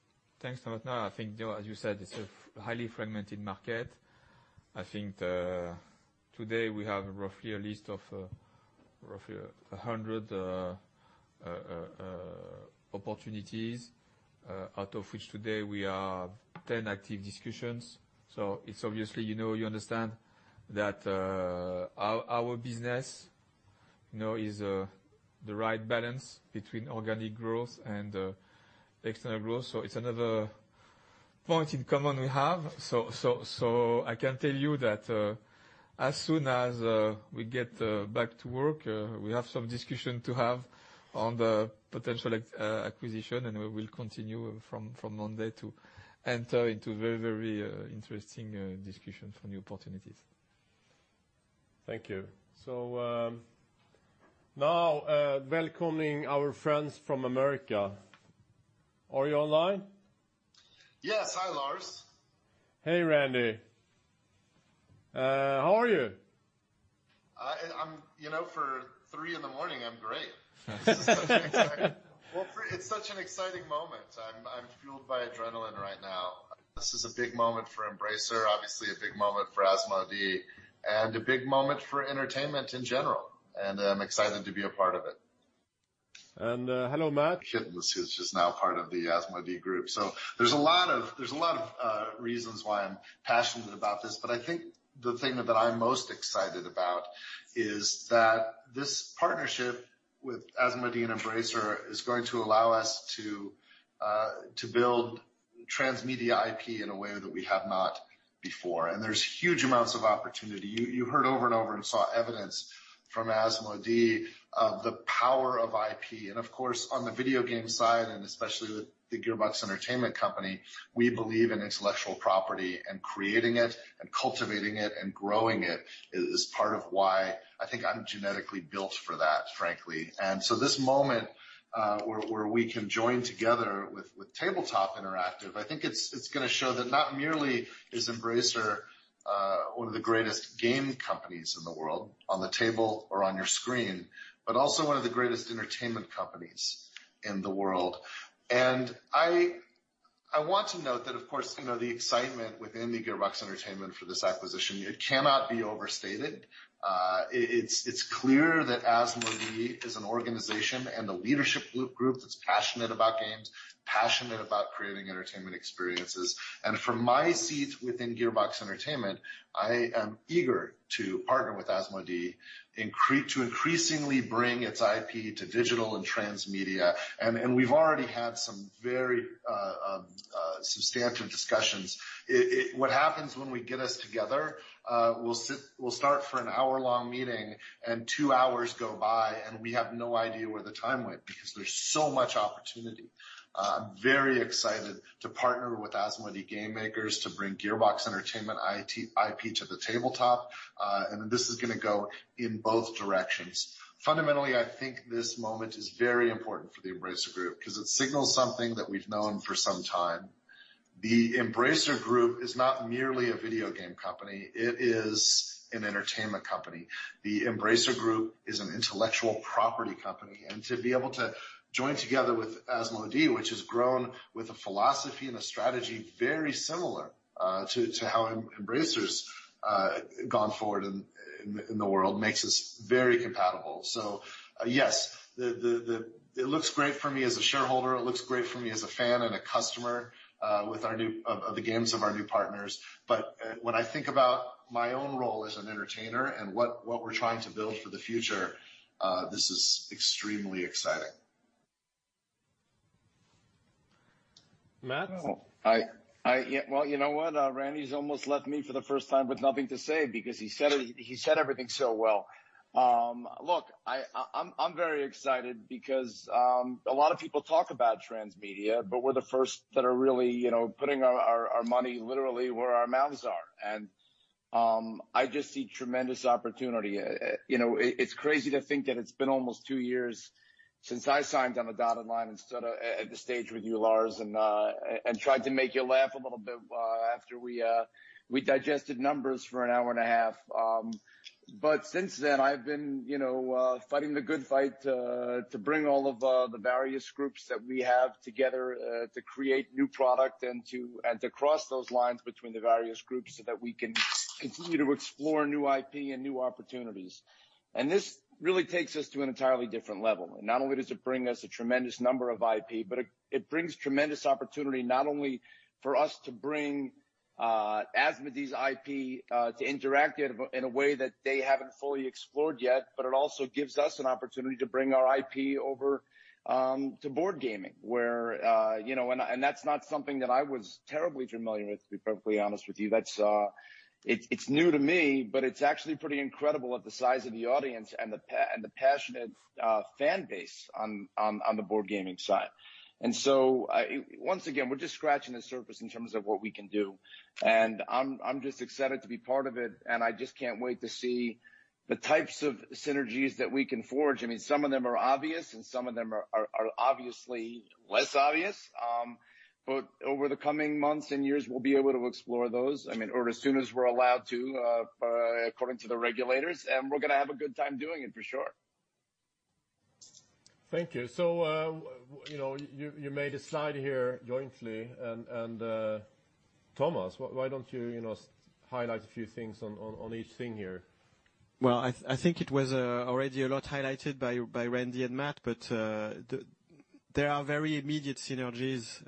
Thanks, Thomas. Now, I think, you know, as you said, it's a highly fragmented market. I think today we have roughly a list of 100 opportunities, out of which today we have 10 active discussions. It's obviously, you know, you understand that our business, you know, is the right balance between organic growth and external growth. It's another point in common we have. I can tell you that as soon as we get back to work, we have some discussion to have on the potential acquisition, and we will continue from Monday to enter into very interesting discussion for new opportunities. Thank you. Now, welcoming our friends from America. Are you online? Yes. Hi, Lars. Hey, Randy. How are you? You know, for 3:00 A.M., I'm great. Well, it's such an exciting moment. I'm fueled by adrenaline right now. This is a big moment for Embracer, obviously a big moment for Asmodee, and a big moment for entertainment in general. I'm excited to be a part of it. Hello, Matt. Kittens, which is just now part of the Asmodee Group. There's a lot of reasons why I'm passionate about this, but I think the thing that I'm most excited about is that this partnership with Asmodee and Embracer is going to allow us to build transmedia IP in a way that we have not before. There's huge amounts of opportunity. You heard over and over and saw evidence from Asmodee of the power of IP. Of course, on the video game side, and especially with the Gearbox Entertainment Company, we believe in intellectual property and creating it and cultivating it and growing it is part of why I think I'm genetically built for that, frankly. This moment, where we can join together with tabletop interactive, I think it's gonna show that not merely is Embracer one of the greatest game companies in the world on the table or on your screen, but also one of the greatest entertainment companies in the world. I want to note that, of course, you know, the excitement within Gearbox Entertainment for this acquisition, it cannot be overstated. It's clear that Asmodee is an organization and a leadership group that's passionate about games, passionate about creating entertainment experiences. From my seat within Gearbox Entertainment, I am eager to partner with Asmodee to increasingly bring its IP to digital and transmedia, and we've already had some very substantive discussions. What happens when we get us together, we'll start for an hour-long meeting, and two hours go by, and we have no idea where the time went because there's so much opportunity. I'm very excited to partner with Asmodee game makers to bring Gearbox Entertainment IP to the tabletop. This is gonna go in both directions. Fundamentally, I think this moment is very important for the Embracer Group because it signals something that we've known for some time. The Embracer Group is not merely a video game company, it is an entertainment company. The Embracer Group is an intellectual property company. To be able to join together with Asmodee, which has grown with a philosophy and a strategy very similar to how Embracer's gone forward in the world, makes us very compatible. Yes, it looks great for me as a shareholder. It looks great for me as a fan and a customer of the games of our new partners. When I think about my own role as an entertainer and what we're trying to build for the future, this is extremely exciting. Matt? Well, yeah, well, you know what? Randy's almost left me for the first time with nothing to say because he said everything so well. Look, I'm very excited because a lot of people talk about transmedia, but we're the first that are really, you know, putting our money literally where our mouths are. I just see tremendous opportunity. You know, it's crazy to think that it's been almost two years since I signed on the dotted line and stood at the stage with you, Lars, and tried to make you laugh a little bit after we digested numbers for an hour and a half. Since then, I've been, you know, fighting the good fight to bring all of the various groups that we have together to create new product and to cross those lines between the various groups so that we can continue to explore new IP and new opportunities. This really takes us to an entirely different level. Not only does it bring us a tremendous number of IP, but it brings tremendous opportunity not only for us to bring Asmodee's IP to interactive in a way that they haven't fully explored yet, but it also gives us an opportunity to bring our IP over to board gaming where, you know. That's not something that I was terribly familiar with, to be perfectly honest with you. That's. It's new to me, but it's actually pretty incredible that the size of the audience and the passionate fan base on the board gaming side. Once again, we're just scratching the surface in terms of what we can do, and I'm just excited to be part of it. I just can't wait to see the types of synergies that we can forge. I mean, some of them are obvious, and some of them are obviously less obvious. Over the coming months and years, we'll be able to explore those. I mean, or as soon as we're allowed to according to the regulators, and we're gonna have a good time doing it for sure. Thank you. You know, you made a slide here jointly and Thomas, why don't you know, highlight a few things on each thing here? Well, I think it was already a lot highlighted by Randy and Matt, but there are very immediate synergies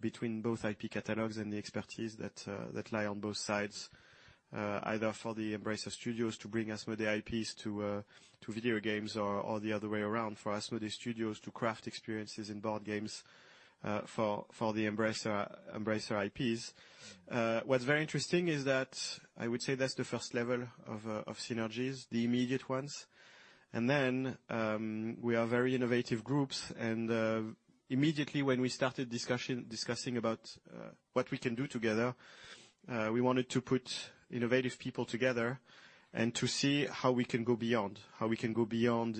between both IP catalogs and the expertise that lie on both sides, either for the Embracer Studios to bring Asmodee IPs to video games or the other way around, for Asmodee Studios to craft experiences in board games for the Embracer IPs. What's very interesting is that I would say that's the first level of synergies, the immediate ones. We are very innovative groups and immediately when we started discussing about what we can do together, we wanted to put innovative people together and to see how we can go beyond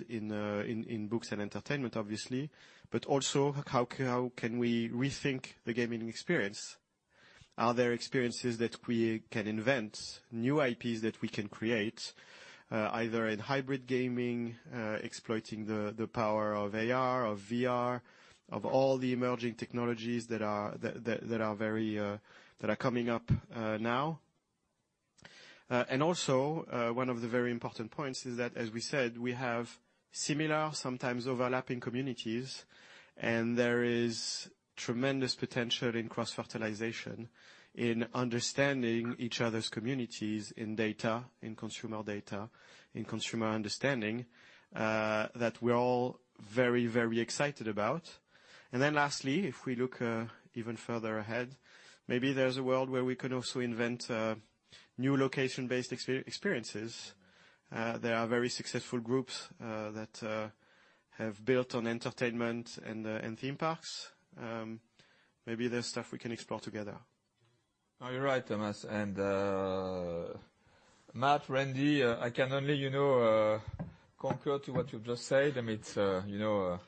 in books and entertainment obviously, but also how can we rethink the gaming experience. Are there experiences that we can invent, new IPs that we can create either in hybrid gaming exploiting the power of AR, of VR, of all the emerging technologies that are coming up now. Also, one of the very important points is that, as we said, we have similar, sometimes overlapping communities, and there is tremendous potential in cross-fertilization, in understanding each other's communities, in data, in consumer data, in consumer understanding, that we're all very, very excited about. Lastly, if we look even further ahead, maybe there's a world where we can also invent new location-based experiences. There are very successful groups that have built on entertainment and theme parks. Maybe there's stuff we can explore together. No, you're right, Thomas, and Matt, Randy, I can only, you know, concur to what you've just said. I mean, it's, you know.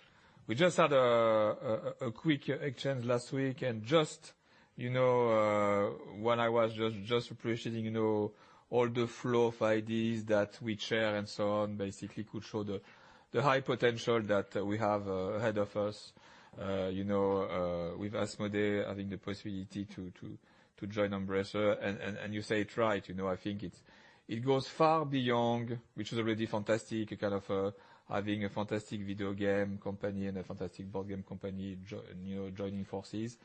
We just had a quick exchange last week and just, you know, when I was just appreciating, you know, all the flow of ideas that we share and so on, basically could show the high potential that we have ahead of us, you know, with Asmodee having the possibility to join Embracer. You say it right, you know, I think it's, it goes far beyond, which is already fantastic, kind of, having a fantastic video game company and a fantastic board game company you know, joining forces.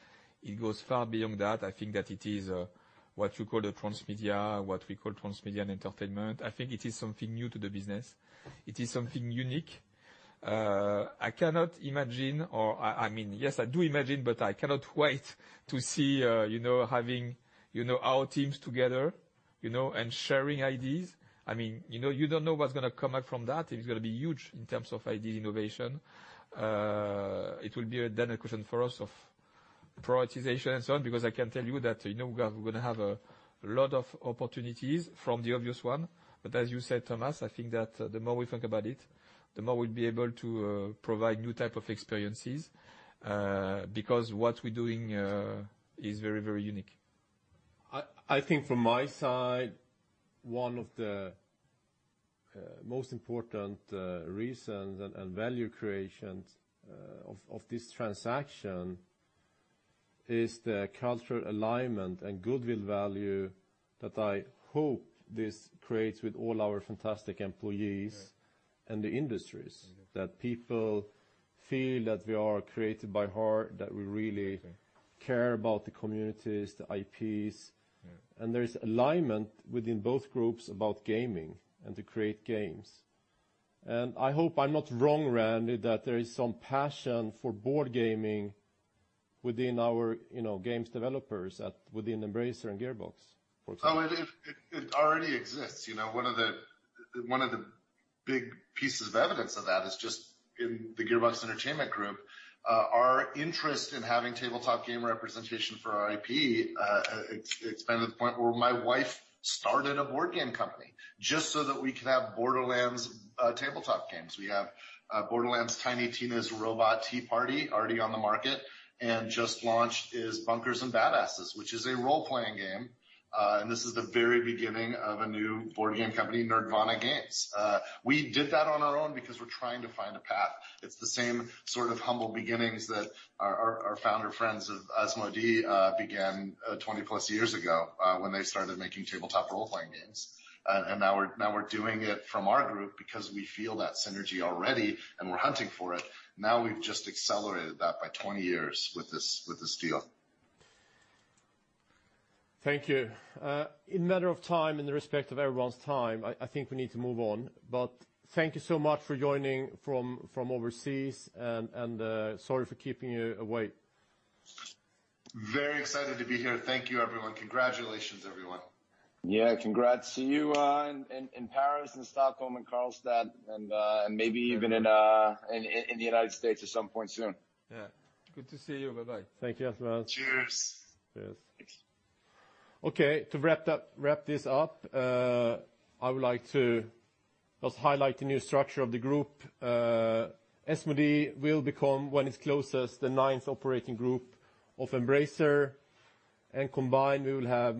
It goes far beyond that. I think that it is what you call a transmedia, what we call transmedia and entertainment. I think it is something new to the business. It is something unique. I cannot imagine, or I mean, yes, I do imagine, but I cannot wait to see, you know, having, you know, our teams together, you know, and sharing ideas. I mean, you know, you don't know what's gonna come out from that. It is gonna be huge in terms of idea innovation. It will be a dynamic question for us of prioritization and so on, because I can tell you that, you know, we're gonna have a lot of opportunities from the obvious one. As you said, Thomas, I think that the more we think about it, the more we'll be able to provide new type of experiences, because what we're doing is very, very unique. I think from my side, one of the most important reasons and value creations of this transaction is the cultural alignment and goodwill value that I hope this creates with all our fantastic employees. Yeah. the industries. Mm-hmm. That people feel that we are created by heart, that we really. Okay. care about the communities, the IPs. Yeah. There is alignment within both groups about gaming and to create games. I hope I'm not wrong, Randy, that there is some passion for board gaming within our, you know, games developers at, within Embracer and Gearbox for example. Oh, it already exists. You know, one of the big pieces of evidence of that is just in the Gearbox Entertainment group, our interest in having tabletop game representation for our IP. It's been to the point where my wife started a board game company just so that we can have Borderlands tabletop games. We have Borderlands: Tiny Tina's Robot Tea Party already on the market. Just launched is Bunkers and Badasses, which is a role-playing game. This is the very beginning of a new board game company, Nerdvana Games. We did that on our own because we're trying to find a path. It's the same sort of humble beginnings that our founder friends of Asmodee began 20-plus years ago, when they started making tabletop role-playing games. Now we're doing it from our group because we feel that synergy already, and we're hunting for it. Now we've just accelerated that by 20 years with this deal. Thank you. In the interest of time, out of respect for everyone's time, I think we need to move on. Thank you so much for joining from overseas and sorry for keeping you awake. Very excited to be here. Thank you, everyone. Congratulations, everyone. Yeah, congrats to you in Paris and Stockholm and Karlstad and maybe even in the United States at some point soon. Yeah. Good to see you. Bye-bye. Thank you as well. Cheers. Cheers. Thanks. Okay, to wrap up, I would like to just highlight the new structure of the group. Asmodee will become, when it closes, the ninth operating group of Embracer. Combined, we will have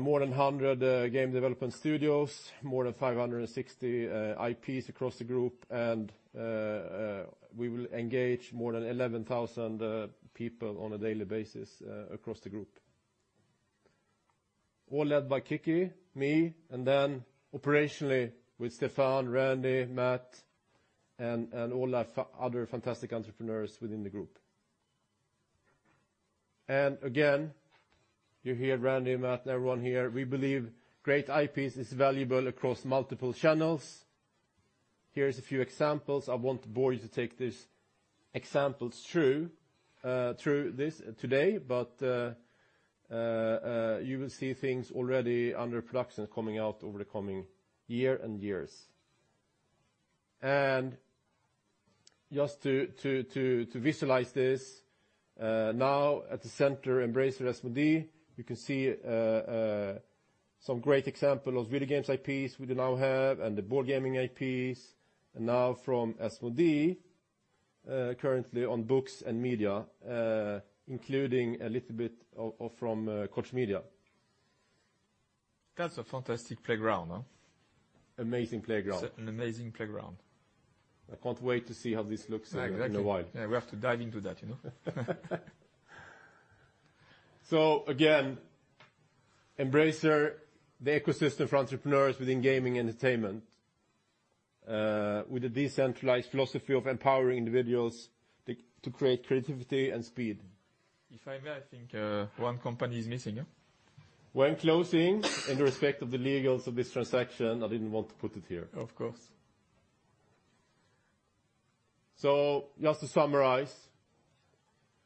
more than 100 game development studios, more than 560 IPs across the group, and we will engage more than 11,000 people on a daily basis across the group. All led by Kicki, me, and then operationally with Stefan, Randy, Matt, and all our other fantastic entrepreneurs within the group. Again, you hear Randy and Matt and everyone here, we believe great IPs are valuable across multiple channels. Here are a few examples. I won't bore you to take these examples through this today. You will see things already under production coming out over the coming year and years. Just to visualize this, now at the center, Embracer Asmodee, you can see some great examples of video games IPs we now have and the board gaming IPs. Now from Asmodee, currently on books and media, including a little bit from Koch Media. That's a fantastic playground, huh? Amazing playground. It's an amazing playground. I can't wait to see how this looks. Exactly in a while. Yeah, we have to dive into that, you know. Again, Embracer, the ecosystem for entrepreneurs within gaming entertainment, with a decentralized philosophy of empowering individuals to create creativity and speed. If I may, I think, one company is missing, yeah. We're closing in respect of the legals of this transaction. I didn't want to put it here. Of course. Just to summarize,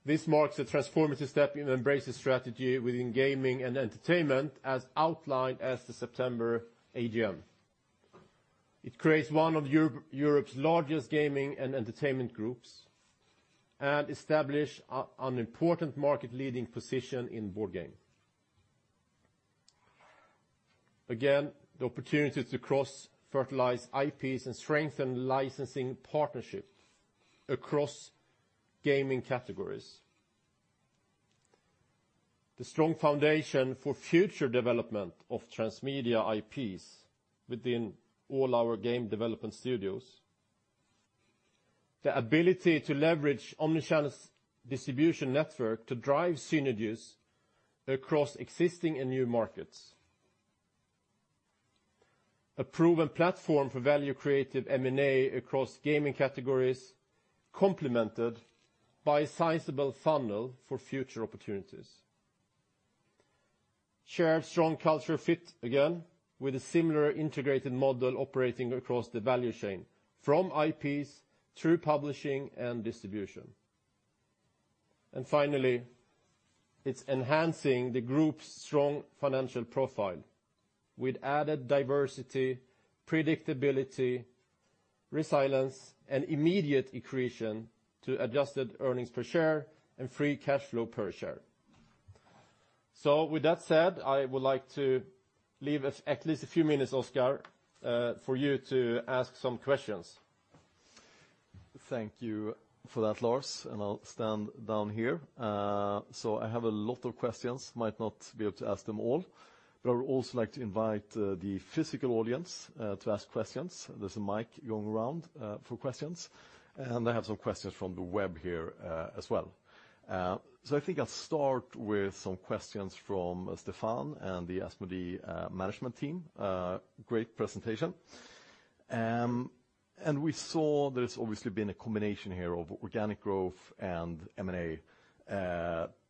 this marks a transformative step in Embracer's strategy within gaming and entertainment as outlined at the September AGM. It creates one of Europe's largest gaming and entertainment groups and establish an important market-leading position in board game. Again, the opportunity to cross-fertilize IPs and strengthen licensing partnerships across gaming categories. The strong foundation for future development of transmedia IPs within all our game development studios. The ability to leverage omni-channel's distribution network to drive synergies across existing and new markets. A proven platform for value-creating M&A across gaming categories, complemented by a sizable funnel for future opportunities. Share strong culture fit again with a similar integrated model operating across the value chain from IPs through publishing and distribution. Finally, it's enhancing the group's strong financial profile with added diversity, predictability, resilience, and immediate accretion to adjusted earnings per share and free cash flow per share. With that said, I would like to leave at least a few minutes, Oscar, for you to ask some questions. Thank you for that, Lars, and I'll stand down here. I have a lot of questions, might not be able to ask them all, but I would also like to invite the physical audience to ask questions. There's a mic going around for questions, and I have some questions from the web here, as well. I think I'll start with some questions from Stefan and the Asmodee management team. Great presentation. We saw there's obviously been a combination here of organic growth and M&A,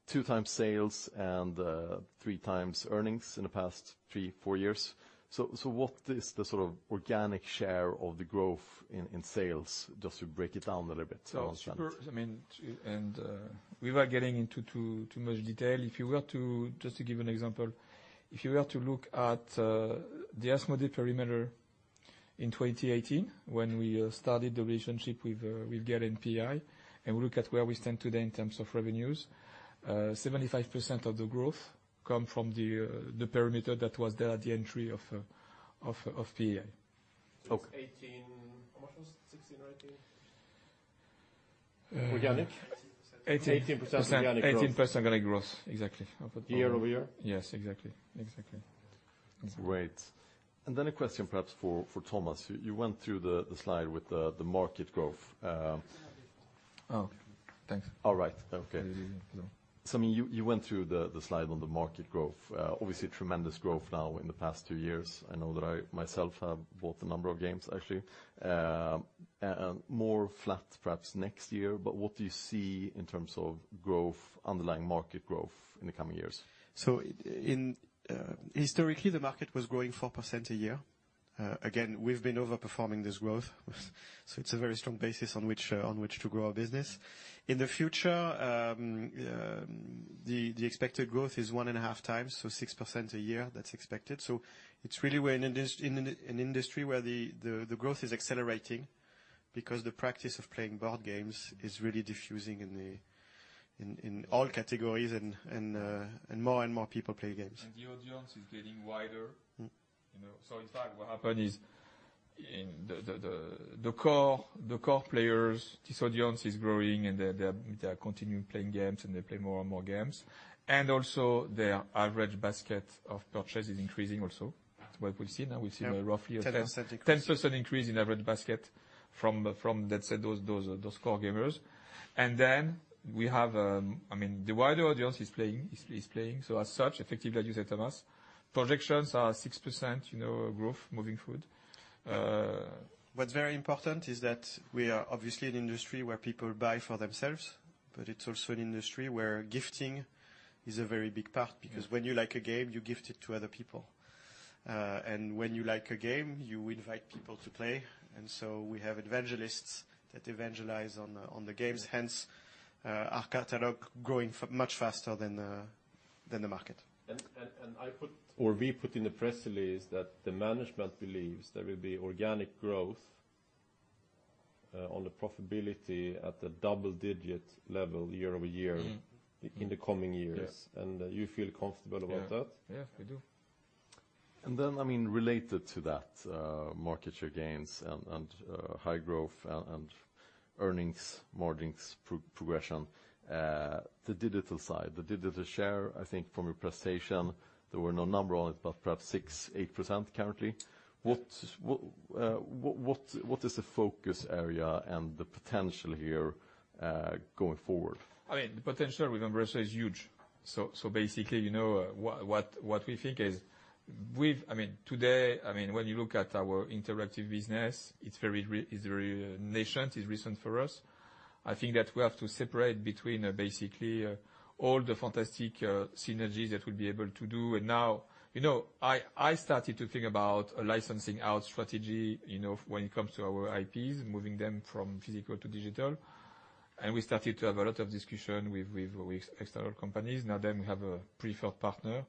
2x sales and 3x earnings in the past three, four years. What is the sort of organic share of the growth in sales? Just to break it down a little bit to understand. We were getting into too much detail. If you were to just give an example, if you were to look at the Asmodee perimeter in 2018 when we started the relationship with Gaëlle PAI, and we look at where we stand today in terms of revenues, 75% of the growth comes from the perimeter that was there at the entry of PAI. It's 18. How much was it? 16, 18. Organic? 18%. 18%. 18% organic growth. 18% organic growth. Exactly. Year-over-year? Yes, exactly. Exactly. Great. A question perhaps for Thomas. You went through the slide with the market growth. Oh, thanks. All right. Okay. No. I mean, you went through the slide on the market growth. Obviously tremendous growth now in the past two years. I know that I myself have bought a number of games, actually. More flat perhaps next year, but what do you see in terms of growth, underlying market growth in the coming years? Historically, the market was growing 4% a year. Again, we've been overperforming this growth, so it's a very strong basis on which to grow our business. In the future, the expected growth is 1.5 times, so 6% a year. That's expected. We're really in an industry where the growth is accelerating because the practice of playing board games is really diffusing in all categories, and more and more people play games. The audience is getting wider. Mm-hmm. You know, in fact, what happened is in the core players, this audience is growing, and they are continuing playing games, and they play more and more games. Also their average basket of purchase is increasing also. That's what we've seen. Now we've seen roughly a 10- Yeah, 10% increase. 10% increase in average basket from, let's say, those core gamers. Then we have, I mean, the wider audience is playing. As such, effectively, as you said, Thomas, projections are 6%, you know, growth moving forward. What's very important is that we are obviously an industry where people buy for themselves, but it's also an industry where gifting is a very big part because when you like a game, you gift it to other people. When you like a game, you invite people to play. We have evangelists that evangelize on the games, hence our catalog growing much faster than the market. we put in the press release that the management believes there will be organic growth on the profitability at the double-digit level year-over-year. Mm-hmm. in the coming years. Yes. You feel comfortable about that? Yeah. Yeah, we do. I mean, related to that, market share gains and high growth and earnings margins progression, the digital side. The digital share, I think from a presentation, there were no numbers on it, but perhaps 6-8% currently. What is the focus area and the potential here, going forward? I mean, the potential with Embracer is huge. Basically, you know, what we think is, I mean, today, I mean, when you look at our interactive business, it's very nascent, it's recent for us. I think that we have to separate between basically all the fantastic synergies that we'll be able to do. Now, you know, I started to think about a licensing out strategy, you know, when it comes to our IPs, moving them from physical to digital. We started to have a lot of discussion with external companies. Now then we have a preferred partner.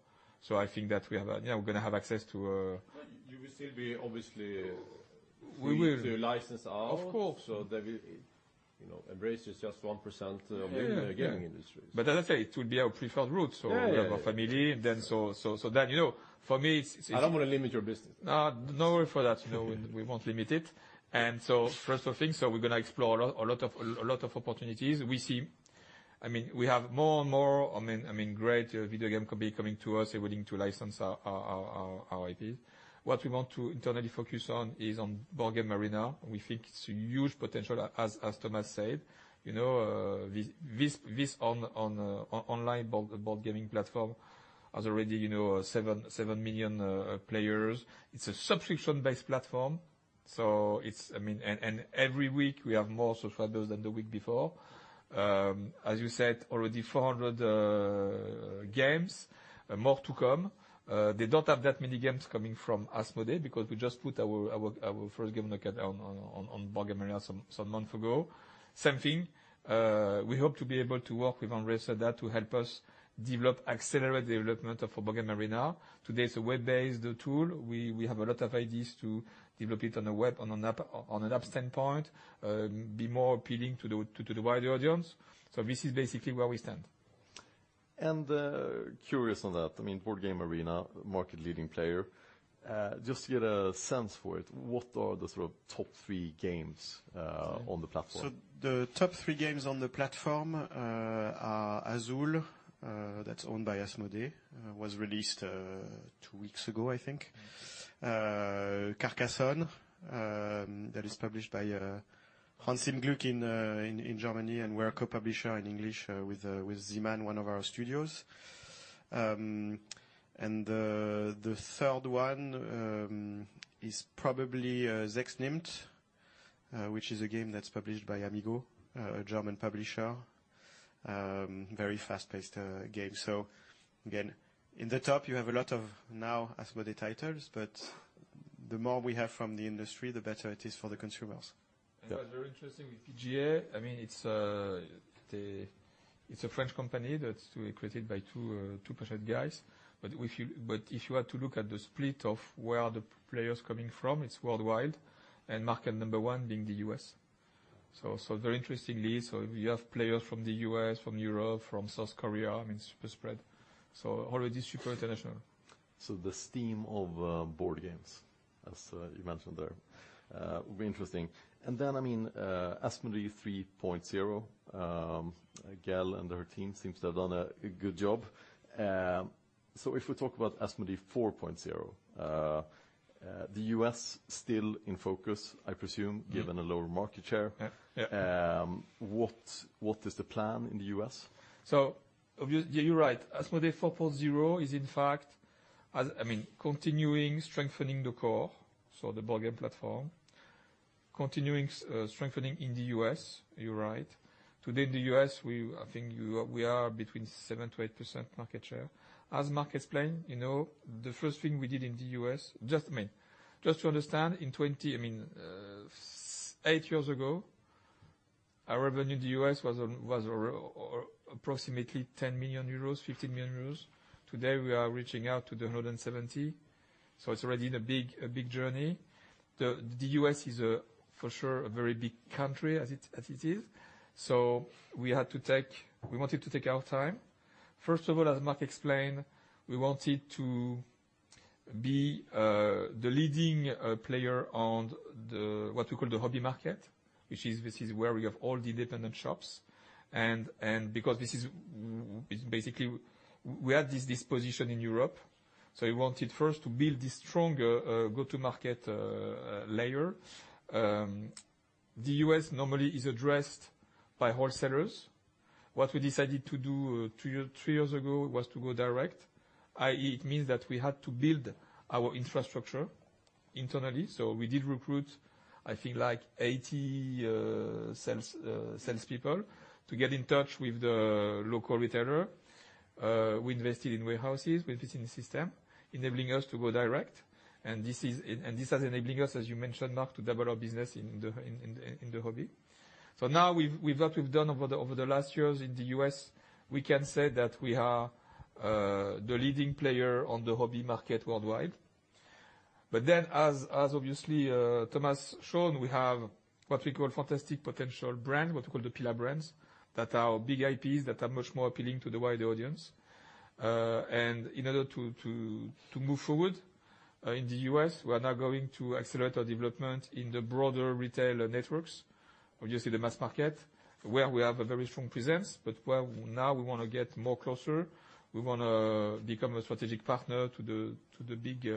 I think that we have, yeah, we're gonna have access to, You will still be obviously. We will. Free to license out. Of course. You know, Embracer is just 1% of the video game industry. Yeah, yeah. As I say, it will be our preferred route. Yeah, yeah. We have our family then, you know, for me, it's. I don't wanna limit your business. No. Don't worry for that. You know, we won't limit it. First thing, we're gonna explore a lot of opportunities. We see. I mean, we have more and more great video game companies coming to us willing to license our IPs. What we want to internally focus on is Board Game Arena. We think it's a huge potential, as Thomas said. You know, this online board gaming platform has already 7 million players. It's a subscription-based platform, so it's, and every week we have more subscribers than the week before. As you said, already 400 games, more to come. They don't have that many games coming from Asmodee because we just put our first game on Board Game Arena some month ago. Same thing, we hope to be able to work with Embracer there to help us develop, accelerate the development of Board Game Arena. Today, it's a web-based tool. We have a lot of ideas to develop it on a web, on an app standpoint, be more appealing to the wider audience. This is basically where we stand. Curious on that. I mean, Board Game Arena, market leading player. Just to get a sense for it, what are the sort of top three games on the platform? The top three games on the platform are Azul, that's owned by Asmodee, was released two weeks ago, I think. Carcassonne, that is published by Hans im Glück in Germany, and we're a co-publisher in English with Z-Man, one of our studios. The third one is probably 6 nimmt!, which is a game that's published by Amigo, a German publisher. Very fast-paced game. Again, in the top you have a lot of now Asmodee titles, but the more we have from the industry, the better it is for the consumers. What's very interesting with BGA, I mean, it's a French company that's created by two passionate guys. But if you are to look at the split of where the players coming from, it's worldwide, and market number one being the U.S. Very interestingly, you have players from the U.S., from Europe, from South Korea, I mean, super spread. Already super international. The stream of board games, as you mentioned there, will be interesting. I mean, Asmodee 3.0, Gaëlle and her team seems to have done a good job. If we talk about Asmodee 4.0, the U.S. still in focus, I presume, given the lower market share. Yeah. Yeah. What is the plan in the U.S.? You're right. Asmodee 4.0 is in fact continuing strengthening the core, the board game platform, continuing strengthening in the U.S., you're right. Today in the U.S., we are between 7%-8% market share. As Marc explained, the first thing we did in the U.S., just to understand, eight years ago, our revenue in the U.S. was approximately 10 million-15 million euros. Today, we are reaching 170 million, so it's already a big journey. The U.S. is for sure a very big country as it is. We had to take our time. We wanted to take our time. First of all, as Marc explained, we wanted to be the leading player on the, what we call the hobby market, which is, this is where we have all the independent shops. Because this is basically we had this position in Europe, so we wanted first to build this stronger go-to-market layer. The US normally is addressed by wholesalers. What we decided to do two to three years ago was to go direct, i.e. it means that we had to build our infrastructure internally. We did recruit, I think, like 80 salespeople to get in touch with the local retailer. We invested in warehouses. We invested in systems, enabling us to go direct, and this is enabling us, as you mentioned, Marc, to develop business in the hobby. With what we've done over the last years in the U.S., we can say that we are the leading player on the hobby market worldwide. As obviously Thomas shown, we have what we call fantastic potential brand, what we call the pillar brands that are big IPs that are much more appealing to the wider audience. In order to move forward in the U.S., we are now going to accelerate our development in the broader retail networks. Obviously, the mass market where we have a very strong presence, but where now we wanna get more closer. We wanna become a strategic partner to the big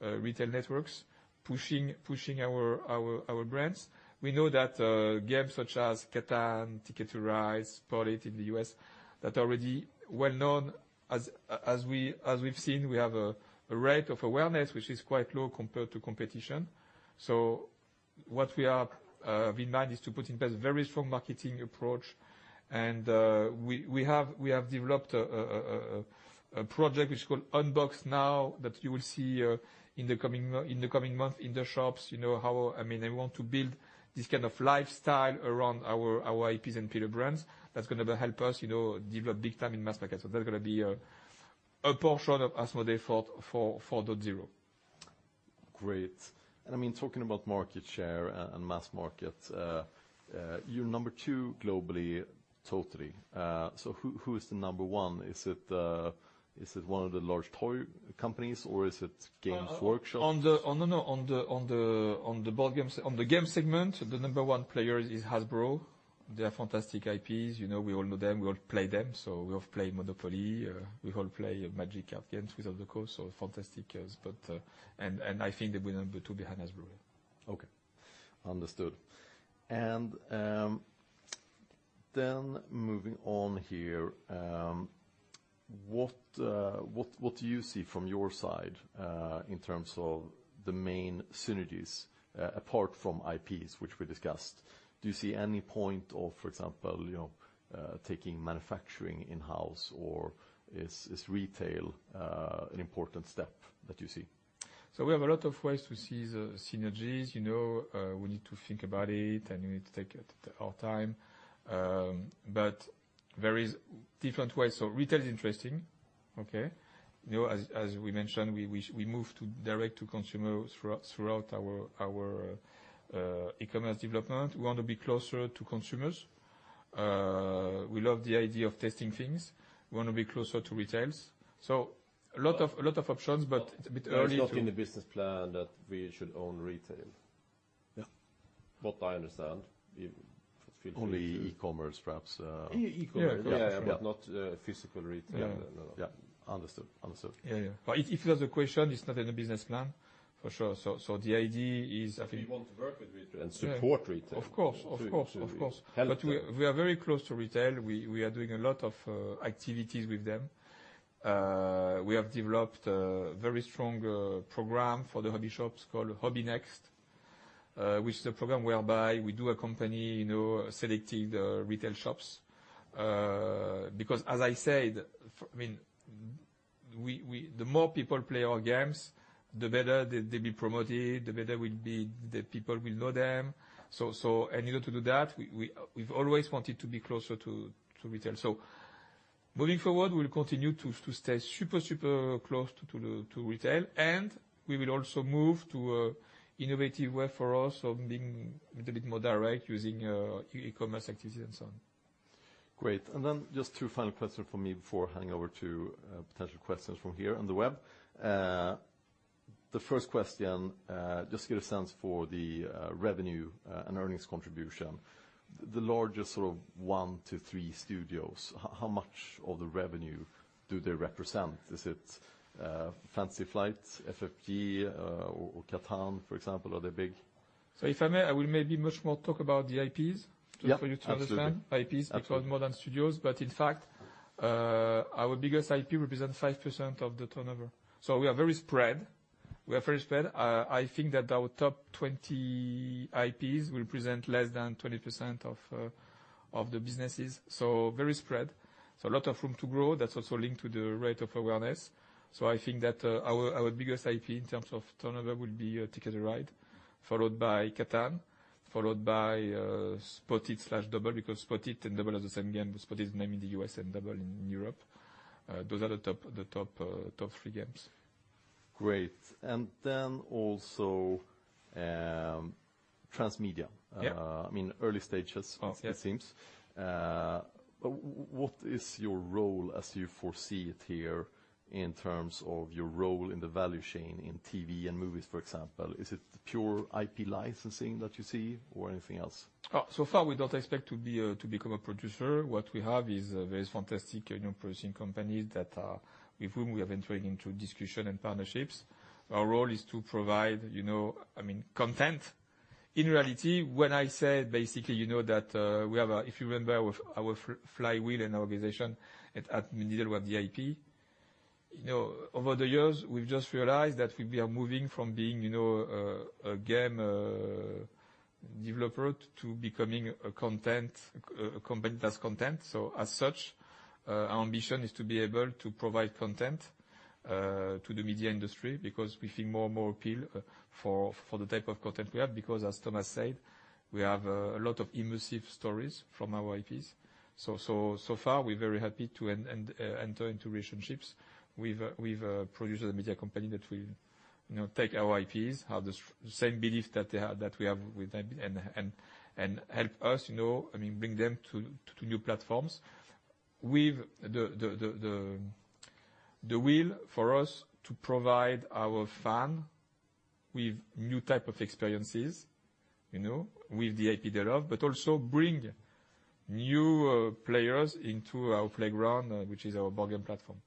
retail networks pushing our brands. We know that games such as Catan, Ticket to Ride, Spot It! in the US, that are already well known. As we've seen, we have a rate of awareness which is quite low compared to competition. We manage to put in place a very strong marketing approach and we have developed a project which is called Unbox Now that you will see in the coming month in the shops. You know how I mean, they want to build this kind of lifestyle around our IPs and pillar brands. That's gonna help us, you know, develop big time in mass market. That's gonna be a portion of Asmodee 4.0. Great. I mean, talking about market share and mass market, you're number two globally totally. Who is the number one? Is it one of the large toy companies, or is it Games Workshop? On the board games segment, the number one player is Hasbro. They are fantastic IPs. You know, we all know them. We all play them. We all play Monopoly. We all play Magic card games with other Okay. Understood. Then moving on here, what do you see from your side in terms of the main synergies apart from IPs, which we discussed? Do you see any point of, for example, you know, taking manufacturing in-house, or is retail an important step that you see? We have a lot of ways to see the synergies, you know. We need to think about it, and we need to take our time. There are different ways. Retail is interesting, okay? You know, as we mentioned, we move to direct to consumer throughout our e-commerce development. We want to be closer to consumers. We love the idea of testing things. We wanna be closer to retail. A lot of options, but it's a bit early to- It's not in the business plan that we should own retail. Yeah. What I understand. Only e-commerce, perhaps. E-e-commerce. Yeah. Not physical retail. Yeah. No, no. Yeah. Understood. Yeah. If that's the question, it's not in the business plan. For sure. The idea is I think- We want to work with retail. Yeah. Support retail. Of course. Help retail. We are very close to retail. We are doing a lot of activities with them. We have developed a very strong program for the hobby shops called Hobby Next, which is a program whereby we do accompany, you know, selecting the retail shops. Because as I said, I mean, the more people play our games, the better they be promoted, the better the people will know them. In order to do that, we've always wanted to be closer to retail. Moving forward, we'll continue to stay super close to retail, and we will also move to an innovative way for us of being a little bit more direct using e-commerce activity and so on. Great. Just two final questions from me before handing over to potential questions from here on the web. The first question, just get a sense for the revenue and earnings contribution. The largest sort of one to three studios, how much of the revenue do they represent? Is it, Fantasy Flight Games, FFG, or Catan, for example? Are they big? If I may, I will maybe much more talk about the IPs. Yeah. Absolutely. Just for you to understand. IPs- Absolutely. Because more than studios, but in fact, our biggest IP represents 5% of the turnover. We are very spread. I think that our top 20 IPs will present less than 20% of the businesses. Very spread. A lot of room to grow. That's also linked to the rate of awareness. I think that our biggest IP in terms of turnover will be Ticket to Ride, followed by Catan, followed by Spot It! slash Dobble because Spot It! and Dobble are the same game. Spot It's name in the U.S. and Dobble in Europe. Those are the top three games. Great. Transmedia. Yeah. I mean, early stages. Oh, yes. It seems. What is your role as you foresee it here in terms of your role in the value chain in TV and movies, for example? Is it pure IP licensing that you see or anything else? So far, we don't expect to become a producer. What we have is a very fantastic producing companies with whom we have entered into discussion and partnerships. Our role is to provide content. In reality, when I said basically you know that we have, if you remember, our flywheel in our organization at middle of the IP. You know, over the years, we've just realized that we are moving from being you know a game developer to becoming a content company that's content. As such our ambition is to be able to provide content to the media industry because we see more and more appeal for the type of content we have. Because as Thomas said, we have a lot of immersive stories from our IPs. So far, we're very happy to enter into relationships with producers and media company that will, you know, take our IPs, have the same belief that they have, that we have with them, and help us, you know, I mean, bring them to new platforms. With the will for us to provide our fan with new type of experiences, you know, with the IP they love, but also bring new players into our playground, which is our board game platform.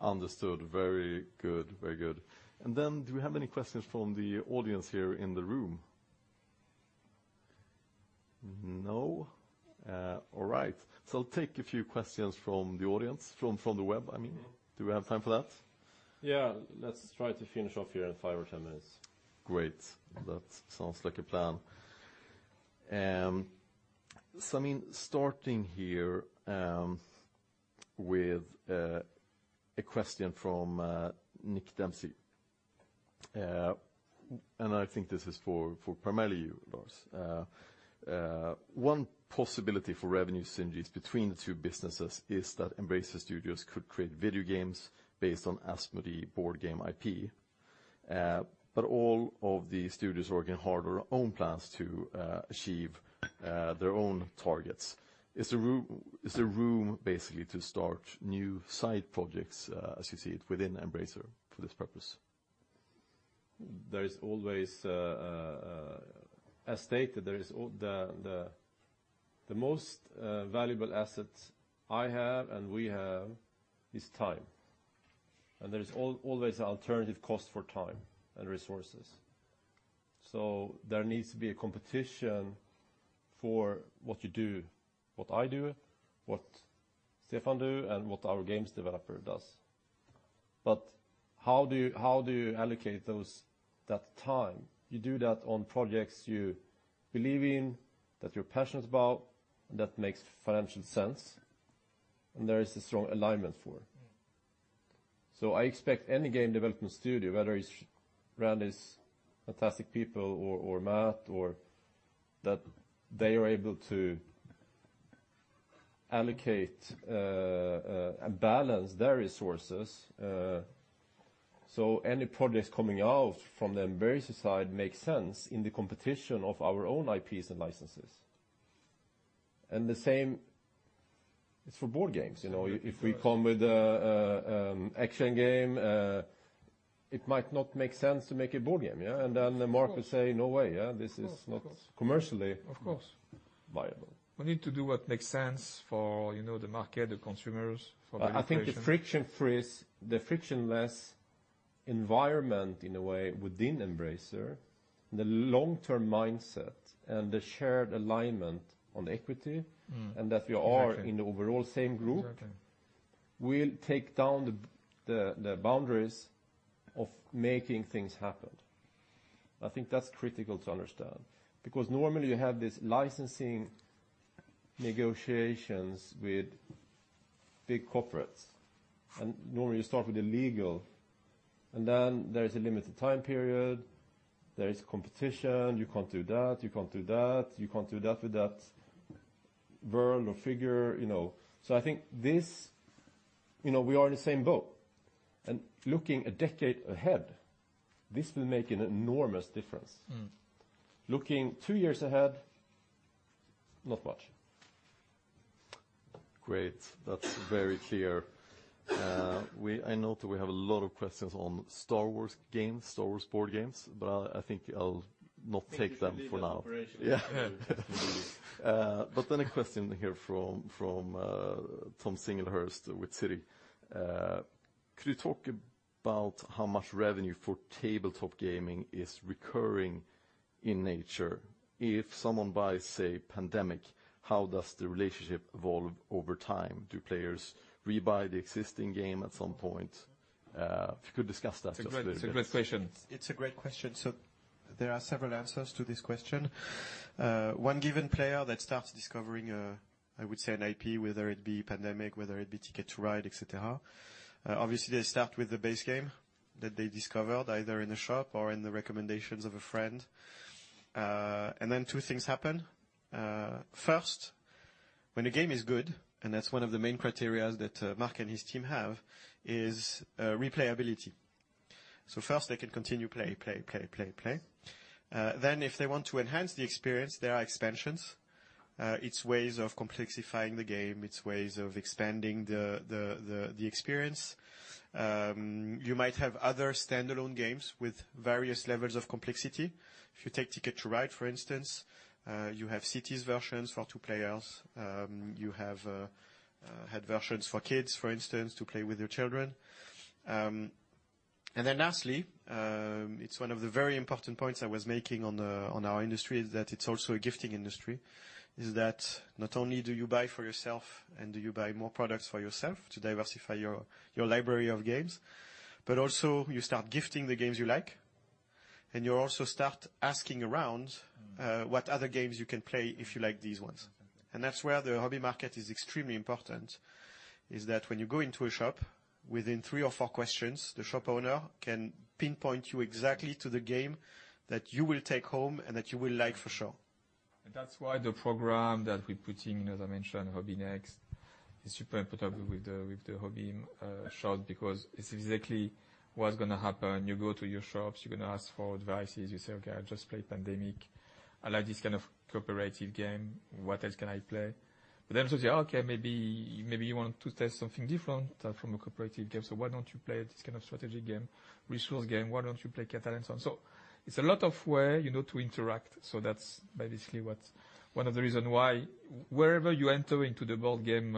Understood. Very good. Do we have any questions from the audience here in the room? No? All right. I'll take a few questions from the audience, from the web, I mean. Mm-hmm. Do we have time for that? Yeah. Let's try to finish off here in five or 10 minutes. Great. That sounds like a plan. I mean, starting here, with a question from Nick Dempsey. I think this is for primarily you, Lars. One possibility for revenue synergies between the two businesses is that Embracer Studios could create video games based on Asmodee board game IP. But all of the studios working hard on their own plans to achieve their own targets. Is there room basically to start new side projects, as you see it within Embracer for this purpose? There is always the most valuable assets I have and we have is time, and there is always an alternative cost for time and resources. There needs to be a competition for what you do, what I do, what Stefan do, and what our games developer does. How do you allocate that time? You do that on projects you believe in, that you're passionate about, and that makes financial sense, and there is a strong alignment for. I expect any game development studio, whether it's Randy's fantastic people or Matt, that they are able to allocate and balance their resources so any projects coming out from the Embracer side makes sense in the competition of our own IPs and licenses. The same is for board games. You know, if we come with a action game, it might not make sense to make a board game, yeah? Then the market say, "No way," yeah? Of course. This is not commercially. Of course. ...viable. We need to do what makes sense for, you know, the market, the consumers, for the operation. I think the friction freeze, the frictionless environment in a way within Embracer, the long-term mindset and the shared alignment on equity. Mm. That we are in the overall same group. Exactly will take down the boundaries of making things happen. I think that's critical to understand because normally you have this licensing negotiations with big corporates, and normally you start with the legal and then there is a limited time period, there is competition, you can't do that with that word or figure, you know? So I think this, you know, we are in the same boat. Looking a decade ahead, this will make an enormous difference. Mm. Looking two years ahead, not much. Great. That's very clear. I know that we have a lot of questions on Star Wars games, Star Wars board games, but I think I'll not take them for now. I think you need a separation. A question here from Tom Singlehurst with Citi. Could you talk about how much revenue for tabletop gaming is recurring in nature? If someone buys, say, Pandemic, how does the relationship evolve over time? Do players rebuy the existing game at some point? If you could discuss that just a little bit. It's a great question. It's a great question. There are several answers to this question. One given player that starts discovering, I would say, an IP, whether it be Pandemic, whether it be Ticket to Ride, et cetera, obviously they start with the base game that they discovered either in a shop or in the recommendations of a friend. Then two things happen. First, when a game is good, and that's one of the main criteria that Mark and his team have, is replayability. First they can continue play. Then if they want to enhance the experience, there are expansions. It's ways of complexifying the game. It's ways of expanding the experience. You might have other standalone games with various levels of complexity. If you take Ticket to Ride, for instance, you have Cities versions for two players. You have had versions for kids, for instance, to play with your children. Lastly, it's one of the very important points I was making on our industry is that it's also a gifting industry in that not only do you buy for yourself and do you buy more products for yourself to diversify your library of games, but also you start gifting the games you like, and you also start asking around what other games you can play if you like these ones. That's where the hobby market is extremely important, in that when you go into a shop, within three or four questions, the shop owner can pinpoint you exactly to the game that you will take home and that you will like for sure. that's why the program that we put in, as I mentioned, Hobby Next, is super important with the hobby shop because it's exactly what's gonna happen. You go to your shops, you're gonna ask for advice. You say, "Okay, I just played Pandemic. I like this kind of cooperative game. What else can I play?" But then they say, "Okay, maybe you want to test something different from a cooperative game, so why don't you play this kind of strategy game, resource game? Why don't you play Catan?" it's a lot of way, you know, to interact. That's basically what's one of the reason why wherever you enter into the board game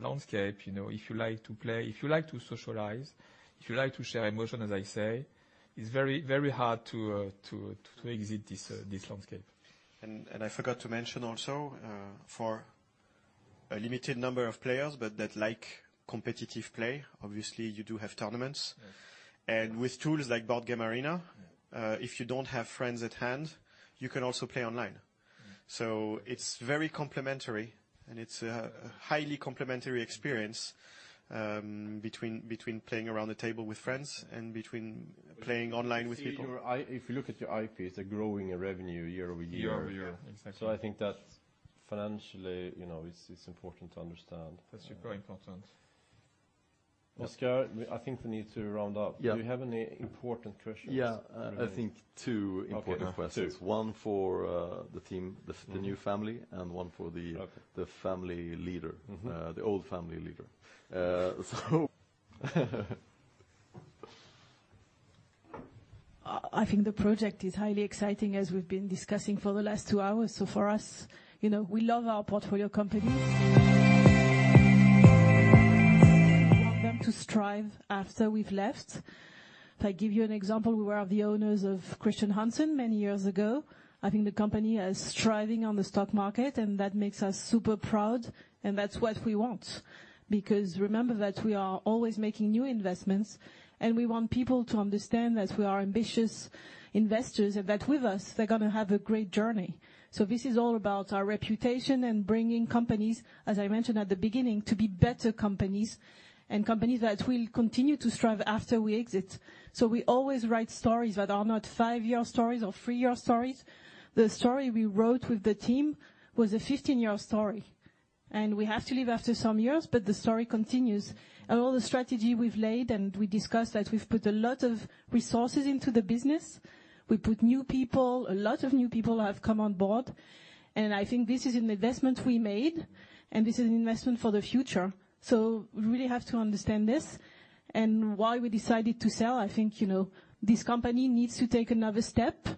landscape, you know, if you like to play, if you like to socialize, if you like to share emotion, as I say, it's very, very hard to exit this landscape. I forgot to mention also for a limited number of players but that like competitive play, obviously you do have tournaments. Yes. With tools like Board Game Arena. Yeah. If you don't have friends at hand, you can also play online. Mm-hmm. It's very complementary, and it's a highly complementary experience, between playing around the table with friends and between playing online with people. If you look at your IP, it's growing in revenue year-over-year. Year-over-year. Exactly. I think that financially, you know, it's important to understand. That's super important. Oscar, I think we need to round up. Yeah. Do you have any important questions? Yeah. I think two important questions. Okay. 2. One for the team, the new family, and one for the Okay. the family leader. Mm-hmm. The old family leader. I think the project is highly exciting, as we've been discussing for the last two hours. For us, you know, we love our portfolio companies. We want them to strive after we've left. If I give you an example, we were the owners of Chr. Hansen many years ago. I think the company is thriving on the stock market, and that makes us super proud, and that's what we want. Because remember that we are always making new investments, and we want people to understand that we are ambitious investors, and that with us, they're gonna have a great journey. This is all about our reputation and bringing companies, as I mentioned at the beginning, to be better companies and companies that will continue to strive after we exit. We always write stories that are not five-year stories or three-year stories. The story we wrote with the team was a 15-year story, and we have to leave after some years, but the story continues. All the strategy we've laid, and we discussed that we've put a lot of resources into the business. We put new people. A lot of new people have come on board, and I think this is an investment we made, and this is an investment for the future. We really have to understand this and why we decided to sell. I think, you know, this company needs to take another step.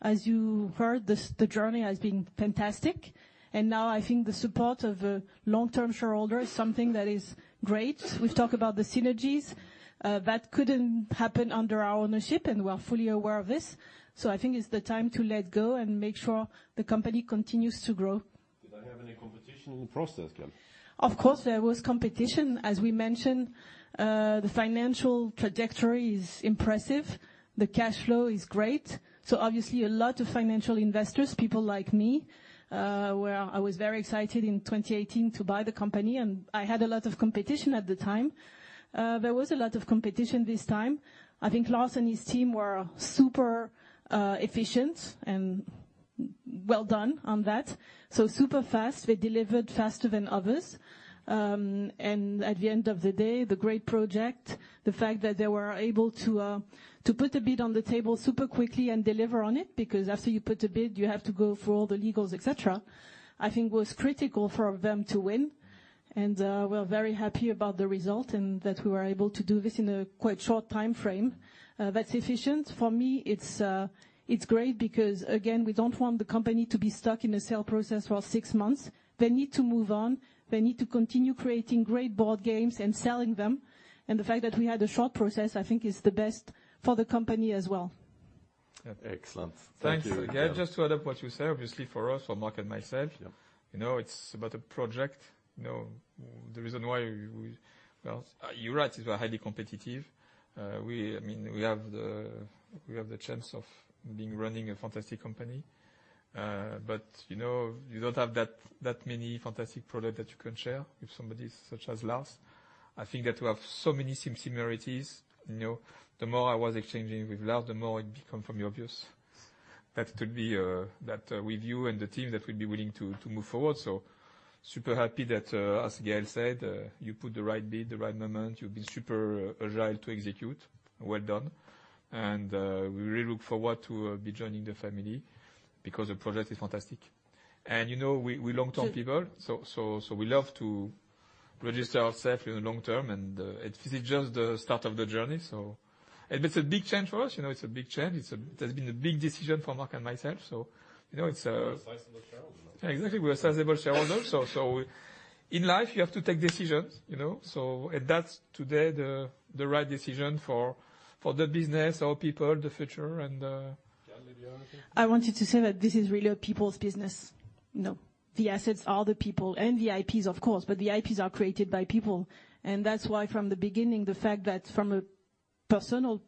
As you heard, the journey has been fantastic, and now I think the support of a long-term shareholder is something that is great. We've talked about the synergies that couldn't happen under our ownership, and we're fully aware of this. I think it's the time to let go and make sure the company continues to grow. Did I have any competition in the process, Gaëlle? Of course there was competition. As we mentioned, the financial trajectory is impressive. The cash flow is great. Obviously a lot of financial investors, people like me, we were very excited in 2018 to buy the company, and I had a lot of competition at the time. There was a lot of competition this time. I think Lars and his team were super efficient and well done on that. Super fast. They delivered faster than others. At the end of the day, the great project, the fact that they were able to put a bid on the table super quickly and deliver on it, because after you put a bid, you have to go through all the legals, et cetera, I think was critical for them to win. We're very happy about the result and that we were able to do this in a quite short timeframe. That's efficient. For me, it's great because, again, we don't want the company to be stuck in a sale process for six months. They need to move on. They need to continue creating great board games and selling them. The fact that we had a short process, I think, is the best for the company as well. Excellent. Thank you. Thanks. Again, just to add up what you said, obviously for us, for Marc and myself. Yeah. You know, it's about a project. You know, the reason why we. Well, you're right, we're highly competitive. I mean, we have the chance of being running a fantastic company. But you know, you don't have that many fantastic product that you can share with somebody such as Lars. I think that we have so many similarities. You know, the more I was exchanging with Lars, the more it become for me obvious that it would be that with you and the team that we'd be willing to move forward. So super happy that, as Gaëlle said, you put the right bid, the right moment. You've been super agile to execute. Well done. We really look forward to be joining the family because the project is fantastic. You know, we're long-term people, so we love to position ourselves in the long term and it's just the start of the journey. It's a big change for us. You know, it's a big change. It has been a big decision for Marc and myself. You know, it's We're a sizable shareholder. Yeah, exactly. We're a sizable shareholder. In life you have to take decisions, you know? That's today the right decision for the business, our people, the future. Gaëlle, did you have anything? I wanted to say that this is really a people's business, you know. The assets are the people and the IPs of course, but the IPs are created by people. That's why from the beginning, the fact that from a personal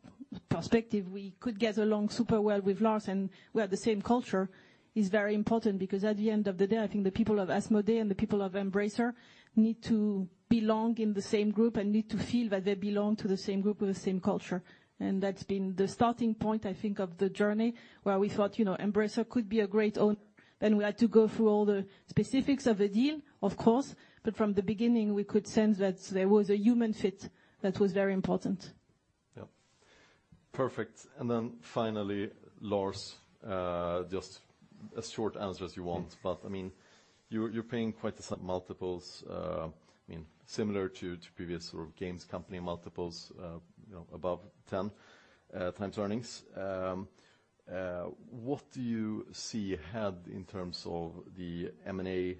perspective we could get along super well with Lars and we have the same culture is very important. Because at the end of the day, I think the people of Asmodee and the people of Embracer need to belong in the same group and need to feel that they belong to the same group with the same culture. That's been the starting point, I think, of the journey, where we thought, you know, Embracer could be a great owner, and we had to go through all the specifics of the deal, of course. From the beginning we could sense that there was a human fit that was very important. Yeah. Perfect. Finally, Lars, just as short an answer as you want. I mean, you're paying quite the multiples. I mean similar to previous sort of games company multiples, you know, above 10 times earnings. What do you see ahead in terms of the M&A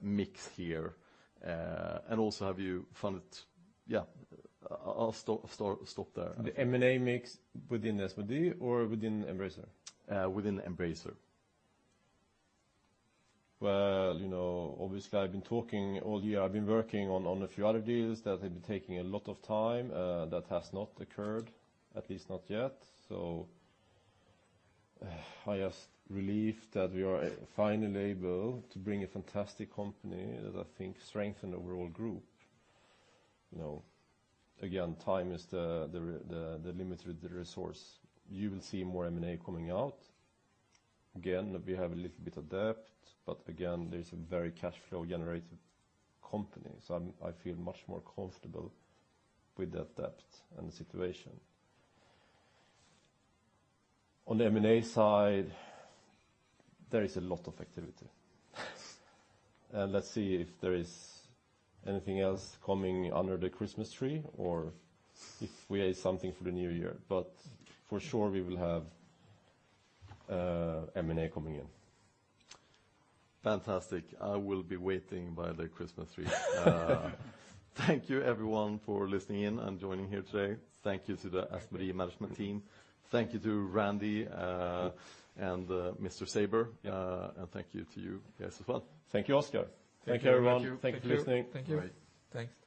mix here? Also have you found it? Yeah. I'll stop there. The M&A mix within Asmodee or within Embracer? Within Embracer. Well, you know, obviously I've been talking all year, I've been working on a few other deals that have been taking a lot of time, that has not occurred, at least not yet. I am relieved that we are finally able to bring a fantastic company that I think strengthen the overall group, you know. Again, time is the limited resource. You will see more M&A coming out. Again, we have a little bit of debt, but again, there's a very cash flow generative company. I'm, I feel much more comfortable with that debt and the situation. On the M&A side, there is a lot of activity. Let's see if there is anything else coming under the Christmas tree or if we have something for the new year. For sure we will have M&A coming in. Fantastic. I will be waiting by the Christmas tree. Thank you everyone for listening in and joining here today. Thank you to the Asmodee management team. Thank you to Randy and Mr. Saber. Thank you to you guys as well. Thank you, Oscar. Thank you everyone. Thank you. Thank you for listening. Thank you. Great. Thanks.